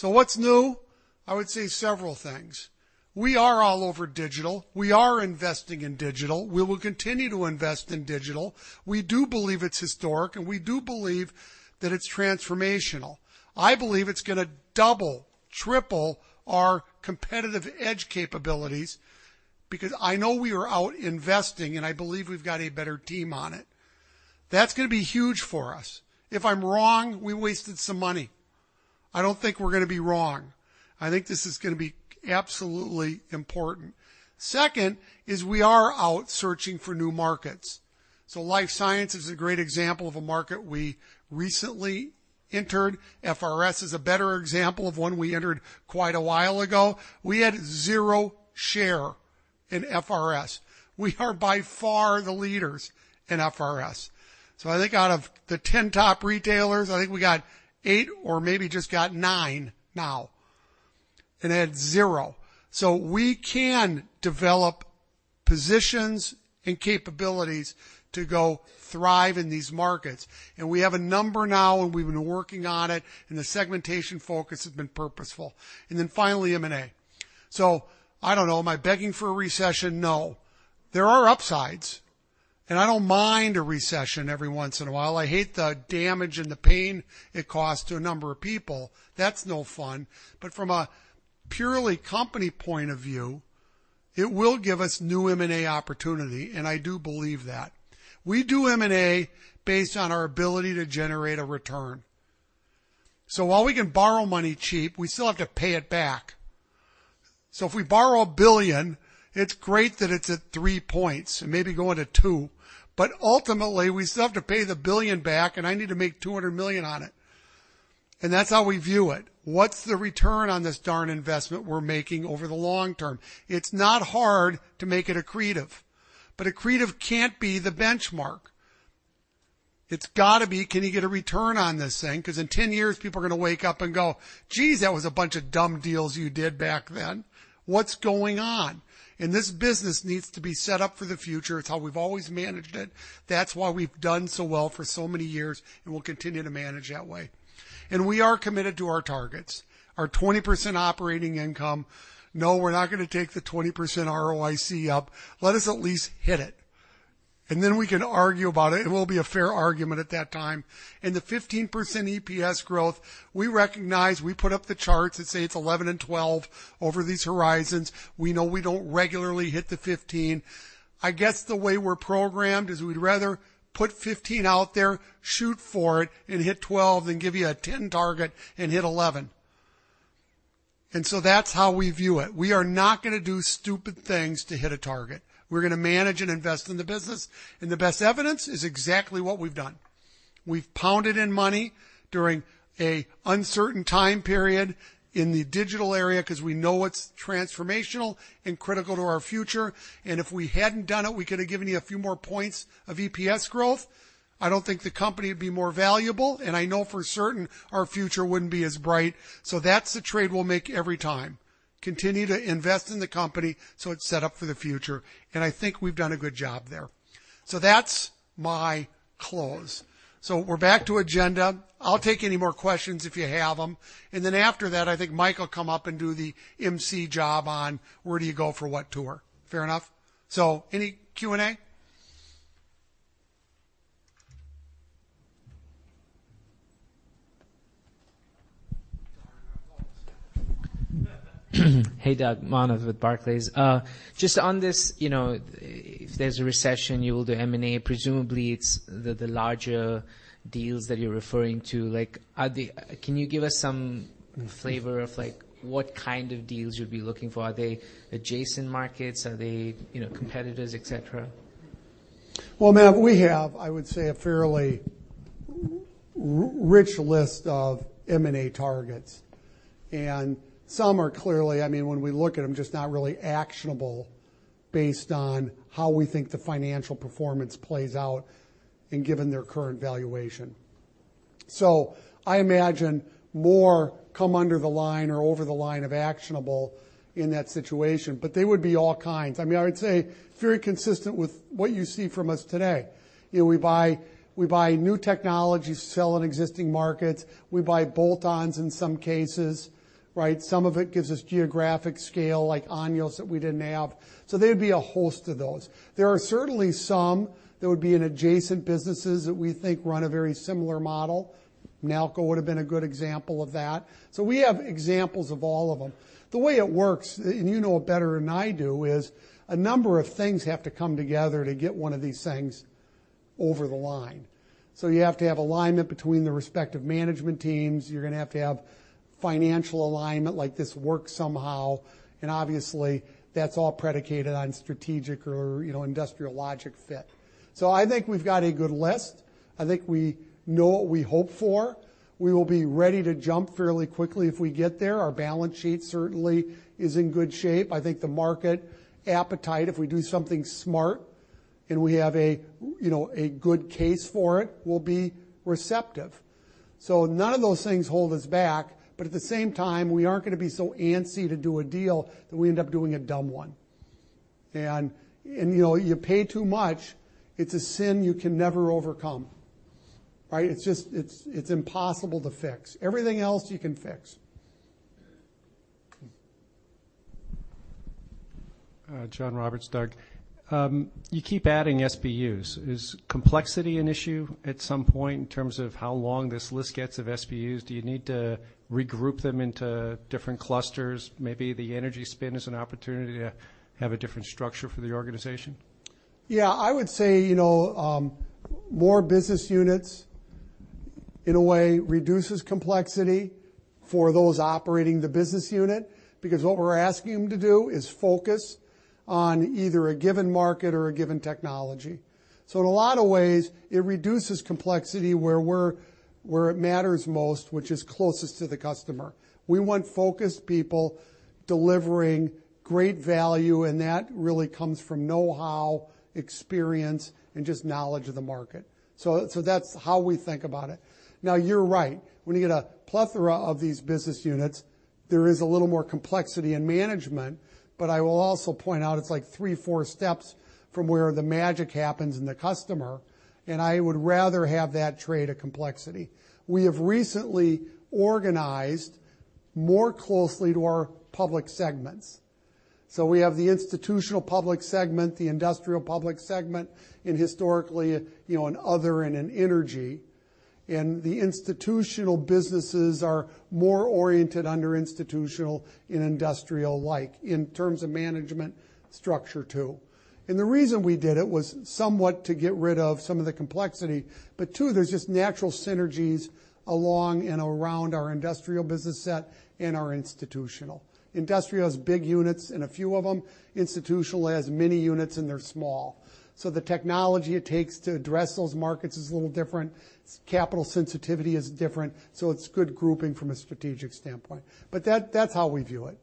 What's new? I would say several things. We are all over digital. We are investing in digital. We will continue to invest in digital. We do believe it's historic, and we do believe that it's transformational. I believe it's going to double, triple our competitive edge capabilities because I know we are out investing, and I believe we've got a better team on it. That's going to be huge for us. If I'm wrong, we wasted some money. I don't think we're going to be wrong. I think this is going to be absolutely important. Second is we are out searching for new markets. Life science is a great example of a market we recently entered. FRS is a better example of one we entered quite a while ago. We had zero share in FRS. We are by far the leaders in FRS. I think out of the 10 top retailers, I think we got eight or maybe just got nine now and had zero. We can develop positions and capabilities to go thrive in these markets. We have a number now, and we've been working on it, and the segmentation focus has been purposeful. Finally, M&A. I don't know. Am I begging for a recession? No. There are upsides, and I don't mind a recession every once in a while. I hate the damage and the pain it costs to a number of people. That's no fun. From a purely company point of view, it will give us new M&A opportunity, and I do believe that. We do M&A based on our ability to generate a return. While we can borrow money cheap, we still have to pay it back. If we borrow $1 billion, it's great that it's at 3 points and maybe going to 2, but ultimately, we still have to pay the $1 billion back, and I need to make $200 million on it. That's how we view it. What's the return on this darn investment we're making over the long term? It's not hard to make it accretive, but accretive can't be the benchmark. It's got to be, can you get a return on this thing? Because in 10 years, people are going to wake up and go, "Geez, that was a bunch of dumb deals you did back then. What's going on?" This business needs to be set up for the future. It's how we've always managed it. That's why we've done so well for so many years, and we'll continue to manage that way. We are committed to our targets. Our 20% operating income, no, we're not going to take the 20% ROIC up. Let us at least hit it, and then we can argue about it. It will be a fair argument at that time. The 15% EPS growth, we recognize, we put up the charts that say it's 11 and 12 over these horizons. We know we don't regularly hit the 15. I guess the way we're programmed is we'd rather put 15 out there, shoot for it and hit 12 than give you a 10 target and hit 11. That's how we view it. We are not going to do stupid things to hit a target. We're going to manage and invest in the business, and the best evidence is exactly what we've done. We've pounded in money during an uncertain time period in the digital area, because we know it's transformational and critical to our future. If we hadn't done it, we could have given you a few more points of EPS growth. I don't think the company would be more valuable, and I know for certain our future wouldn't be as bright. That's the trade we'll make every time, continue to invest in the company so it's set up for the future, and I think we've done a good job there. That's my close. We're back to agenda. I'll take any more questions if you have them, and then after that, I think Mike will come up and do the emcee job on where do you go for what tour. Fair enough? Any Q&A? Hey, Doug. Manav with Barclays. Just on this, if there's a recession, you will do M&A. Presumably, it's the larger deals that you're referring to. Can you give us some flavor of what kind of deals you'd be looking for? Are they adjacent markets? Are they competitors, et cetera? Well, Manav, we have, I would say, a fairly rich list of M&A targets. Some are clearly, when we look at them, just not really actionable based on how we think the financial performance plays out and given their current valuation. I imagine more come under the line or over the line of actionable in that situation. They would be all kinds. I would say very consistent with what you see from us today. We buy new technology, sell in existing markets. We buy bolt-ons in some cases, right? Some of it gives us geographic scale, like Anios, that we didn't have. There'd be a host of those. There are certainly some that would be in adjacent businesses that we think run a very similar model. Nalco would have been a good example of that. We have examples of all of them. The way it works, and you know it better than I do, is a number of things have to come together to get one of these things over the line. You have to have alignment between the respective management teams. You're going to have to have financial alignment, like this works somehow, obviously, that's all predicated on strategic or industrial logic fit. I think we've got a good list. I think we know what we hope for. We will be ready to jump fairly quickly if we get there. Our balance sheet certainly is in good shape. I think the market appetite, if we do something smart and we have a good case for it, will be receptive. None of those things hold us back. At the same time, we aren't going to be so antsy to do a deal that we end up doing a dumb one. You pay too much, it's a sin you can never overcome. Right? It's impossible to fix. Everything else you can fix. John Roberts, Doug. You keep adding SBUs. Is complexity an issue at some point in terms of how long this list gets of SBUs? Do you need to regroup them into different clusters? Maybe the energy spin is an opportunity to have a different structure for the organization? Yeah, I would say, more business units, in a way, reduces complexity for those operating the business unit, because what we're asking them to do is focus on either a given market or a given technology. In a lot of ways, it reduces complexity where it matters most, which is closest to the customer. We want focused people delivering great value, and that really comes from know-how, experience, and just knowledge of the market. That's how we think about it. You're right. When you get a plethora of these business units, there is a little more complexity in management. I will also point out it's like three, four steps from where the magic happens in the customer, and I would rather have that trade a complexity. We have recently organized more closely to our public segments. We have the Institutional public segment, the Industrial public segment, and historically, an Other and an Energy. The Institutional businesses are more oriented under Institutional and industrial-like in terms of management structure, too. The reason we did it was somewhat to get rid of some of the complexity. Two, there's just natural synergies along and around our Industrial business set and our Institutional. Industrial has big units in a few of them. Institutional has many units, and they're small. The technology it takes to address those markets is a little different. Capital sensitivity is different. It's good grouping from a strategic standpoint. That's how we view it.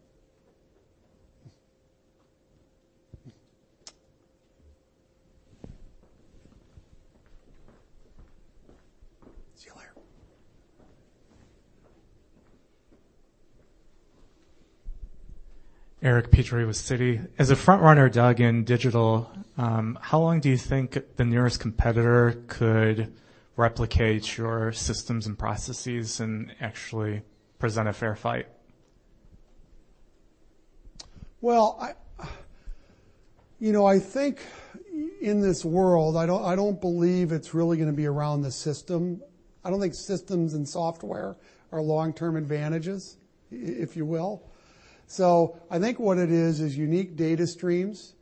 See you later. Eric Petrie with Citi. As a front-runner, Doug, in digital, how long do you think the nearest competitor could replicate your systems and processes and actually present a fair fight? Well, I think in this world, I don't believe it's really going to be around the system. I don't think systems and software are long-term advantages, if you will. I think what it is unique data streams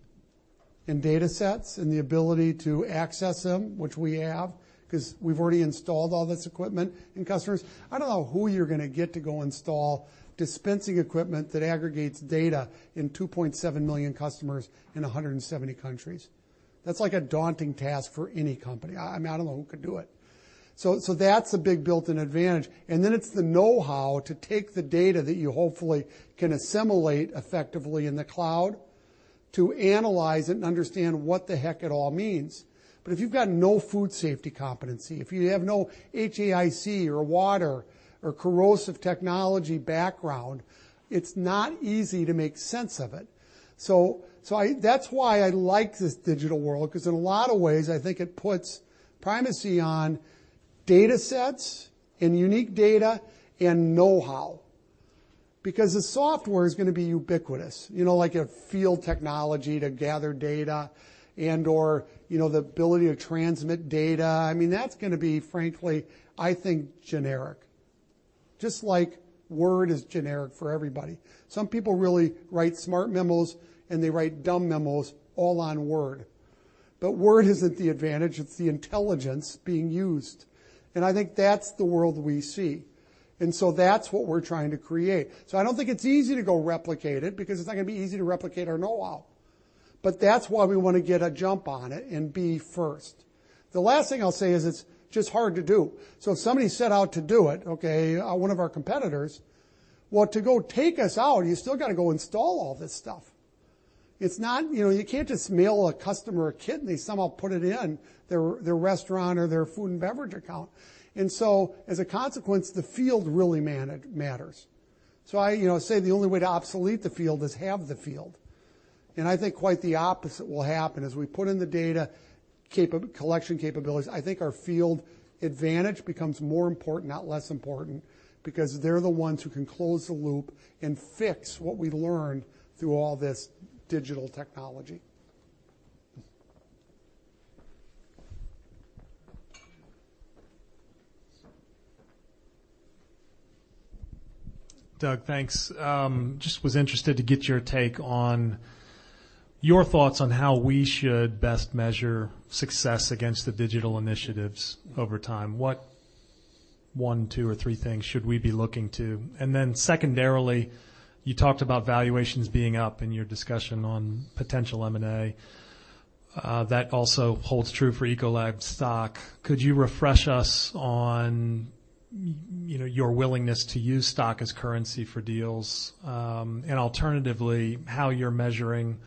and data sets and the ability to access them, which we have, because we've already installed all this equipment in customers. I don't know who you're going to get to go install dispensing equipment that aggregates data in 2.7 million customers in 170 countries. That's a daunting task for any company. I don't know who could do it. That's a big built-in advantage. Then it's the know-how to take the data that you hopefully can assimilate effectively in the cloud, to analyze it and understand what the heck it all means. If you've got no food safety competency, if you have no HAI or water or corrosive technology background, it's not easy to make sense of it. That's why I like this digital world, because in a lot of ways, I think it puts primacy on data sets and unique data and know-how. The software is going to be ubiquitous, like a field technology to gather data and, or the ability to transmit data. That's going to be, frankly, I think, generic. Just like Word is generic for everybody. Some people really write smart memos, and they write dumb memos all on Word. Word isn't the advantage, it's the intelligence being used. I think that's the world we see. That's what we're trying to create. I don't think it's easy to go replicate it, because it's not going to be easy to replicate our know-how. That's why we want to get a jump on it and be first. The last thing I'll say is it's just hard to do. If somebody set out to do it, okay, one of our competitors, well, to go take us out, you still got to go install all this stuff. You can't just mail a customer a kit and they somehow put it in their restaurant or their food and beverage account. As a consequence, the field really matters. I say the only way to obsolete the field is have the field. I think quite the opposite will happen. We put in the data collection capabilities, I think our field advantage becomes more important, not less important, because they're the ones who can close the loop and fix what we learned through all this digital technology. Doug, thanks. Just was interested to get your take on your thoughts on how we should best measure success against the digital initiatives over time. What one, two, or three things should we be looking to? Secondarily, you talked about valuations being up in your discussion on potential M&A. That also holds true for Ecolab stock. Could you refresh us on your willingness to use stock as currency for deals? Alternatively, how you're measuring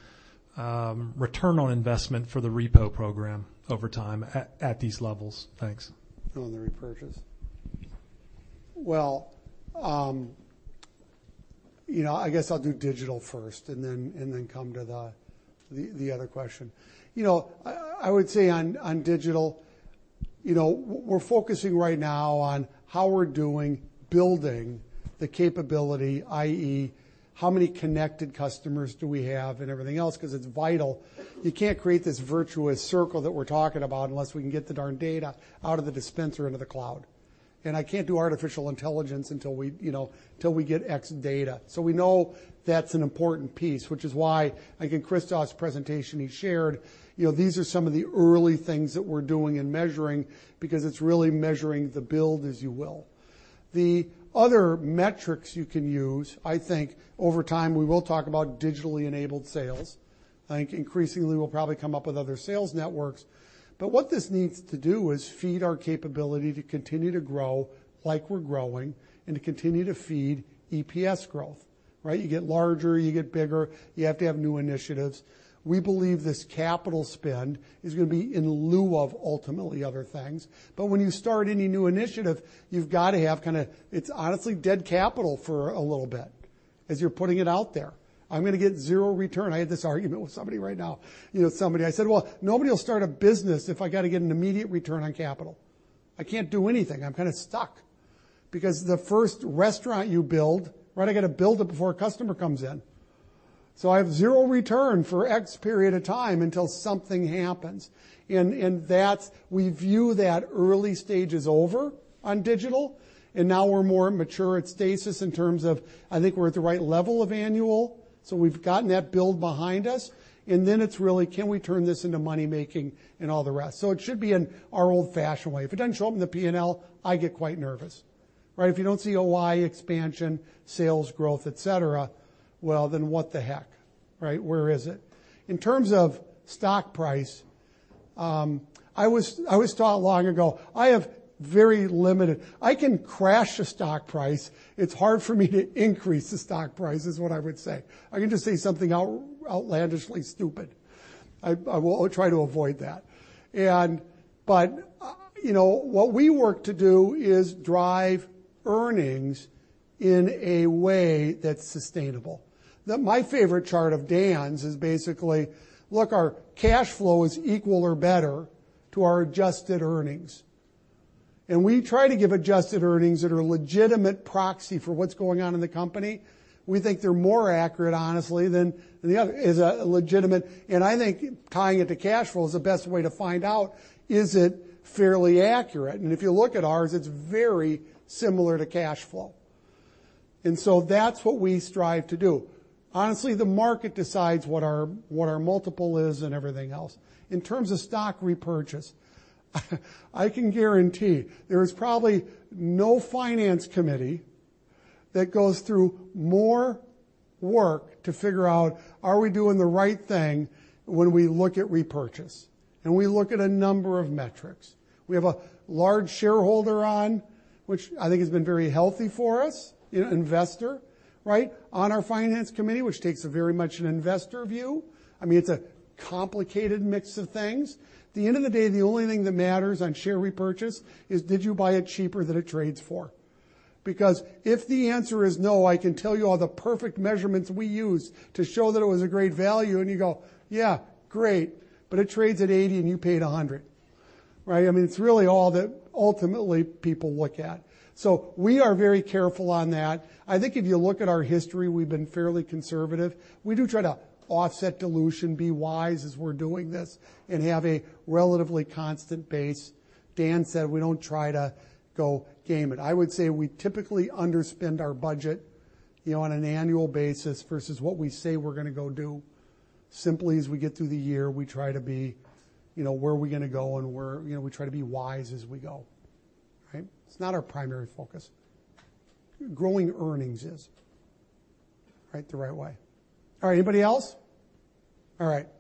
return on investment for the repo program over time at these levels? Thanks. On the repurchase. I guess I'll do digital first and then come to the other question. I would say on digital, we're focusing right now on how we're doing building the capability, i.e., how many connected customers do we have and everything else, because it's vital. You can't create this virtuous circle that we're talking about unless we can get the darn data out of the dispenser into the cloud. I can't do artificial intelligence until we get X data. We know that's an important piece, which is why, I think in Christophe's presentation, he shared these are some of the early things that we're doing and measuring, because it's really measuring the build, as you will. The other metrics you can use, I think, over time, we will talk about digitally enabled sales. I think increasingly, we'll probably come up with other sales networks. What this needs to do is feed our capability to continue to grow like we're growing and to continue to feed EPS growth, right? You get larger, you get bigger, you have to have new initiatives. We believe this capital spend is going to be in lieu of ultimately other things. When you start any new initiative, you've got to have it's honestly dead capital for a little bit as you're putting it out there. I'm going to get zero return. I had this argument with somebody right now. I said, "Well, nobody will start a business if I got to get an immediate return on capital." I can't do anything. I'm kind of stuck because the first restaurant you build, right, I got to build it before a customer comes in. I have zero return for X period of time until something happens. We view that early stage is over on digital, and now we're more mature at stasis in terms of, I think we're at the right level of annual. We've gotten that build behind us, and then it's really, can we turn this into money-making and all the rest? It should be in our old-fashioned way. If it doesn't show up in the P&L, I get quite nervous, right? If you don't see OI expansion, sales growth, et cetera, well, then what the heck, right? Where is it? In terms of stock price, I was taught long ago, I can crash a stock price. It's hard for me to increase the stock price, is what I would say. I can just say something outlandishly stupid. I will try to avoid that. What we work to do is drive earnings in a way that's sustainable. My favorite chart of Dan's is basically, look, our cash flow is equal or better to our adjusted earnings. We try to give adjusted earnings that are a legitimate proxy for what's going on in the company. We think they're more accurate, honestly, than the other, is legitimate. I think tying it to cash flow is the best way to find out, is it fairly accurate? If you look at ours, it's very similar to cash flow. That's what we strive to do. Honestly, the market decides what our multiple is and everything else. In terms of stock repurchase, I can guarantee there is probably no finance committee that goes through more work to figure out, are we doing the right thing when we look at repurchase? We look at a number of metrics. We have a large shareholder on, which I think has been very healthy for us, investor, right, on our finance committee, which takes a very much an investor view. It's a complicated mix of things. At the end of the day, the only thing that matters on share repurchase is did you buy it cheaper than it trades for? If the answer is no, I can tell you all the perfect measurements we used to show that it was a great value, and you go, "Yeah, great, but it trades at 80 and you paid 100." Right? It's really all that ultimately people look at. We are very careful on that. I think if you look at our history, we've been fairly conservative. We do try to offset dilution, be wise as we're doing this, and have a relatively constant base. Dan said we don't try to go game it. I would say we typically underspend our budget on an annual basis versus what we say we're going to go do. Simply as we get through the year, we try to be, where are we going to go, and we try to be wise as we go. Right? It's not our primary focus. Growing earnings is, right, the right way. All right. Anybody else? All right.